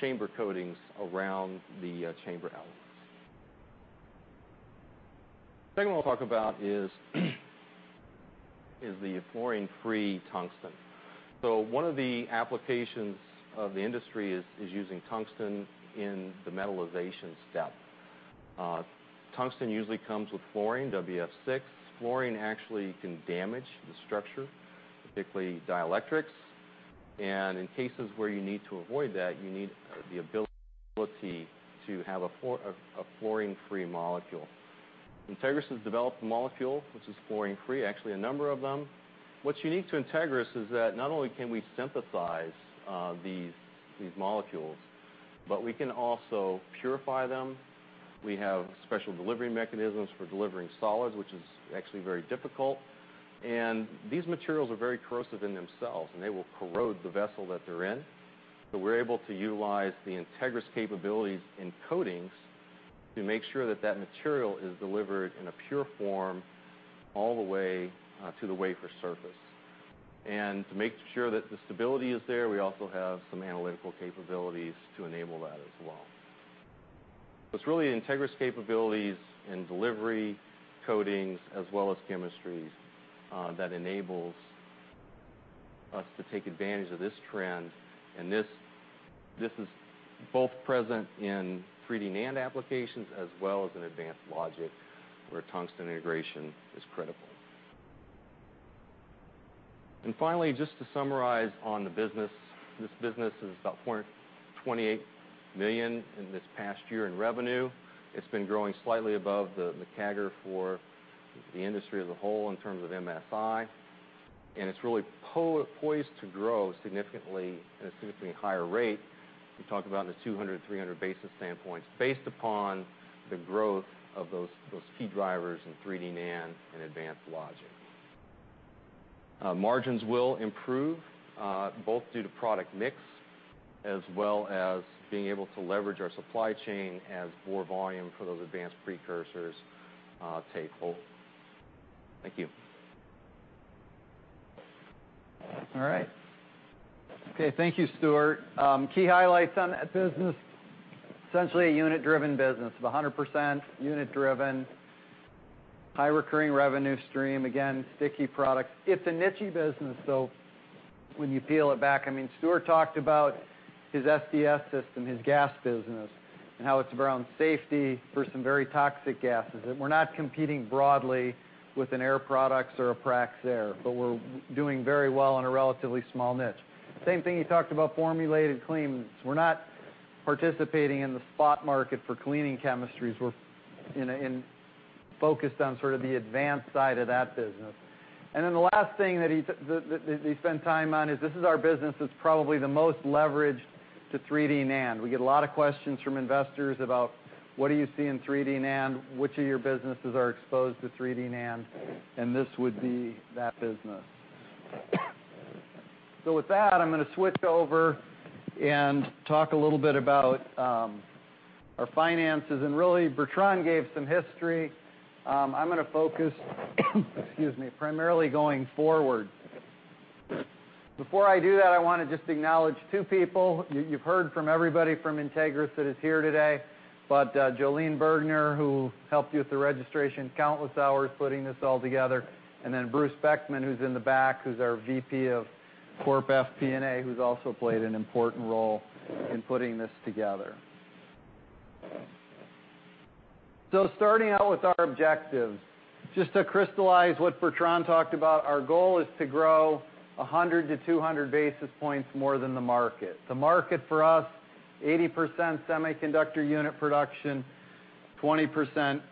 chamber coatings around the chamber elements. Second one I'll talk about is the fluorine-free tungsten. One of the applications of the industry is using tungsten in the metallization step. Tungsten usually comes with fluorine, WF6. Fluorine actually can damage the structure, particularly dielectrics. In cases where you need to avoid that, you need the ability to have a fluorine-free molecule. Entegris has developed a molecule which is fluorine-free, actually a number of them. What's unique to Entegris is that not only can we synthesize these molecules, but we can also purify them. We have special delivery mechanisms for delivering solids, which is actually very difficult. These materials are very corrosive in themselves, and they will corrode the vessel that they're in. We're able to utilize the Entegris capabilities in coatings to make sure that material is delivered in a pure form all the way to the wafer surface. To make sure that the stability is there, we also have some analytical capabilities to enable that as well. It's really Entegris capabilities in delivery coatings as well as chemistries that enables us to take advantage of this trend, and this is both present in 3D NAND applications as well as in advanced logic where tungsten integration is critical. Finally, just to summarize on the business, this business is about $28 million in this past year in revenue. It's been growing slightly above the CAGR for the industry as a whole in terms of MSI, and it's really poised to grow significantly at a significantly higher rate. We talk about in the 200, 300 basis points based upon the growth of those key drivers in 3D NAND and advanced logic. Margins will improve both due to product mix as well as being able to leverage our supply chain as more volume for those advanced precursors take hold. Thank you. All right. Okay, thank you, Stuart. Key highlights on that business, essentially a unit driven business, 100% unit driven, high recurring revenue stream, again, sticky products. It's a niche-y business, though, when you peel it back. Stuart talked about his SDS system, his gas business, and how it's around safety for some very toxic gases, that we're not competing broadly with an Air Products or a Praxair, but we're doing very well on a relatively small niche. Same thing, he talked about formulated cleanings. We're not participating in the spot market for cleaning chemistries. We're focused on the advanced side of that business. The last thing that he spent time on is this is our business that's probably the most leveraged to 3D NAND. We get a lot of questions from investors about, what do you see in 3D NAND? Which of your businesses are exposed to 3D NAND? This would be that business. With that, I'm going to switch over and talk a little bit about our finances, and really, Bertrand gave some history. I'm going to focus, excuse me, primarily going forward. Before I do that, I want to just acknowledge two people. You've heard from everybody from Entegris that is here today, but Jolene Bergner, who helped you with the registration, countless hours putting this all together, and Bruce Beckman, who's in the back, who's our VP of Corp FP&A, who's also played an important role in putting this together. Starting out with our objectives, just to crystallize what Bertrand talked about, our goal is to grow 100 to 200 basis points more than the market. The market for us, 80% semiconductor unit production, 20%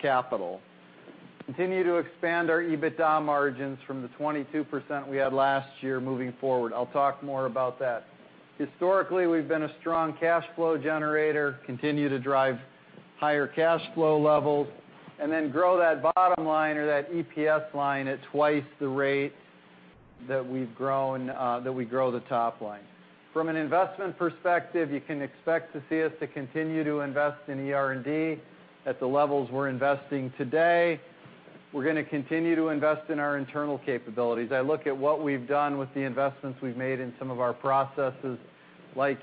capital. Continue to expand our EBITDA margins from the 22% we had last year moving forward. I'll talk more about that. Historically, we've been a strong cash flow generator, continue to drive higher cash flow levels, and then grow that bottom line or that EPS line at twice the rate that we grow the top line. From an investment perspective, you can expect to see us to continue to invest in R&D at the levels we're investing today. We're going to continue to invest in our internal capabilities. I look at what we've done with the investments we've made in some of our processes, like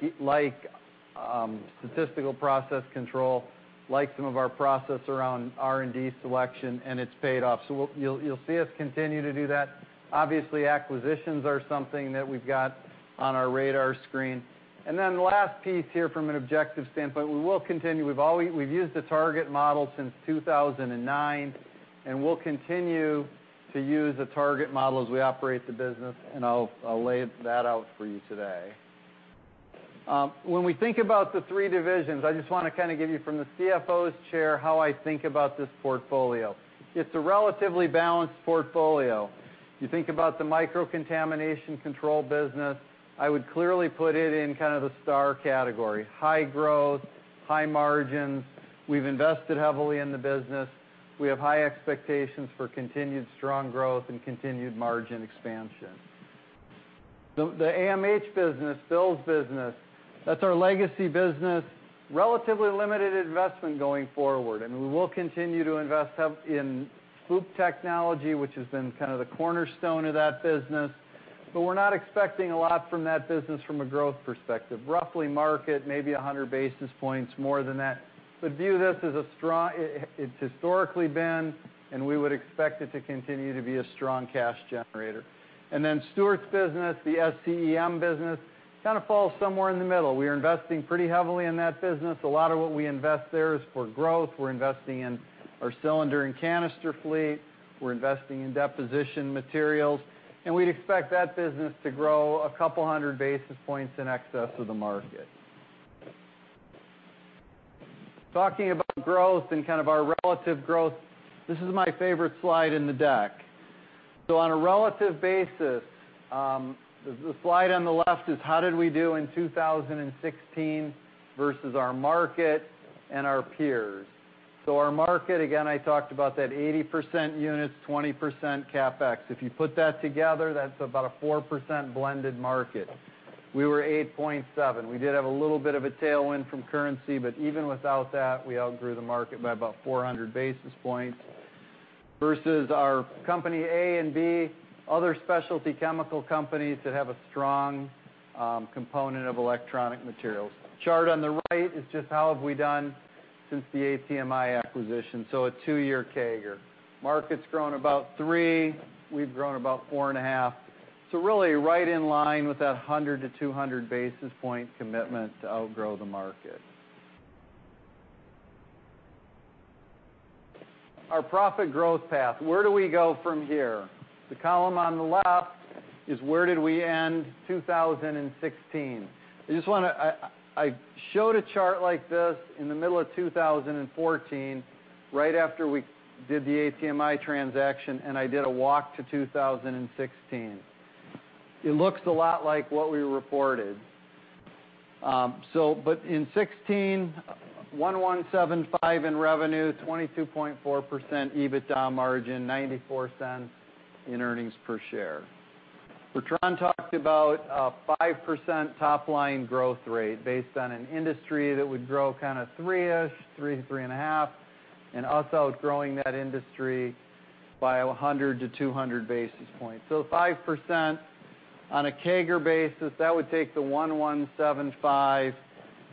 statistical process control, like some of our process around R&D selection, and it's paid off. You'll see us continue to do that. Obviously, acquisitions are something that we've got on our radar screen. The last piece here from an objective standpoint, we will continue. We've used the target model since 2009, and we'll continue to use the target model as we operate the business, and I'll lay that out for you today. When we think about the three divisions, I just want to give you from the CFO's chair how I think about this portfolio. It's a relatively balanced portfolio. You think about the Microcontamination Control business, I would clearly put it in the star category, high growth, high margins. We've invested heavily in the business. We have high expectations for continued strong growth and continued margin expansion. The AMH business, Bill's business, that's our legacy business, relatively limited investment going forward, and we will continue to invest in FOUP technology, which has been the cornerstone of that business. We're not expecting a lot from that business from a growth perspective. Roughly market, maybe 100 basis points more than that. View this as a strong, it's historically been, and we would expect it to continue to be a strong cash generator. Stuart's business, the SCEM business, kind of falls somewhere in the middle. We are investing pretty heavily in that business. A lot of what we invest there is for growth. We're investing in our cylinder and canister fleet. We're investing in deposition materials, and we'd expect that business to grow a couple hundred basis points in excess of the market. Talking about growth and our relative growth, this is my favorite slide in the deck. On a relative basis, the slide on the left is how did we do in 2016 versus our market and our peers. Our market, again, I talked about that 80% units, 20% CapEx. If you put that together, that's about a 4% blended market. We were 8.7%. We did have a little bit of a tailwind from currency, but even without that, we outgrew the market by about 400 basis points versus our company A and B, other specialty chemical companies that have a strong component of electronic materials. Chart on the right is just how have we done since the ATMI acquisition, so a two-year CAGR. Market's grown about 3%, we've grown about 4.5%. Really right in line with that 100-200 basis point commitment to outgrow the market. Our profit growth path, where do we go from here? The column on the left is where did we end 2016? I showed a chart like this in the middle of 2014, right after we did the ATMI transaction, and I did a walk to 2016. It looks a lot like what we reported. But in 2016, $1.175 billion in revenue, 22.4% EBITDA margin, $0.94 in earnings per share. Bertrand talked about a 5% top-line growth rate based on an industry that would grow kind of 3-ish, 3% to 3.5%, and us outgrowing that industry by 100 to 200 basis points. 5% on a CAGR basis, that would take the $1.175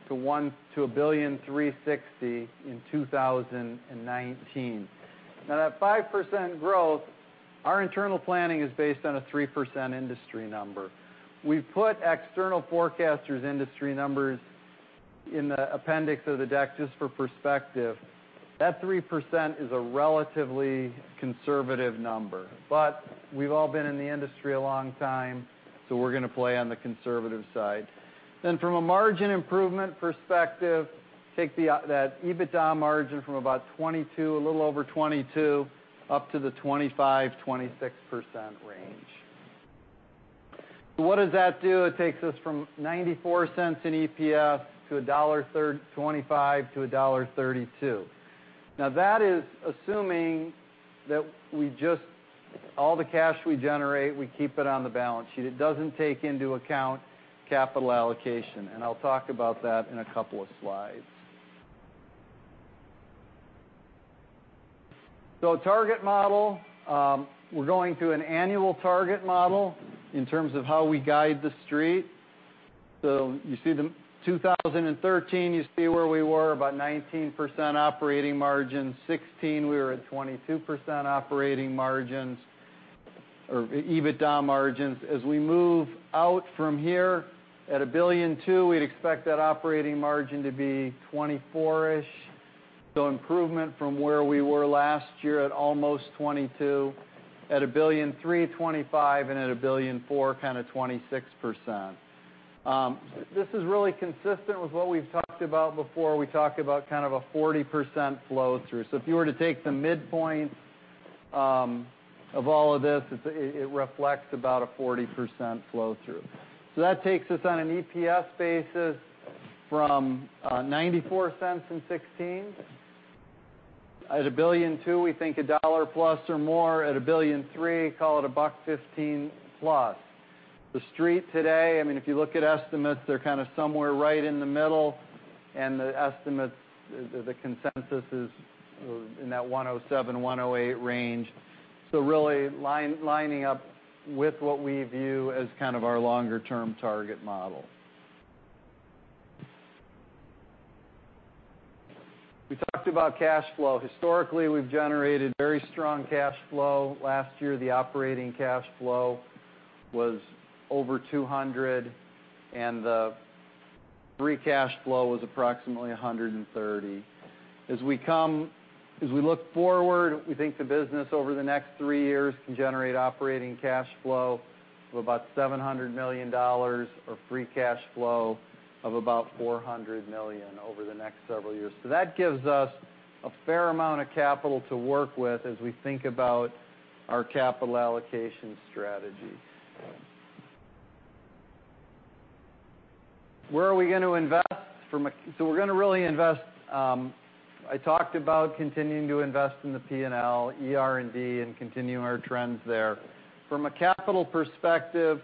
billion to $1.36 billion in 2019. That 5% growth, our internal planning is based on a 3% industry number. We've put external forecaster's industry numbers in the appendix of the deck just for perspective. That 3% is a relatively conservative number. We've all been in the industry a long time, we're going to play on the conservative side. From a margin improvement perspective, take that EBITDA margin from about 22%, a little over 22%, up to the 25%-26% range. What does that do? It takes us from $0.94 in EPS to $1.25-$1.32. That is assuming that all the cash we generate, we keep it on the balance sheet. It doesn't take into account capital allocation, and I'll talk about that in a couple of slides. Target model, we're going to an annual target model in terms of how we guide the street. You see the 2013, you see where we were, about 19% operating margin. 2016, we were at 22% operating margins or EBITDA margins. As we move out from here at $1.2 billion, we'd expect that operating margin to be 24%-ish. Improvement from where we were last year at almost 22%. At $1.3 billion, 25%, and at $1.4 billion, kind of 26%. This is really consistent with what we've talked about before. We talked about kind of a 40% flow through. If you were to take the midpoint of all of this, it reflects about a 40% flow through. That takes us on an EPS basis from $0.94 in 2016. At $1.2 billion, we think $1 plus or more. At $1.3 billion, call it $1.15 plus. The street today, if you look at estimates, they're kind of somewhere right in the middle, and the estimates, the consensus is in that $1.07-$1.08 range. Really lining up with what we view as kind of our longer-term target model. We talked about cash flow. Historically, we've generated very strong cash flow. Last year, the operating cash flow was over $200 million, and the free cash flow was approximately $130 million. As we look forward, we think the business over the next three years can generate operating cash flow of about $700 million, or free cash flow of about $400 million over the next several years. That gives us a fair amount of capital to work with as we think about our capital allocation strategy. Where are we going to invest? We're going to really invest, I talked about continuing to invest in the P&L, ER&D, and continuing our trends there. From a capital perspective,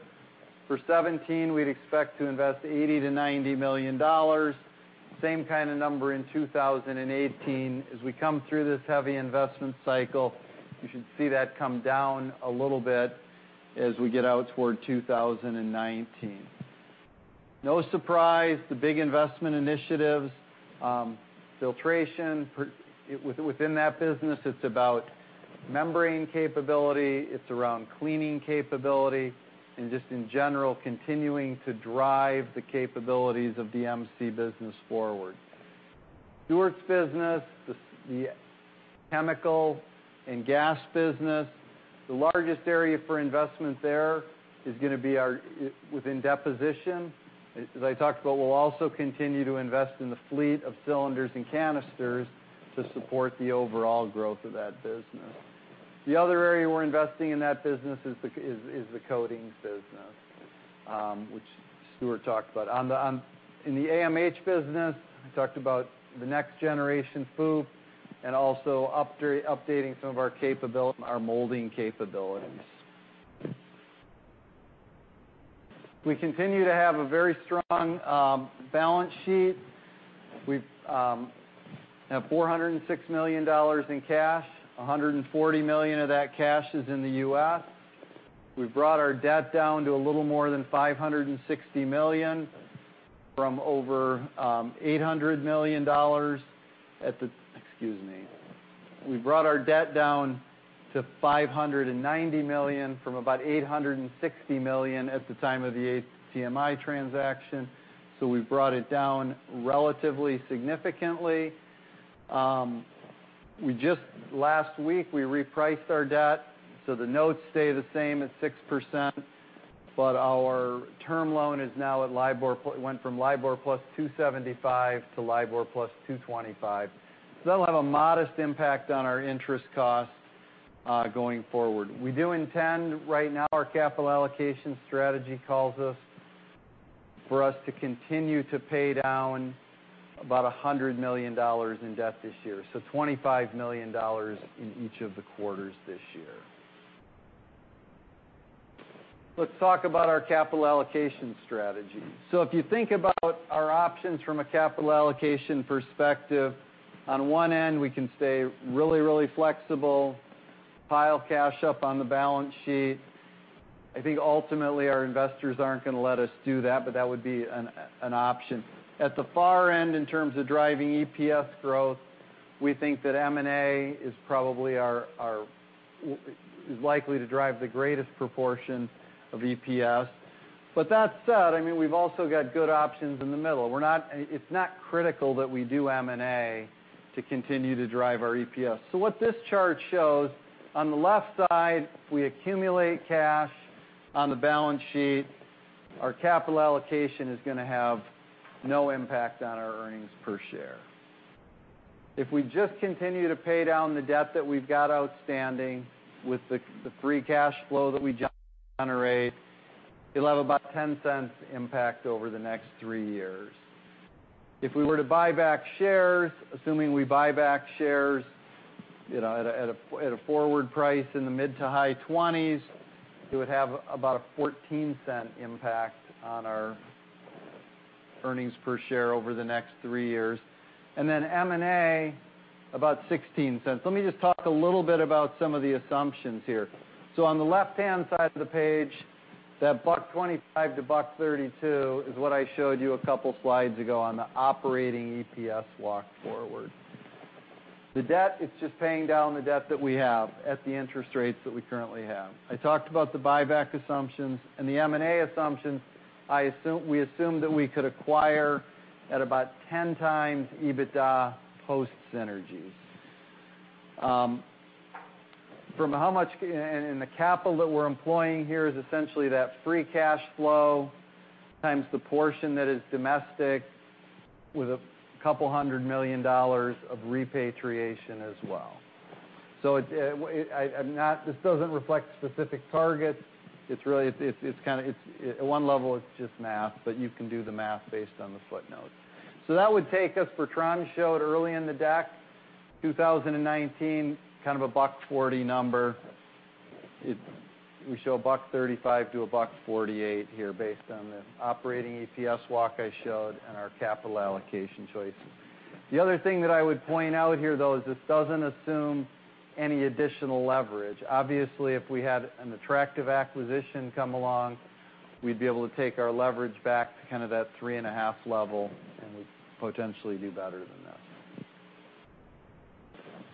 for 2017, we'd expect to invest $80 million-$90 million. Same kind of number in 2018. As we come through this heavy investment cycle, you should see that come down a little bit as we get out toward 2019. No surprise, the big investment initiatives, filtration. Within that business, it is about membrane capability, it is around cleaning capability, and just in general, continuing to drive the capabilities of the MC business forward. Stuart's business, the chemical and gas business, the largest area for investment there is going to be within deposition. As I talked about, we will also continue to invest in the fleet of cylinders and canisters to support the overall growth of that business. The other area we are investing in that business is the coatings business, which Stuart talked about. In the AMH business, we talked about the next generation FOUP and also updating some of our molding capabilities. We continue to have a very strong balance sheet. We have $406 million in cash. $140 million of that cash is in the U.S. We have brought our debt down to a little more than $560 million from over $800 million. Excuse me. We brought our debt down to $590 million from about $860 million at the time of the ATMI transaction. We have brought it down relatively significantly. Just last week, we repriced our debt, so the notes stay the same at 6%, but our term loan went from LIBOR plus 275 to LIBOR plus 225. That will have a modest impact on our interest cost going forward. We do intend right now, our capital allocation strategy calls for us to continue to pay down about $100 million in debt this year. $25 million in each of the quarters this year. Let's talk about our capital allocation strategy. If you think about our options from a capital allocation perspective, on one end, we can stay really flexible, pile cash up on the balance sheet. I think ultimately our investors are not going to let us do that, but that would be an option. At the far end, in terms of driving EPS growth, we think that M&A is likely to drive the greatest proportion of EPS. That said, we have also got good options in the middle. It is not critical that we do M&A to continue to drive our EPS. What this chart shows, on the left side, we accumulate cash on the balance sheet, our capital allocation is going to have no impact on our earnings per share. If we just continue to pay down the debt that we have got outstanding with the free cash flow that we generate, you will have about $0.10 impact over the next three years. If we were to buy back shares, assuming we buy back shares at a forward price in the mid to high 20s, it would have about a $0.14 impact on our earnings per share over the next three years. M&A, about $0.16. Let me just talk a little bit about some of the assumptions here. On the left-hand side of the page, that $1.25 to $1.32 is what I showed you a couple slides ago on the operating EPS walk forward. The debt, it is just paying down the debt that we have at the interest rates that we currently have. I talked about the buyback assumptions and the M&A assumptions, we assume that we could acquire at about 10x EBITDA post synergies. The capital that we're employing here is essentially that free cash flow times the portion that is domestic with $200 million of repatriation as well. This doesn't reflect specific targets. At one level, it's just math, you can do the math based on the footnotes. That would take us, Bertrand showed early in the deck, 2019, kind of a $1.40 number. We show $1.35-$1.48 here based on the operating EPS walk I showed and our capital allocation choices. The other thing that I would point out here, though, is this doesn't assume any additional leverage. Obviously, if we had an attractive acquisition come along, we'd be able to take our leverage back to kind of that 3.5 level, and we'd potentially do better than this.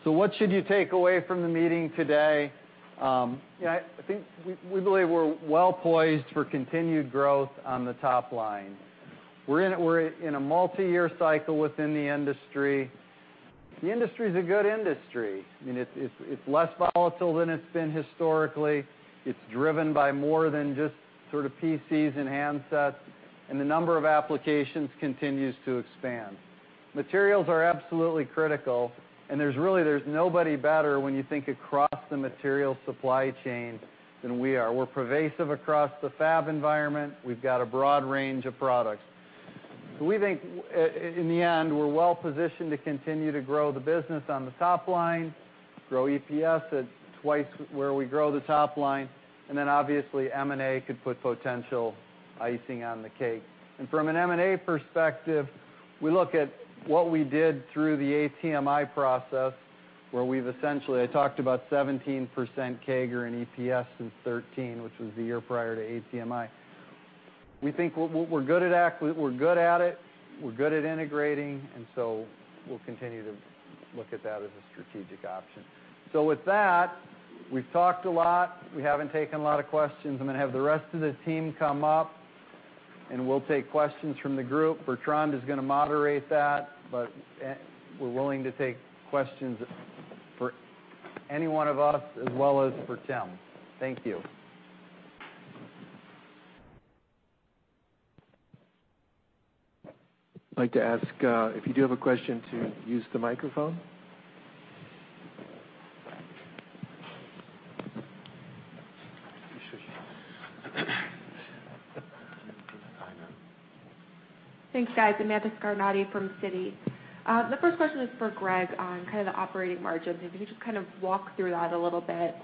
What should you take away from the meeting today? I think we believe we're well-poised for continued growth on the top line. We're in a multi-year cycle within the industry. The industry is a good industry. It's less volatile than it's been historically. It's driven by more than just sort of PCs and handsets, the number of applications continues to expand. Materials are absolutely critical, there's really nobody better when you think across the material supply chain than we are. We're pervasive across the fab environment. We've got a broad range of products. We think, in the end, we're well-positioned to continue to grow the business on the top line, grow EPS at twice where we grow the top line, M&A could put potential icing on the cake. From an M&A perspective, we look at what we did through the ATMI process, where we've essentially, I talked about 17% CAGR in EPS since 2013, which was the year prior to ATMI. We think we're good at it, we're good at integrating, we'll continue to look at that as a strategic option. With that, we've talked a lot. We haven't taken a lot of questions. I'm going to have the rest of the team come up, we'll take questions from the group. Bertrand is going to moderate that, we're willing to take questions for any one of us as well as for Tim. Thank you. I'd like to ask if you do have a question to use the microphone. Thanks, guys. Amanda Scarnati from Citi. The first question is for Greg on kind of the operating margins. If you could just kind of walk through that a little bit.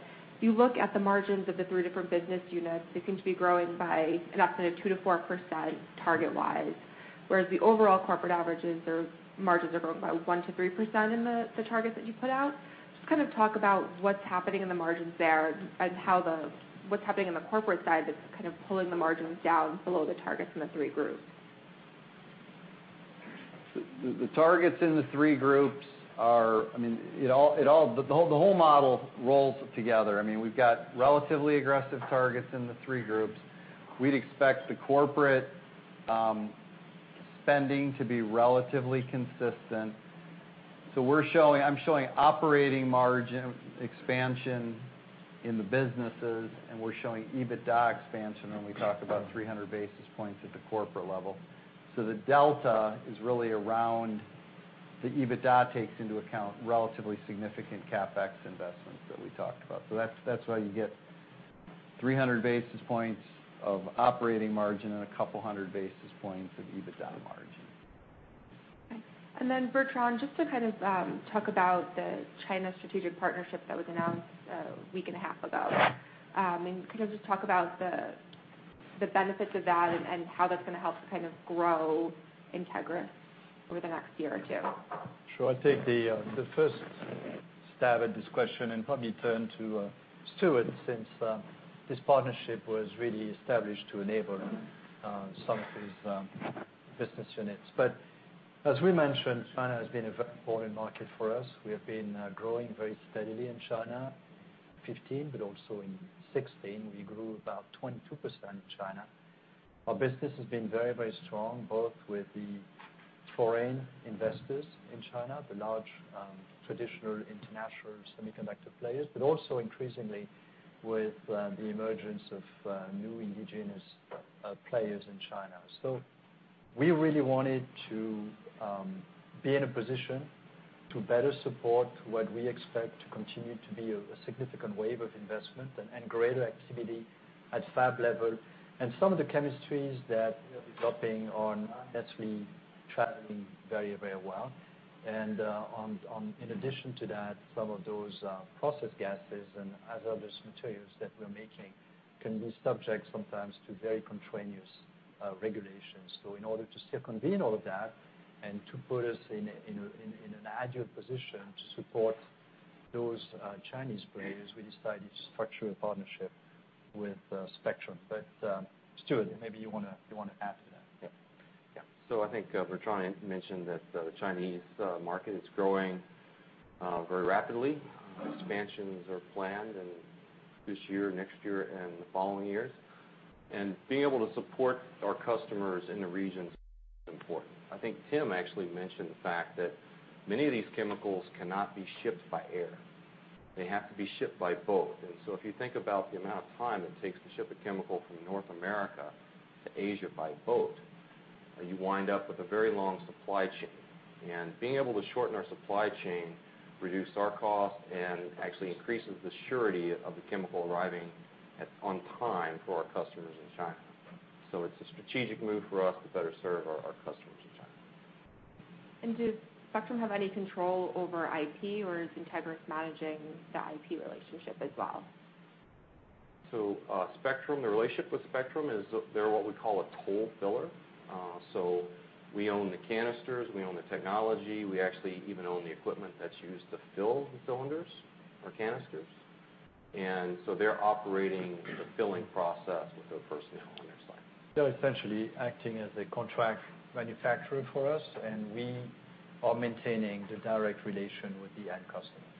You look at the margins of the three different business units, they seem to be growing by an estimate of 2%-4% target-wise, whereas the overall corporate averages or margins are growing by 1%-3% in the targets that you put out. Just kind of talk about what's happening in the margins there and what's happening on the corporate side that's kind of pulling the margins down below the targets in the three groups. The targets in the three groups. The whole model rolls together. We've got relatively aggressive targets in the three groups. We'd expect the corporate spending to be relatively consistent. I'm showing operating margin expansion in the businesses, and we're showing EBITDA expansion when we talk about 300 basis points at the corporate level. The delta is really around The EBITDA takes into account relatively significant CapEx investments that we talked about. That's why you get 300 basis points of operating margin and a couple hundred basis points of EBITDA margin. Okay. Bertrand, just to talk about the China strategic partnership that was announced a week and a half ago. Can you just talk about the benefits of that and how that's going to help to grow Entegris over the next year or two? Sure. I'll take the first stab at this question and probably turn to Stuart, since this partnership was really established to enable some of his business units. As we mentioned, China has been a very important market for us. We have been growing very steadily in China, 2015, but also in 2016. We grew about 22% in China. Our business has been very strong, both with the foreign investors in China, the large, traditional international semiconductor players, but also increasingly with the emergence of new indigenous players in China. We really wanted to be in a position to better support what we expect to continue to be a significant wave of investment and greater activity at fab level. Some of the chemistries that we are developing are not necessarily traveling very well. In addition to that, some of those process gases and other materials that we're making can be subject sometimes to very continuous regulations. In order to still convene all of that and to put us in an agile position to support those Chinese players, we decided to structure a partnership with Spectrum Materials. Stuart, maybe you want to add to that. Yeah. I think Bertrand mentioned that the Chinese market is growing very rapidly. Expansions are planned in this year, next year, and the following years. Being able to support our customers in the region is important. I think Tim Hendry actually mentioned the fact that many of these chemicals cannot be shipped by air. They have to be shipped by boat. If you think about the amount of time it takes to ship a chemical from North America to Asia by boat, you wind up with a very long supply chain. Being able to shorten our supply chain reduced our cost and actually increases the surety of the chemical arriving on time for our customers in China. It's a strategic move for us to better serve our customers in China. Does Spectrum have any control over IP, or is Entegris managing the IP relationship as well? The relationship with Spectrum is they're what we call a toll filler. We own the canisters, we own the technology, we actually even own the equipment that's used to fill the cylinders or canisters. They're operating the filling process with their personnel on their side. They're essentially acting as a contract manufacturer for us, and we are maintaining the direct relation with the end customer. Yeah. Okay.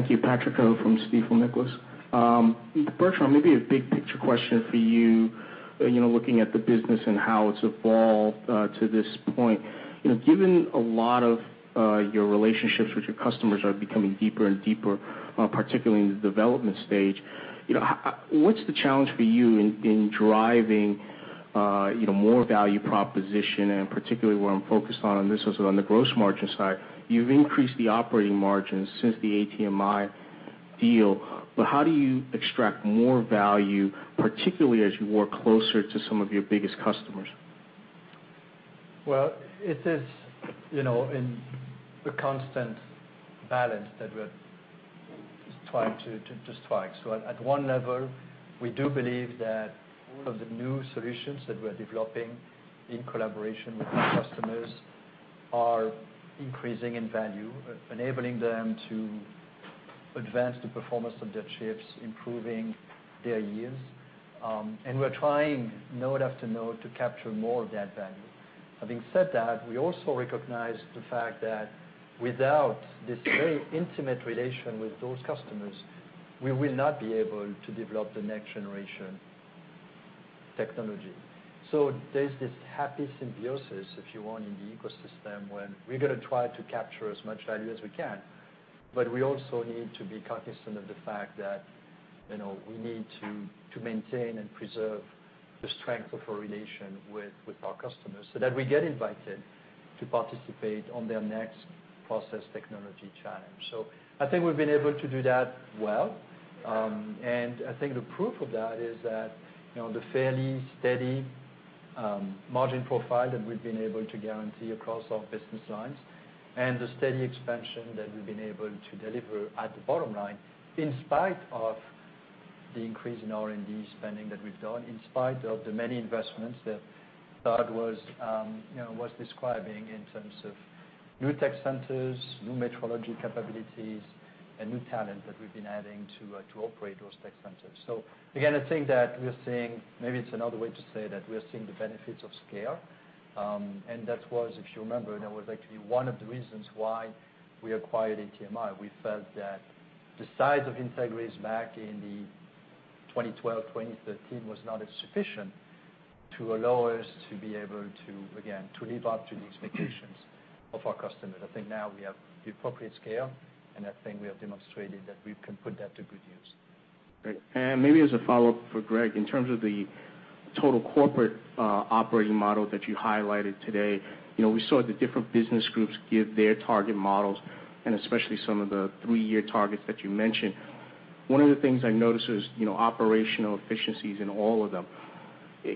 Thank you. Patrick Ho from Stifel Nicolaus. Bertrand, maybe a big picture question for you, looking at the business and how it's evolved to this point. Given a lot of your relationships with your customers are becoming deeper and deeper, particularly in the development stage, what's the challenge for you in driving more value proposition and particularly where I'm focused on, and this was on the gross margin side. You've increased the operating margin since the ATMI deal, how do you extract more value, particularly as you work closer to some of your biggest customers? Well, it is in the constant balance that we're trying to strike. At one level, we do believe that all of the new solutions that we're developing in collaboration with our customers are increasing in value, enabling them to advance the performance of their chips, improving their yields. We're trying node after node to capture more of that value. Having said that, we also recognize the fact that without this very intimate relation with those customers, we will not be able to develop the next generation technology. There's this happy symbiosis, if you want, in the ecosystem, when we're going to try to capture as much value as we can. We also need to be cognizant of the fact that we need to maintain and preserve the strength of our relation with our customers so that we get invited to participate on their next process technology challenge. I think we've been able to do that well. I think the proof of that is that the fairly steady margin profile that we've been able to guarantee across our business lines and the steady expansion that we've been able to deliver at the bottom line, in spite of the increase in R&D spending that we've done, in spite of the many investments that Todd was describing in terms of new tech centers, new metrology capabilities, and new talent that we've been adding to operate those tech centers. Again, I think that we're seeing, maybe it's another way to say that we're seeing the benefits of scale. That was, if you remember, that was actually one of the reasons why we acquired ATMI. We felt that the size of Entegris back in 2012, 2013 was not as sufficient to allow us to be able to, again, live up to the expectations of our customers. I think now we have the appropriate scale, I think we have demonstrated that we can put that to good use. Great. Maybe as a follow-up for Greg, in terms of the total corporate operating model that you highlighted today. We saw the different business groups give their target models and especially some of the three-year targets that you mentioned. One of the things I noticed was operational efficiencies in all of them.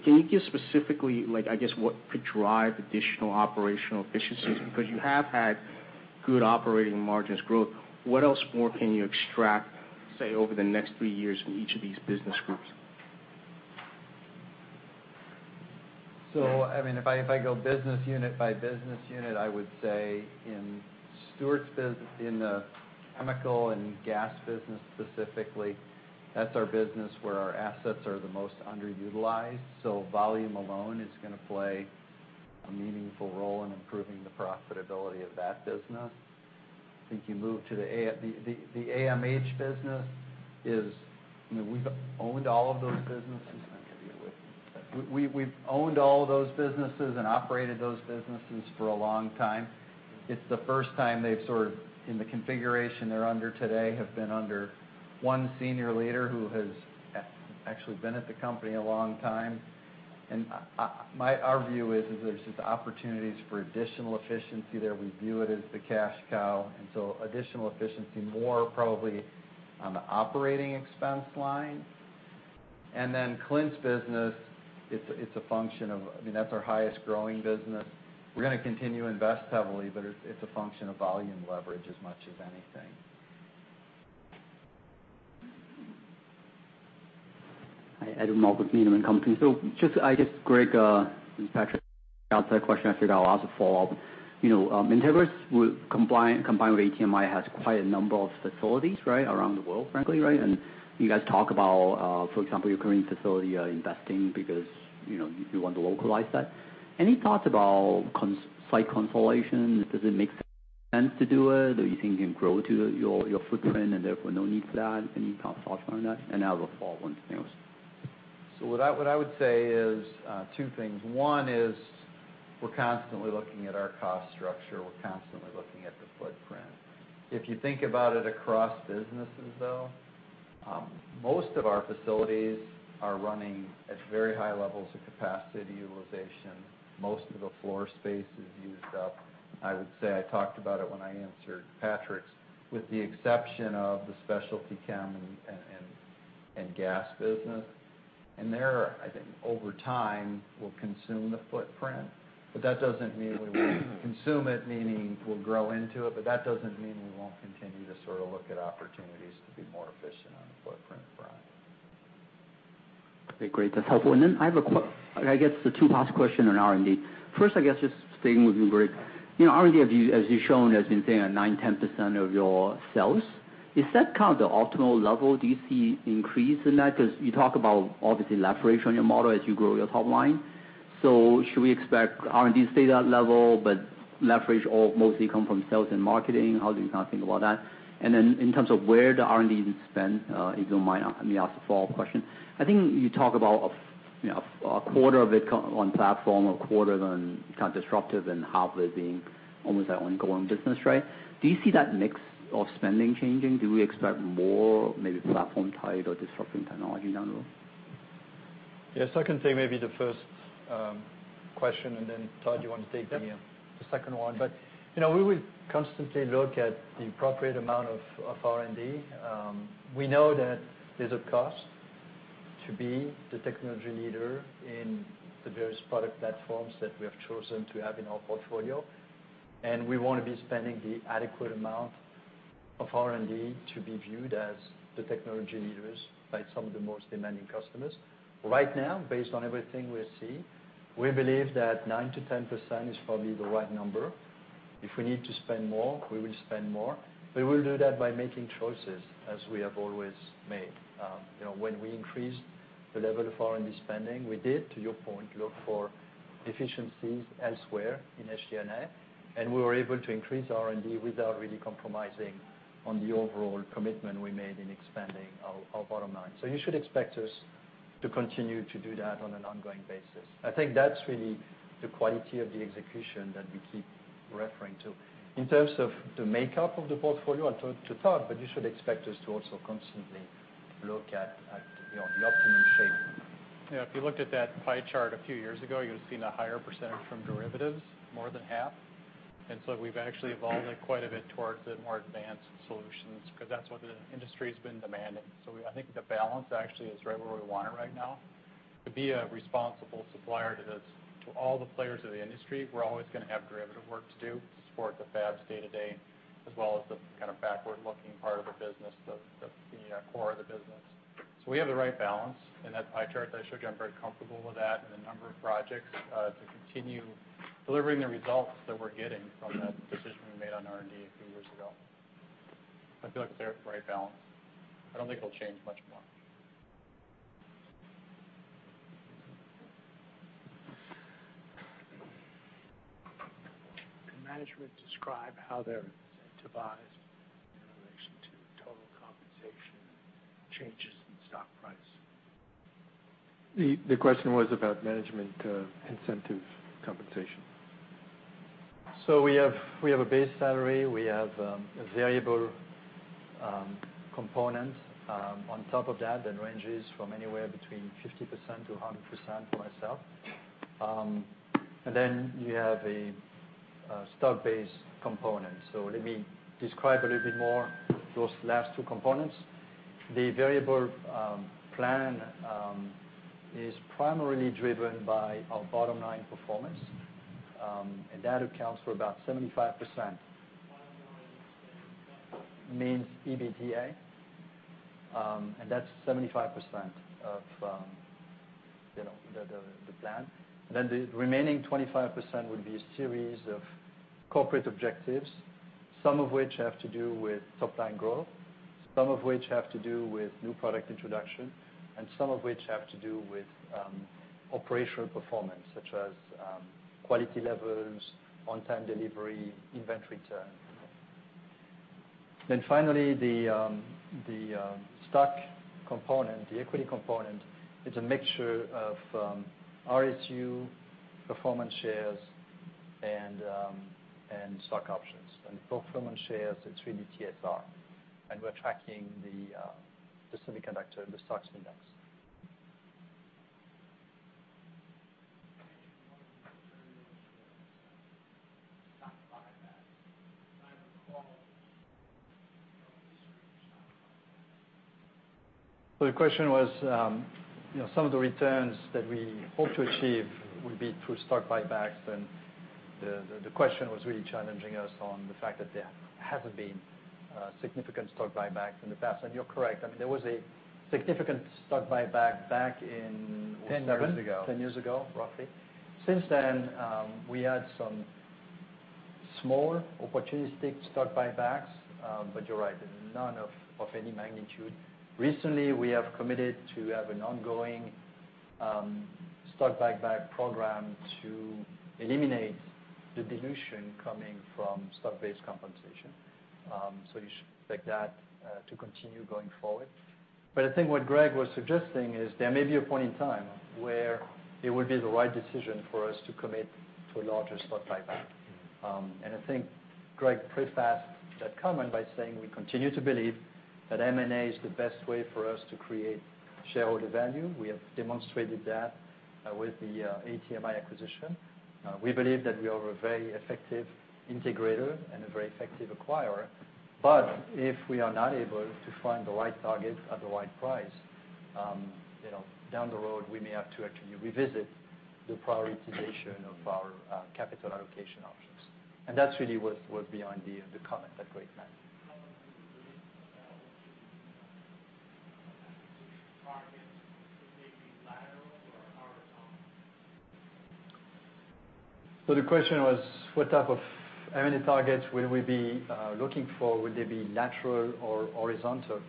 Can you give specifically, I guess, what could drive additional operational efficiencies? Because you have had good operating margins growth. What else more can you extract, say, over the next three years from each of these business groups? If I go business unit by business unit, I would say in Stuart's business, in the chemical and gas business specifically, that's our business where our assets are the most underutilized. Volume alone is going to play a meaningful role in improving the profitability of that business. I think you move to the AMH business, we've owned all of those businesses and operated those businesses for a long time. It's the first time they've sort of, in the configuration they're under today, have been under one senior leader who has actually been at the company a long time. Our view is that there's just opportunities for additional efficiency there. We view it as the cash cow, additional efficiency, more probably on the operating expense line. Clint's business. That's our highest growing business. We're going to continue to invest heavily, but it's a function of volume leverage as much as anything. Hi, Ed with Company. Greg, Patrick, question, actually, I'll ask a follow-up. Entegris, combined with ATMI, has quite a number of facilities, right? Around the world, frankly, right? You guys talk about, for example, your current facility investing because you want to localize that. Any thoughts about site consolidation? Does it make sense to do it? Or you think you can grow to your footprint and therefore no need for that? Any thoughts on that? I have a follow-up one to. What I would say is two things. One is we're constantly looking at our cost structure. We're constantly looking at the footprint. If you think about it across businesses, though, most of our facilities are running at very high levels of capacity utilization. Most of the floor space is used up. I would say I talked about it when I answered Patrick's, with the exception of the specialty chem and gas business. There, I think over time, we'll consume the footprint. That doesn't mean we won't consume it, meaning we'll grow into it, that doesn't mean we won't continue to sort of look at opportunities to be more efficient on the footprint front. Okay, great. That's helpful. I guess the two last questions on R&D. First, I guess just staying with you, Greg. R&D, as you've shown, has been staying at nine, 10% of your sales. Is that kind of the optimal level? Do you see an increase in that? You talk about obviously leverage on your model as you grow your top line. Should we expect R&D to stay that level, but leverage all mostly come from sales and marketing? How do you kind of think about that? In terms of where the R&D is spent, if you don't mind me asking a follow-up question. I think you talk about a quarter of it on platform, a quarter on kind of disruptive, and half of it being almost on ongoing business, right? Do you see that mix of spending changing? Do we expect more maybe platform type or disruptive technology down the road? Yes, I can take maybe the first question, Todd, you want to take the second one. We will constantly look at the appropriate amount of R&D. We know that there's a cost to be the technology leader in the various product platforms that we have chosen to have in our portfolio. We want to be spending the adequate amount of R&D to be viewed as the technology leaders by some of the most demanding customers. Right now, based on everything we're seeing, we believe that nine to 10% is probably the right number. If we need to spend more, we will spend more. We will do that by making choices, as we have always made. When we increased the level of R&D spending, we did, to your point, look for efficiencies elsewhere in SG&A, we were able to increase R&D without really compromising on the overall commitment we made in expanding our bottom line. You should expect us to continue to do that on an ongoing basis. I think that's really the quality of the execution that we keep referring to. In terms of the makeup of the portfolio, I turn to Todd, you should expect us to also constantly look at the optimum shape. Yeah, if you looked at that pie chart a few years ago, you would've seen a higher percentage from derivatives, more than half. We've actually evolved it quite a bit towards the more advanced solutions because that's what the industry's been demanding. I think the balance actually is right where we want it right now. To be a responsible supplier to this, to all the players of the industry, we're always going to have derivative work to do to support the fabs day-to-day, as well as the kind of backward-looking part of the business, the core of the business. We have the right balance in that pie chart that I showed you. I'm very comfortable with that and the number of projects, to continue delivering the results that we're getting from that decision we made on R&D a few years ago. I feel like it's the right balance. I don't think it'll change much more. Management describe how they're incentivized in relation to total compensation changes in stock price. The question was about management incentive compensation. We have a base salary. We have a variable component on top of that ranges from anywhere between 50%-100% for myself. You have a stock-based component. Let me describe a little bit more those last two components. The variable plan is primarily driven by our bottom line performance, and that accounts for about 75%. Bottom line meaning? Means EBITDA, and that's 75% of the plan. The remaining 25% would be a series of corporate objectives, some of which have to do with top-line growth, some of which have to do with new product introduction, and some of which have to do with operational performance, such as quality levels, on-time delivery, inventory turn. Finally, the stock component, the equity component, is a mixture of RSU, performance shares, and stock options. Performance shares, it's really TSR. We're tracking the semiconductor, the stocks index. Do you want to do stock buybacks? Because I recall stock buybacks. The question was, some of the returns that we hope to achieve will be through stock buybacks. The question was really challenging us on the fact that there haven't been significant stock buybacks in the past. You're correct. There was a significant stock buyback. 10 years ago. 10 years ago, roughly. Since then, we had some small opportunistic stock buybacks. You're right, none of any magnitude. Recently, we have committed to have an ongoing stock buyback program to eliminate the dilution coming from stock-based compensation. You should expect that to continue going forward. I think what Greg was suggesting is there may be a point in time where it would be the right decision for us to commit to a larger stock buyback. I think Greg prefaced that comment by saying we continue to believe that M&A is the best way for us to create shareholder value. We have demonstrated that with the ATMI acquisition. We believe that we are a very effective integrator and a very effective acquirer. If we are not able to find the right target at the right price, down the road, we may have to actually revisit the prioritization of our capital allocation options. That's really what's behind the comment that Greg made. How long have you been acquisition targets? Will they be lateral or horizontal? The question was, what type of M&A targets will we be looking for? Will they be lateral or horizontal?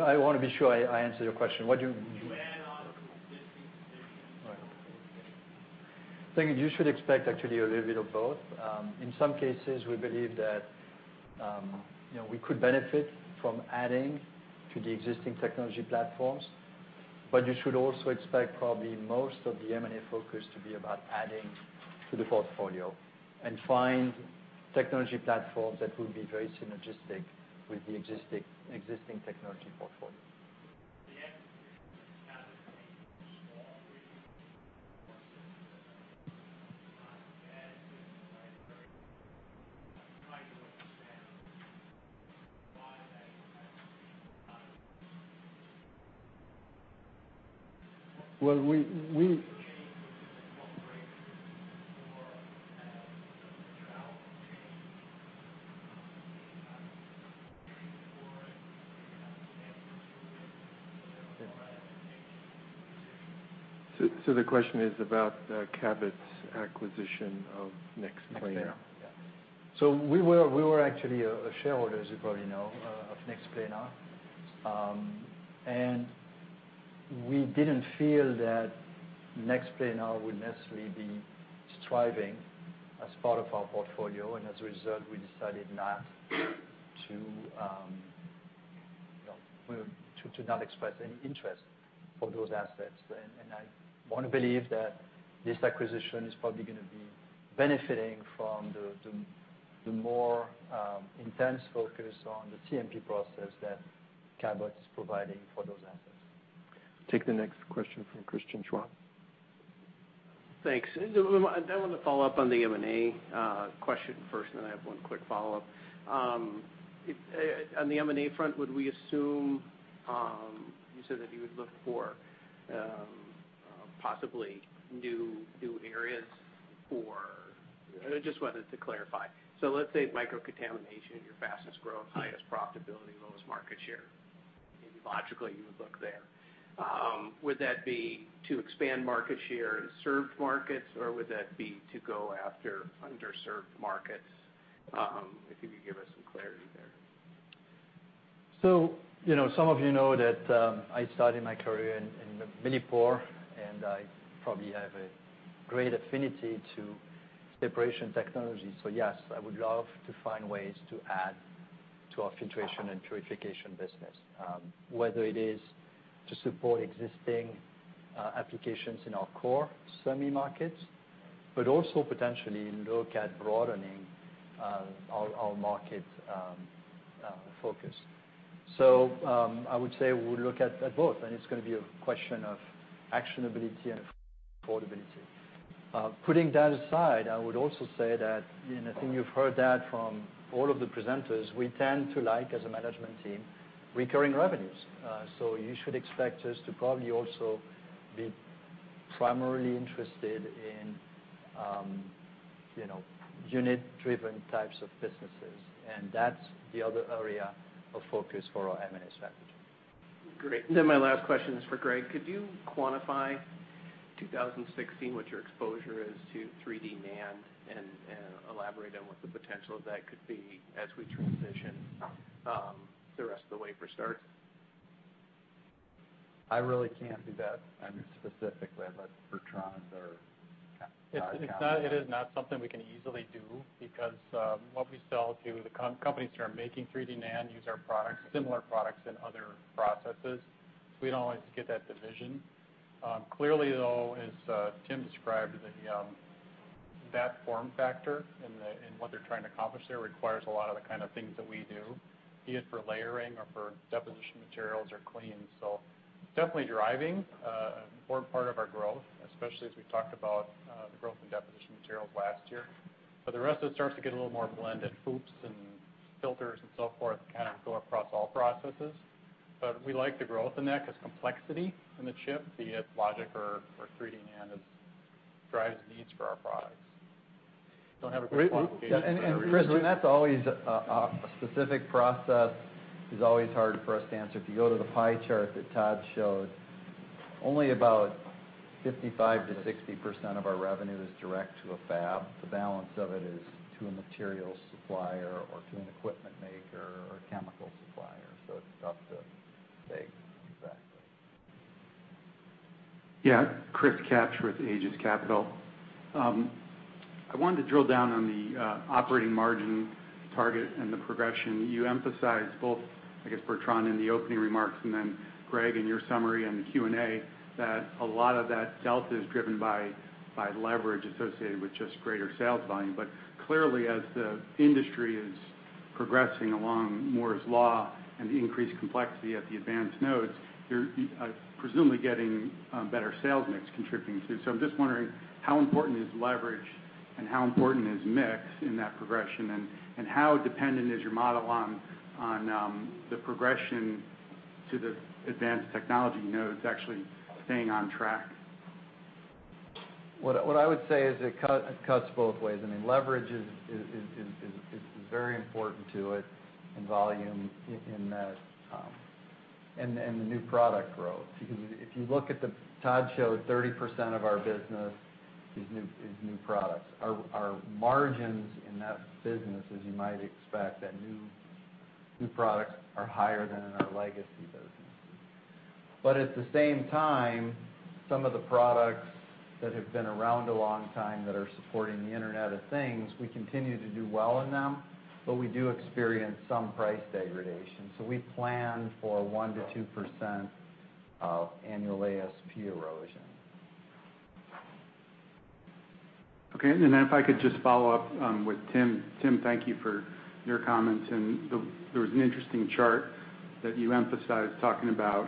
I want to be sure I answer your question. What do you Do you add on to existing I think you should expect actually a little bit of both. In some cases, we believe that we could benefit from adding to the existing technology platforms. You should also expect probably most of the M&A focus to be about adding to the portfolio and find technology platforms that will be very synergistic with the existing technology portfolio. Cabot understand why that Well. change and what breaks or have the material change for it. Do you have a standard for it? There was more identification. The question is about Cabot's acquisition of NexPlanar. NexPlanar. We were actually a shareholder, as you probably know, of NexPlanar. We didn't feel that NexPlanar would necessarily be thriving as part of our portfolio, as a result, we decided to not express any interest for those assets. I want to believe that this acquisition is probably going to be benefiting from the more intense focus on the CMP process that Cabot is providing for those assets. Take the next question from Christian Schwab. Thanks. I want to follow up on the M&A question first. I have one quick follow-up. On the M&A front, you said that you would look for possibly new areas. I just wanted to clarify. Let's say microcontamination, your fastest growth, highest profitability, lowest market share. Maybe logically you would look there. Would that be to expand market share in served markets, or would that be to go after underserved markets? If you could give us some clarity there. Some of you know that I started my career in Mykrolis. I probably have a great affinity to separation technology. Yes, I would love to find ways to add to our filtration and purification business, whether it is to support existing applications in our core semi markets, also potentially look at broadening our market focus. I would say we would look at both, it's going to be a question of actionability and affordability. Putting that aside, I would also say that, I think you've heard that from all of the presenters, we tend to like, as a management team, recurring revenues. You should expect us to probably also be primarily interested in unit-driven types of businesses. That's the other area of focus for our M&A strategy. My last question is for Greg. Could you quantify 2016, what your exposure is to 3D NAND, and elaborate on what the potential of that could be as we transition the rest of the way for starts? I really can't do that, I mean, specifically, but Bertrand or Todd can. It is not something we can easily do because what we sell to the companies who are making 3D NAND use our products, similar products in other processes. We don't always get that division. Clearly, though, as Tim described, that form factor and what they're trying to accomplish there requires a lot of the kind of things that we do, be it for layering or for deposition materials or clean. Definitely driving an important part of our growth, especially as we talked about the growth in deposition materials last year. The rest of it starts to get a little more blended. FOUPs and filters and so forth kind of go across all processes. We like the growth in that because complexity in the chip, be it logic or 3D NAND, drives needs for our products. Chris, a specific process is always hard for us to answer. If you go to the pie chart that Todd showed, only about 55%-60% of our revenue is direct to a fab. The balance of it is to a materials supplier or to an equipment maker or a chemical supplier. It's tough to say exactly. Chris Kapsch with Aegis Capital. I wanted to drill down on the operating margin target and the progression. You emphasized both, I guess, Bertrand, in the opening remarks, and then Greg, in your summary and the Q&A, that a lot of that delta is driven by leverage associated with just greater sales volume. Clearly, as the industry is progressing along Moore's Law and the increased complexity at the advanced nodes, you're presumably getting better sales mix contributing too. I'm just wondering, how important is leverage and how important is mix in that progression, and how dependent is your model on the progression to the advanced technology nodes actually staying on track? What I would say is it cuts both ways. I mean, leverage is very important to it in volume and the new product growth. If you look at, Todd showed 30% of our business is new products. Our margins in that business, as you might expect, that new products are higher than in our legacy businesses. At the same time, some of the products that have been around a long time that are supporting the Internet of Things, we continue to do well in them, but we do experience some price degradation. We plan for 1%-2% of annual ASP erosion. Okay, if I could just follow up with Tim. Tim, thank you for your comments, there was an interesting chart that you emphasized talking about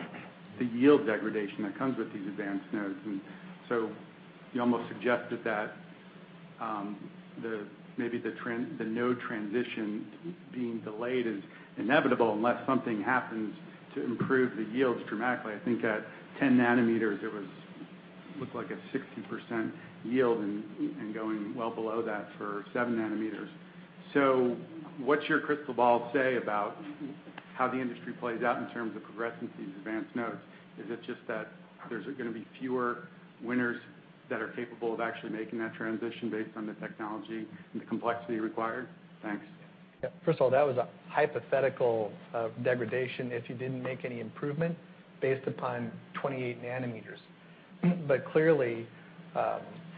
the yield degradation that comes with these advanced nodes. You almost suggested that maybe the node transition being delayed is inevitable unless something happens to improve the yields dramatically. I think at 10 nanometers, it looked like a 60% yield, and going well below that for seven nanometers. What's your crystal ball say about how the industry plays out in terms of progressing to these advanced nodes? Is it just that there's going to be fewer winners that are capable of actually making that transition based on the technology and the complexity required? Thanks. Yeah. First of all, that was a hypothetical of degradation if you didn't make any improvement based upon 28 nanometers. Clearly,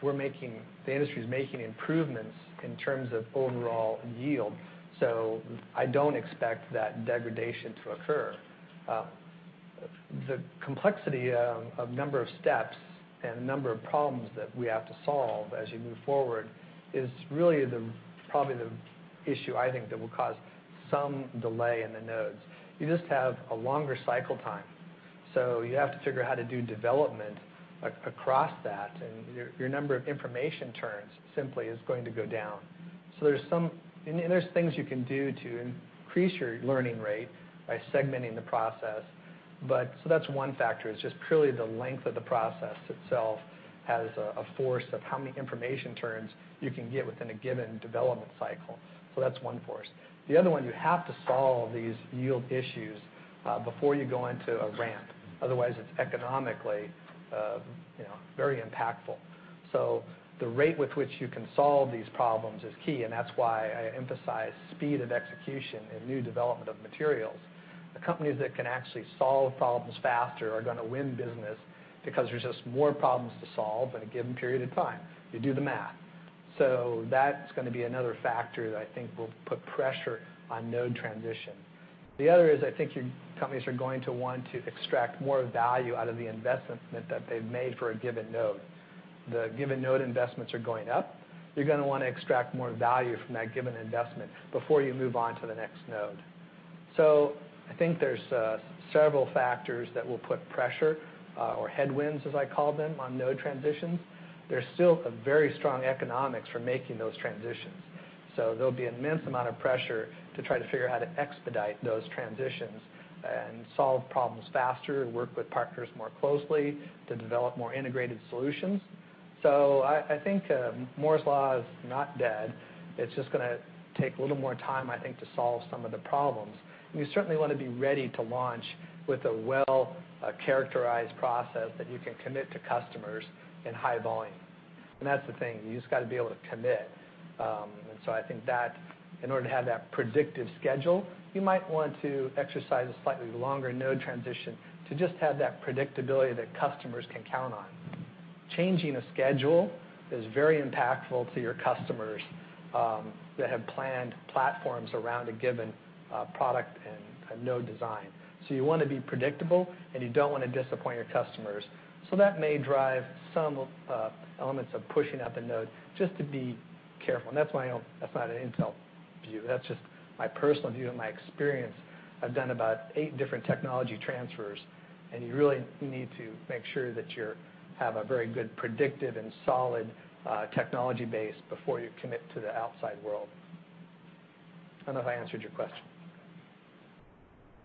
the industry's making improvements in terms of overall yield. I don't expect that degradation to occur. The complexity of number of steps and number of problems that we have to solve as you move forward is really probably the issue I think that will cause some delay in the nodes. You just have a longer cycle time. You have to figure out how to do development across that, and your number of information turns simply is going to go down. There's things you can do to increase your learning rate by segmenting the process. That's one factor, is just purely the length of the process itself has a force of how many information turns you can get within a given development cycle. That's one force. The other one, you have to solve these yield issues before you go into a ramp. Otherwise, it's economically very impactful. The rate with which you can solve these problems is key, and that's why I emphasize speed of execution and new development of materials. The companies that can actually solve problems faster are going to win business because there's just more problems to solve in a given period of time. You do the math. That's going to be another factor that I think will put pressure on node transition. The other is, I think companies are going to want to extract more value out of the investment that they've made for a given node. The given node investments are going up. You're going to want to extract more value from that given investment before you move on to the next node. I think there's several factors that will put pressure or headwinds, as I call them, on node transitions. There's still a very strong economics for making those transitions. There'll be immense amount of pressure to try to figure how to expedite those transitions and solve problems faster, work with partners more closely to develop more integrated solutions. I think Moore's Law is not dead. It's just going to take a little more time, I think, to solve some of the problems. You certainly want to be ready to launch with a well-characterized process that you can commit to customers in high volume. That's the thing, you just got to be able to commit. I think that in order to have that predictive schedule, you might want to exercise a slightly longer node transition to just have that predictability that customers can count on. Changing a schedule is very impactful to your customers that have planned platforms around a given product and a node design. You want to be predictable, and you don't want to disappoint your customers. That may drive some elements of pushing out the node, just to be careful. That's why I know that's not an Intel view. That's just my personal view and my experience. I've done about eight different technology transfers, and you really need to make sure that you have a very good predictive and solid technology base before you commit to the outside world. I don't know if I answered your question.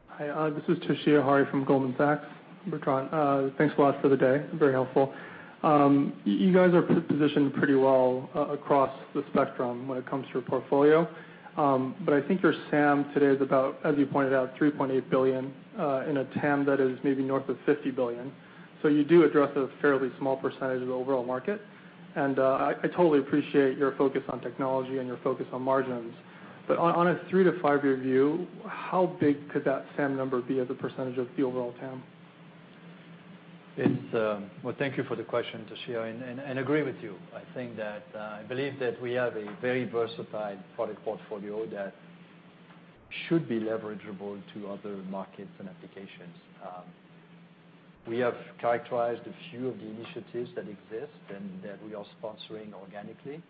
Hi, this is Toshiya Hari from Goldman Sachs. Bertrand, thanks a lot for the day. Very helpful. You guys are positioned pretty well across the spectrum when it comes to your portfolio. I think your SAM today is about, as you pointed out, $3.8 billion, in a TAM that is maybe north of $50 billion. You do address a fairly small percentage of the overall market. I totally appreciate your focus on technology and your focus on margins. On a three to five-year view, how big could that SAM number be as a percentage of the overall TAM? Thank you for the question, Toshiya. I agree with you. I believe that we have a very diversified product portfolio that should be leverageable to other markets and applications. We have characterized a few of the initiatives that exist and that we are sponsoring organically.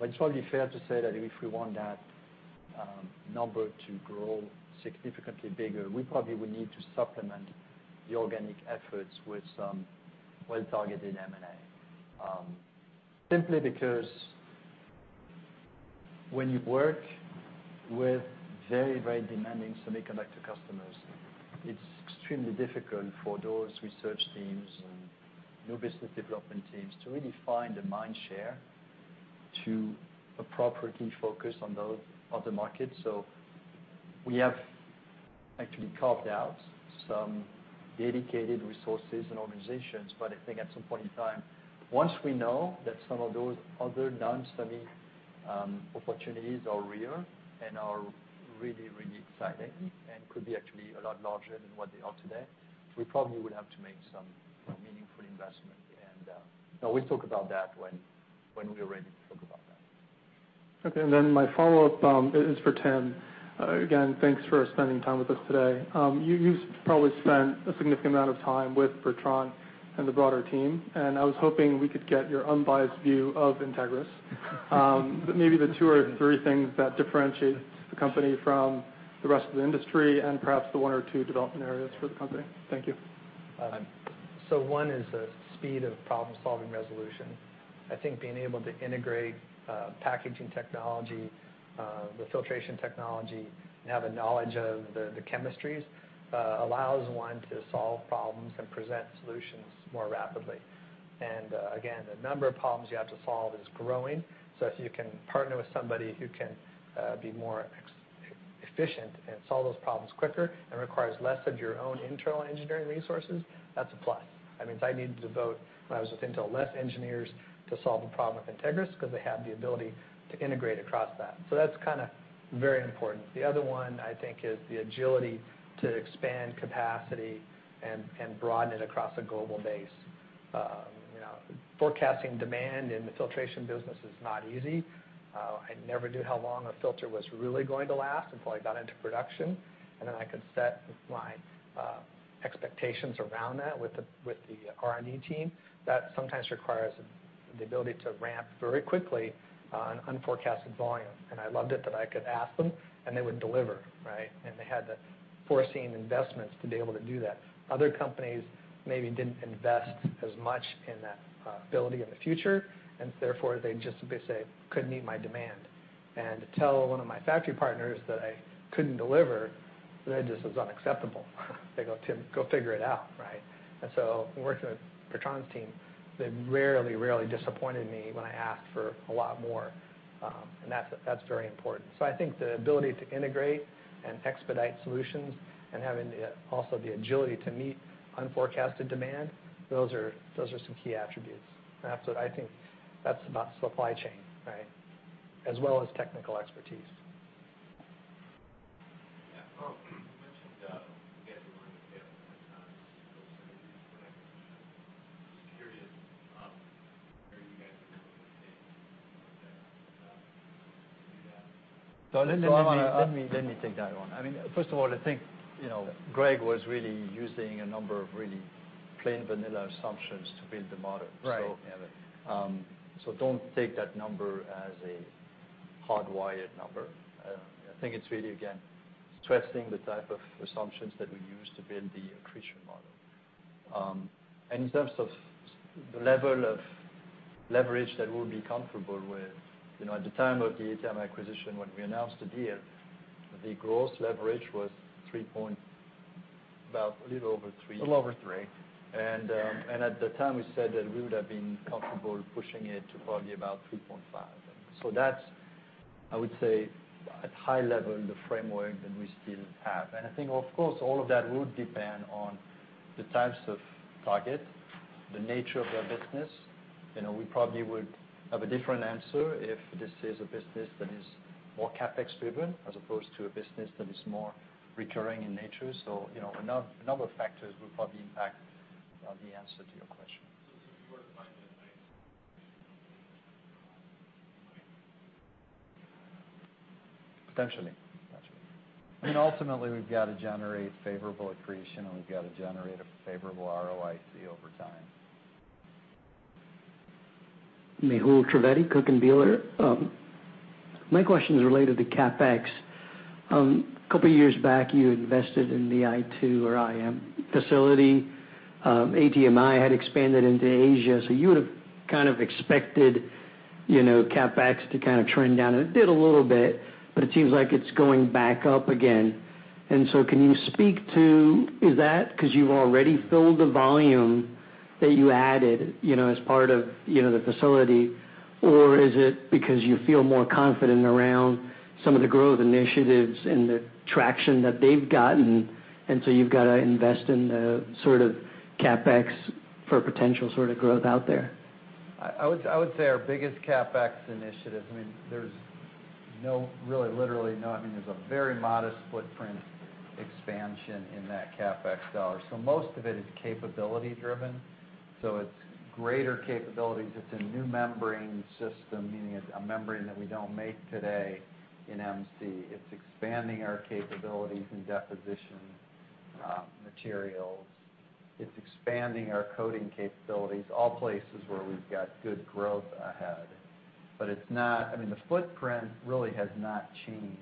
It's probably fair to say that if we want that number to grow significantly bigger, we probably would need to supplement the organic efforts with some well-targeted M&A. Simply because when you work with very demanding semiconductor customers, it's extremely difficult for those research teams and new business development teams to really find a mind share to appropriately focus on the other markets. We have actually carved out some dedicated resources and organizations. I think at some point in time, once we know that some of those other non-semi opportunities are real and are really exciting and could be actually a lot larger than what they are today, we probably would have to make some meaningful investment. We'll talk about that when we are ready to talk about that. My follow-up is for Tim. Thanks for spending time with us today. You've probably spent a significant amount of time with Bertrand and the broader team. I was hoping we could get your unbiased view of Entegris. Maybe the two or three things that differentiate the company from the rest of the industry, and perhaps the one or two development areas for the company. Thank you. One is the speed of problem-solving resolution. I think being able to integrate packaging technology, the filtration technology, and have a knowledge of the chemistries allows one to solve problems and present solutions more rapidly. The number of problems you have to solve is growing, if you can partner with somebody who can be more efficient and solve those problems quicker and requires less of your own internal engineering resources, that's a plus. That means I needed to devote, when I was with Intel, less engineers to solve a problem with Entegris because they had the ability to integrate across that. That's kind of very important. The other one, I think, is the agility to expand capacity and broaden it across a global base. Forecasting demand in the filtration business is not easy. I never knew how long a filter was really going to last until I got into production, then I could set my expectations around that with the R&D team. That sometimes requires the ability to ramp very quickly on unforecasted volume. I loved it that I could ask them, and they would deliver, right? They had the foreseen investments to be able to do that. Other companies maybe didn't invest as much in that ability in the future, therefore they just, basically, couldn't meet my demand. To tell one of my factory partners that I couldn't deliver, that just was unacceptable. They go, "Tim, go figure it out," right? Working with Bertrand's team, they've rarely disappointed me when I ask for a lot more. That's very important. I think the ability to integrate and expedite solutions and having also the agility to meet unforecasted demand, those are some key attributes. That's what I think, that's about supply chain, right? As well as technical expertise. Yeah. You mentioned you guys are running the ATMI acquisition. Just curious where you guys are comfortable with the state to do that? Let me. I want to- Let me take that one. First of all, I think, Greg was really using a number of really plain vanilla assumptions to build the model. Right. Yeah. Don't take that number as a hardwired number. I think it's really, again, stressing the type of assumptions that we use to build the accretion model. In terms of the level of leverage that we'll be comfortable with, at the time of the ATMI acquisition, when we announced the deal, the gross leverage was about a little over three. A little over three. At the time, we said that we would have been comfortable pushing it to probably about 3.5. That's, I would say, at high level, the framework that we still have. I think, of course, all of that would depend on the types of target, the nature of their business. We probably would have a different answer if this is a business that is more CapEx driven as opposed to a business that is more recurring in nature. A number of factors will probably impact the answer to your question. If you were to find that. Potentially. I mean, ultimately, we've got to generate favorable accretion, and we've got to generate a favorable ROIC over time. Mehul Trivedi, Cooke & Bieler. My question is related to CapEx. A couple of years back, you invested in the i2M facility. ATMI had expanded into Asia, so you would've kind of expected CapEx to kind of trend down, and it did a little bit, but it seems like it's going back up again. Can you speak to, is that because you've already filled the volume that you added as part of the facility? Or is it because you feel more confident around some of the growth initiatives and the traction that they've gotten, so you've got to invest in the sort of CapEx for potential sort of growth out there? I would say our biggest CapEx initiative, there's really literally nothing. There's a very modest footprint expansion in that CapEx dollar. Most of it is capability driven, so it's greater capabilities. It's a new membrane system, meaning it's a membrane that we don't make today in MC. It's expanding our capabilities in deposition materials. It's expanding our coding capabilities, all places where we've got good growth ahead. The footprint really has not changed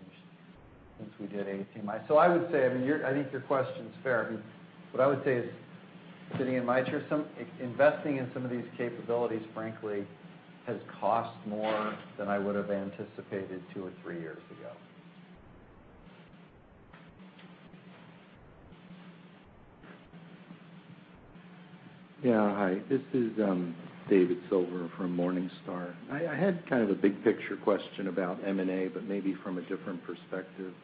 since we did ATMI. I would say, I think your question's fair. What I would say is, sitting in my chair, investing in some of these capabilities, frankly, has cost more than I would've anticipated two or three years ago. Yeah. Hi, this is David Silver from Morningstar. I had kind of a big picture question about M&A, but maybe from a different perspective.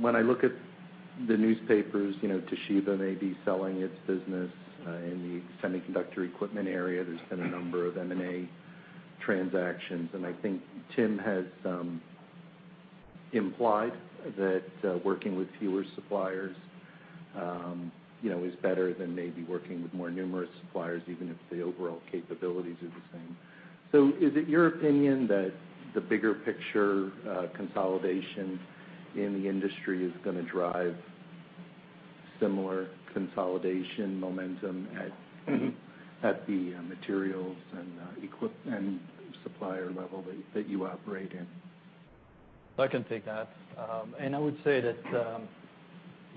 When I look at the newspapers, Toshiba may be selling its business in the semiconductor equipment area. There's been a number of M&A transactions, and I think Tim has implied that working with fewer suppliers is better than maybe working with more numerous suppliers, even if the overall capabilities are the same. Is it your opinion that the bigger picture consolidation in the industry is going to drive similar consolidation momentum at the materials and supplier level that you operate in? I can take that. I would say that,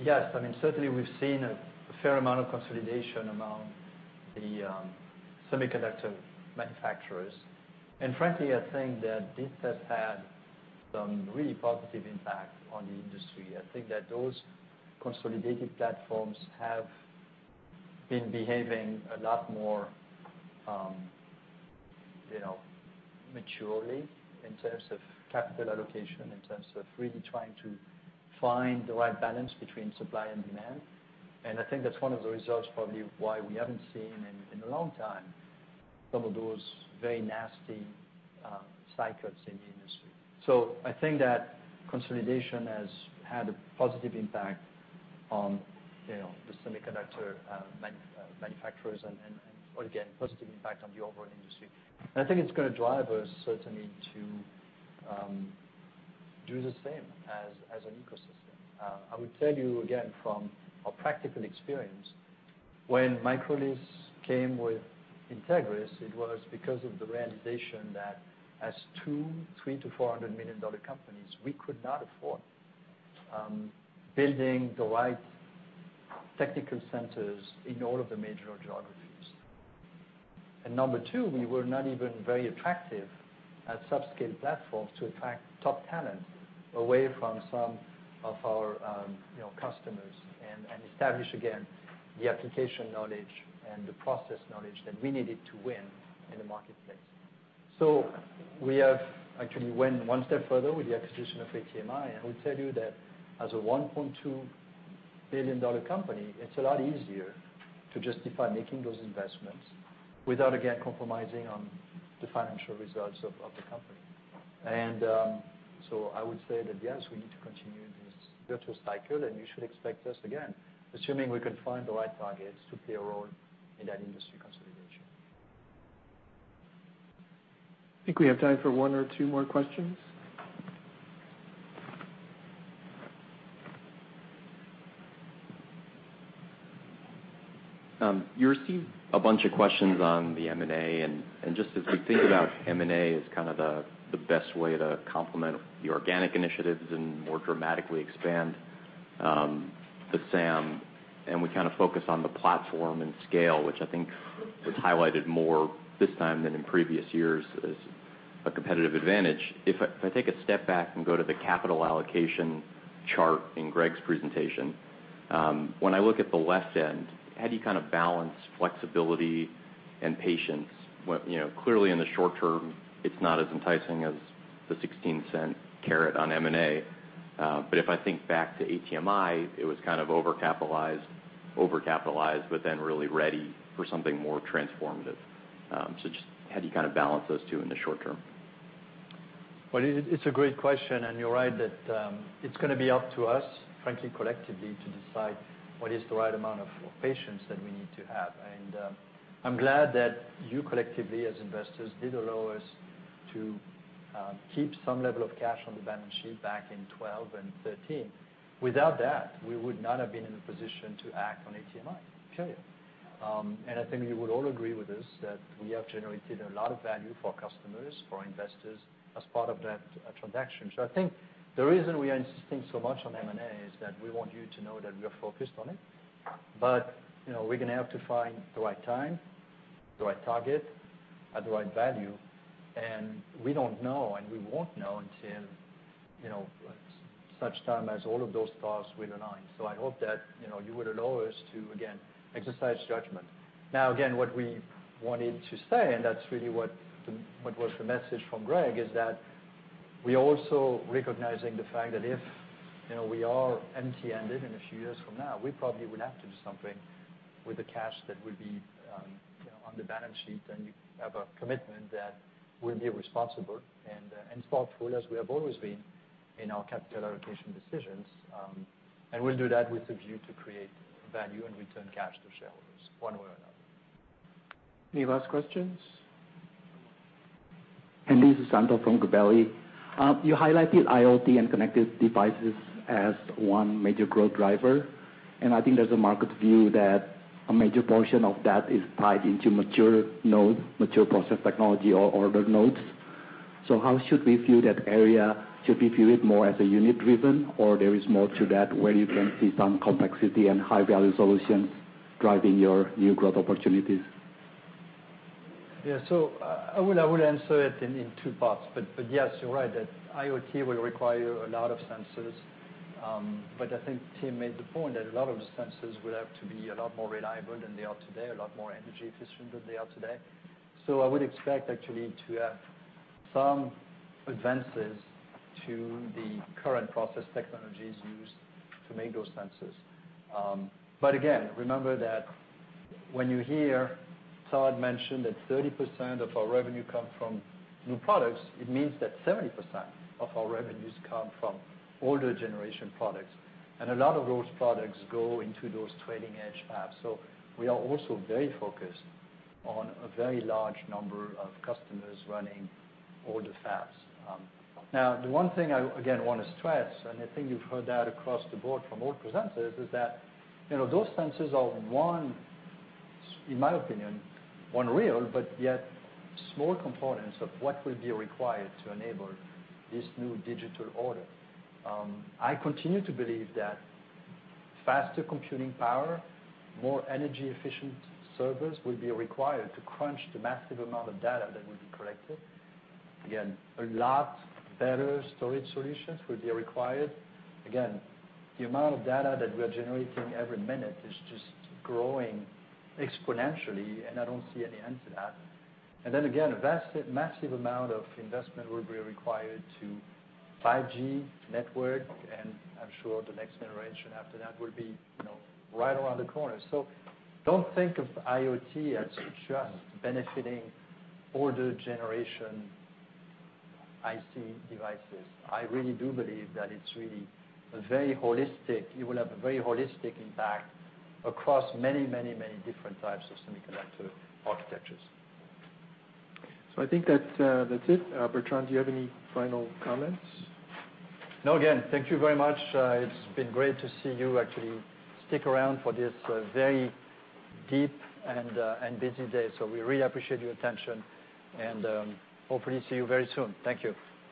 yes, certainly we've seen a fair amount of consolidation among the semiconductor manufacturers. Frankly, I think that this has had some really positive impact on the industry. I think that those consolidated platforms have been behaving a lot more maturely in terms of capital allocation, in terms of really trying to find the right balance between supply and demand. I think that's one of the results, probably why we haven't seen in a long time some of those very nasty cycles in the industry. I think that consolidation has had a positive impact on the semiconductor manufacturers and, again, positive impact on the overall industry. I think it's going to drive us certainly to do the same as an ecosystem. I would tell you again from our practical experience, when Mykrolis came with Entegris, it was because of the realization that as two, three to $400 million companies, we could not afford building the right technical centers in all of the major geographies. Number 2, we were not even very attractive as sub-scale platforms to attract top talent away from some of our customers and establish, again, the application knowledge and the process knowledge that we needed to win in the marketplace. We have actually went one step further with the acquisition of ATMI, I will tell you that as a $1.2 billion company, it's a lot easier to justify making those investments without, again, compromising on the financial results of the company. I would say that yes, we need to continue this virtuos cycle, you should expect us, again, assuming we can find the right targets, to play a role in that industry consolidation. I think we have time for one or two more questions. You received a bunch of questions on the M&A, just as we think about M&A as kind of the best way to complement the organic initiatives more dramatically expand the SAM, we kind of focus on the platform and scale, which I think was highlighted more this time than in previous years as a competitive advantage. If I take a step back and go to the capital allocation chart in Greg's presentation, when I look at the left end, how do you kind of balance flexibility and patience? Clearly, in the short term, it's not as enticing as the $0.16 carrot on M&A. If I think back to ATMI, it was kind of overcapitalized, then really ready for something more transformative. Just how do you kind of balance those two in the short term? Well, it's a great question, you're right that it's going to be up to us, frankly, collectively, to decide what is the right amount of patience that we need to have. I'm glad that you collectively, as investors, did allow us to keep some level of cash on the balance sheet back in 2012 and 2013. Without that, we would not have been in a position to act on ATMI. Period. I think you would all agree with this, that we have generated a lot of value for customers, for investors as part of that transaction. I think the reason we are insisting so much on M&A is that we want you to know that we are focused on it, we're going to have to find the right time, the right target, at the right value, we don't know, we won't know until such time as all of those stars will align. I hope that you would allow us to, again, exercise judgment. Now, again, what we wanted to say, that's really what was the message from Greg, is that we're also recognizing the fact that if we are empty-handed in a few years from now, we probably will have to do something with the cash that will be on the balance sheet, we have a commitment that we'll be responsible and thoughtful as we have always been in our capital allocation decisions. We'll do that with a view to create value and return cash to shareholders one way or another. Any last questions? This is Susanto from Gabelli. You highlighted IoT and connected devices as one major growth driver, and I think there's a market view that a major portion of that is tied into mature node, mature process technology or older nodes. How should we view that area? Should we view it more as a unit driven or there is more to that where you can see some complexity and high-value solutions driving your new growth opportunities? Yeah. I will answer it in two parts. Yes, you're right that IoT will require a lot of sensors. I think Tim made the point that a lot of the sensors will have to be a lot more reliable than they are today, a lot more energy efficient than they are today. I would expect actually to have some advances to the current process technologies used to make those sensors. Again, remember that when you hear Todd mention that 30% of our revenue come from new products, it means that 70% of our revenues come from older generation products. A lot of those products go into those trailing edge fabs. We are also very focused on a very large number of customers running older fabs. The one thing I, again, want to stress, and I think you've heard that across the board from all presenters, is that those sensors are one, in my opinion, one real but yet small components of what will be required to enable this new digital order. I continue to believe that faster computing power, more energy-efficient servers will be required to crunch the massive amount of data that will be collected. A lot better storage solutions will be required. The amount of data that we're generating every minute is just growing exponentially, and I don't see any end to that. A massive amount of investment will be required to 5G network, and I'm sure the next generation after that will be right around the corner. Don't think of IoT as just benefiting older generation IC devices. It will have a very holistic impact across many, many, many different types of semiconductor architectures. I think that's it. Bertrand, do you have any final comments? No. Again, thank you very much. It's been great to see you actually stick around for this very deep and busy day. We really appreciate your attention and hopefully see you very soon. Thank you.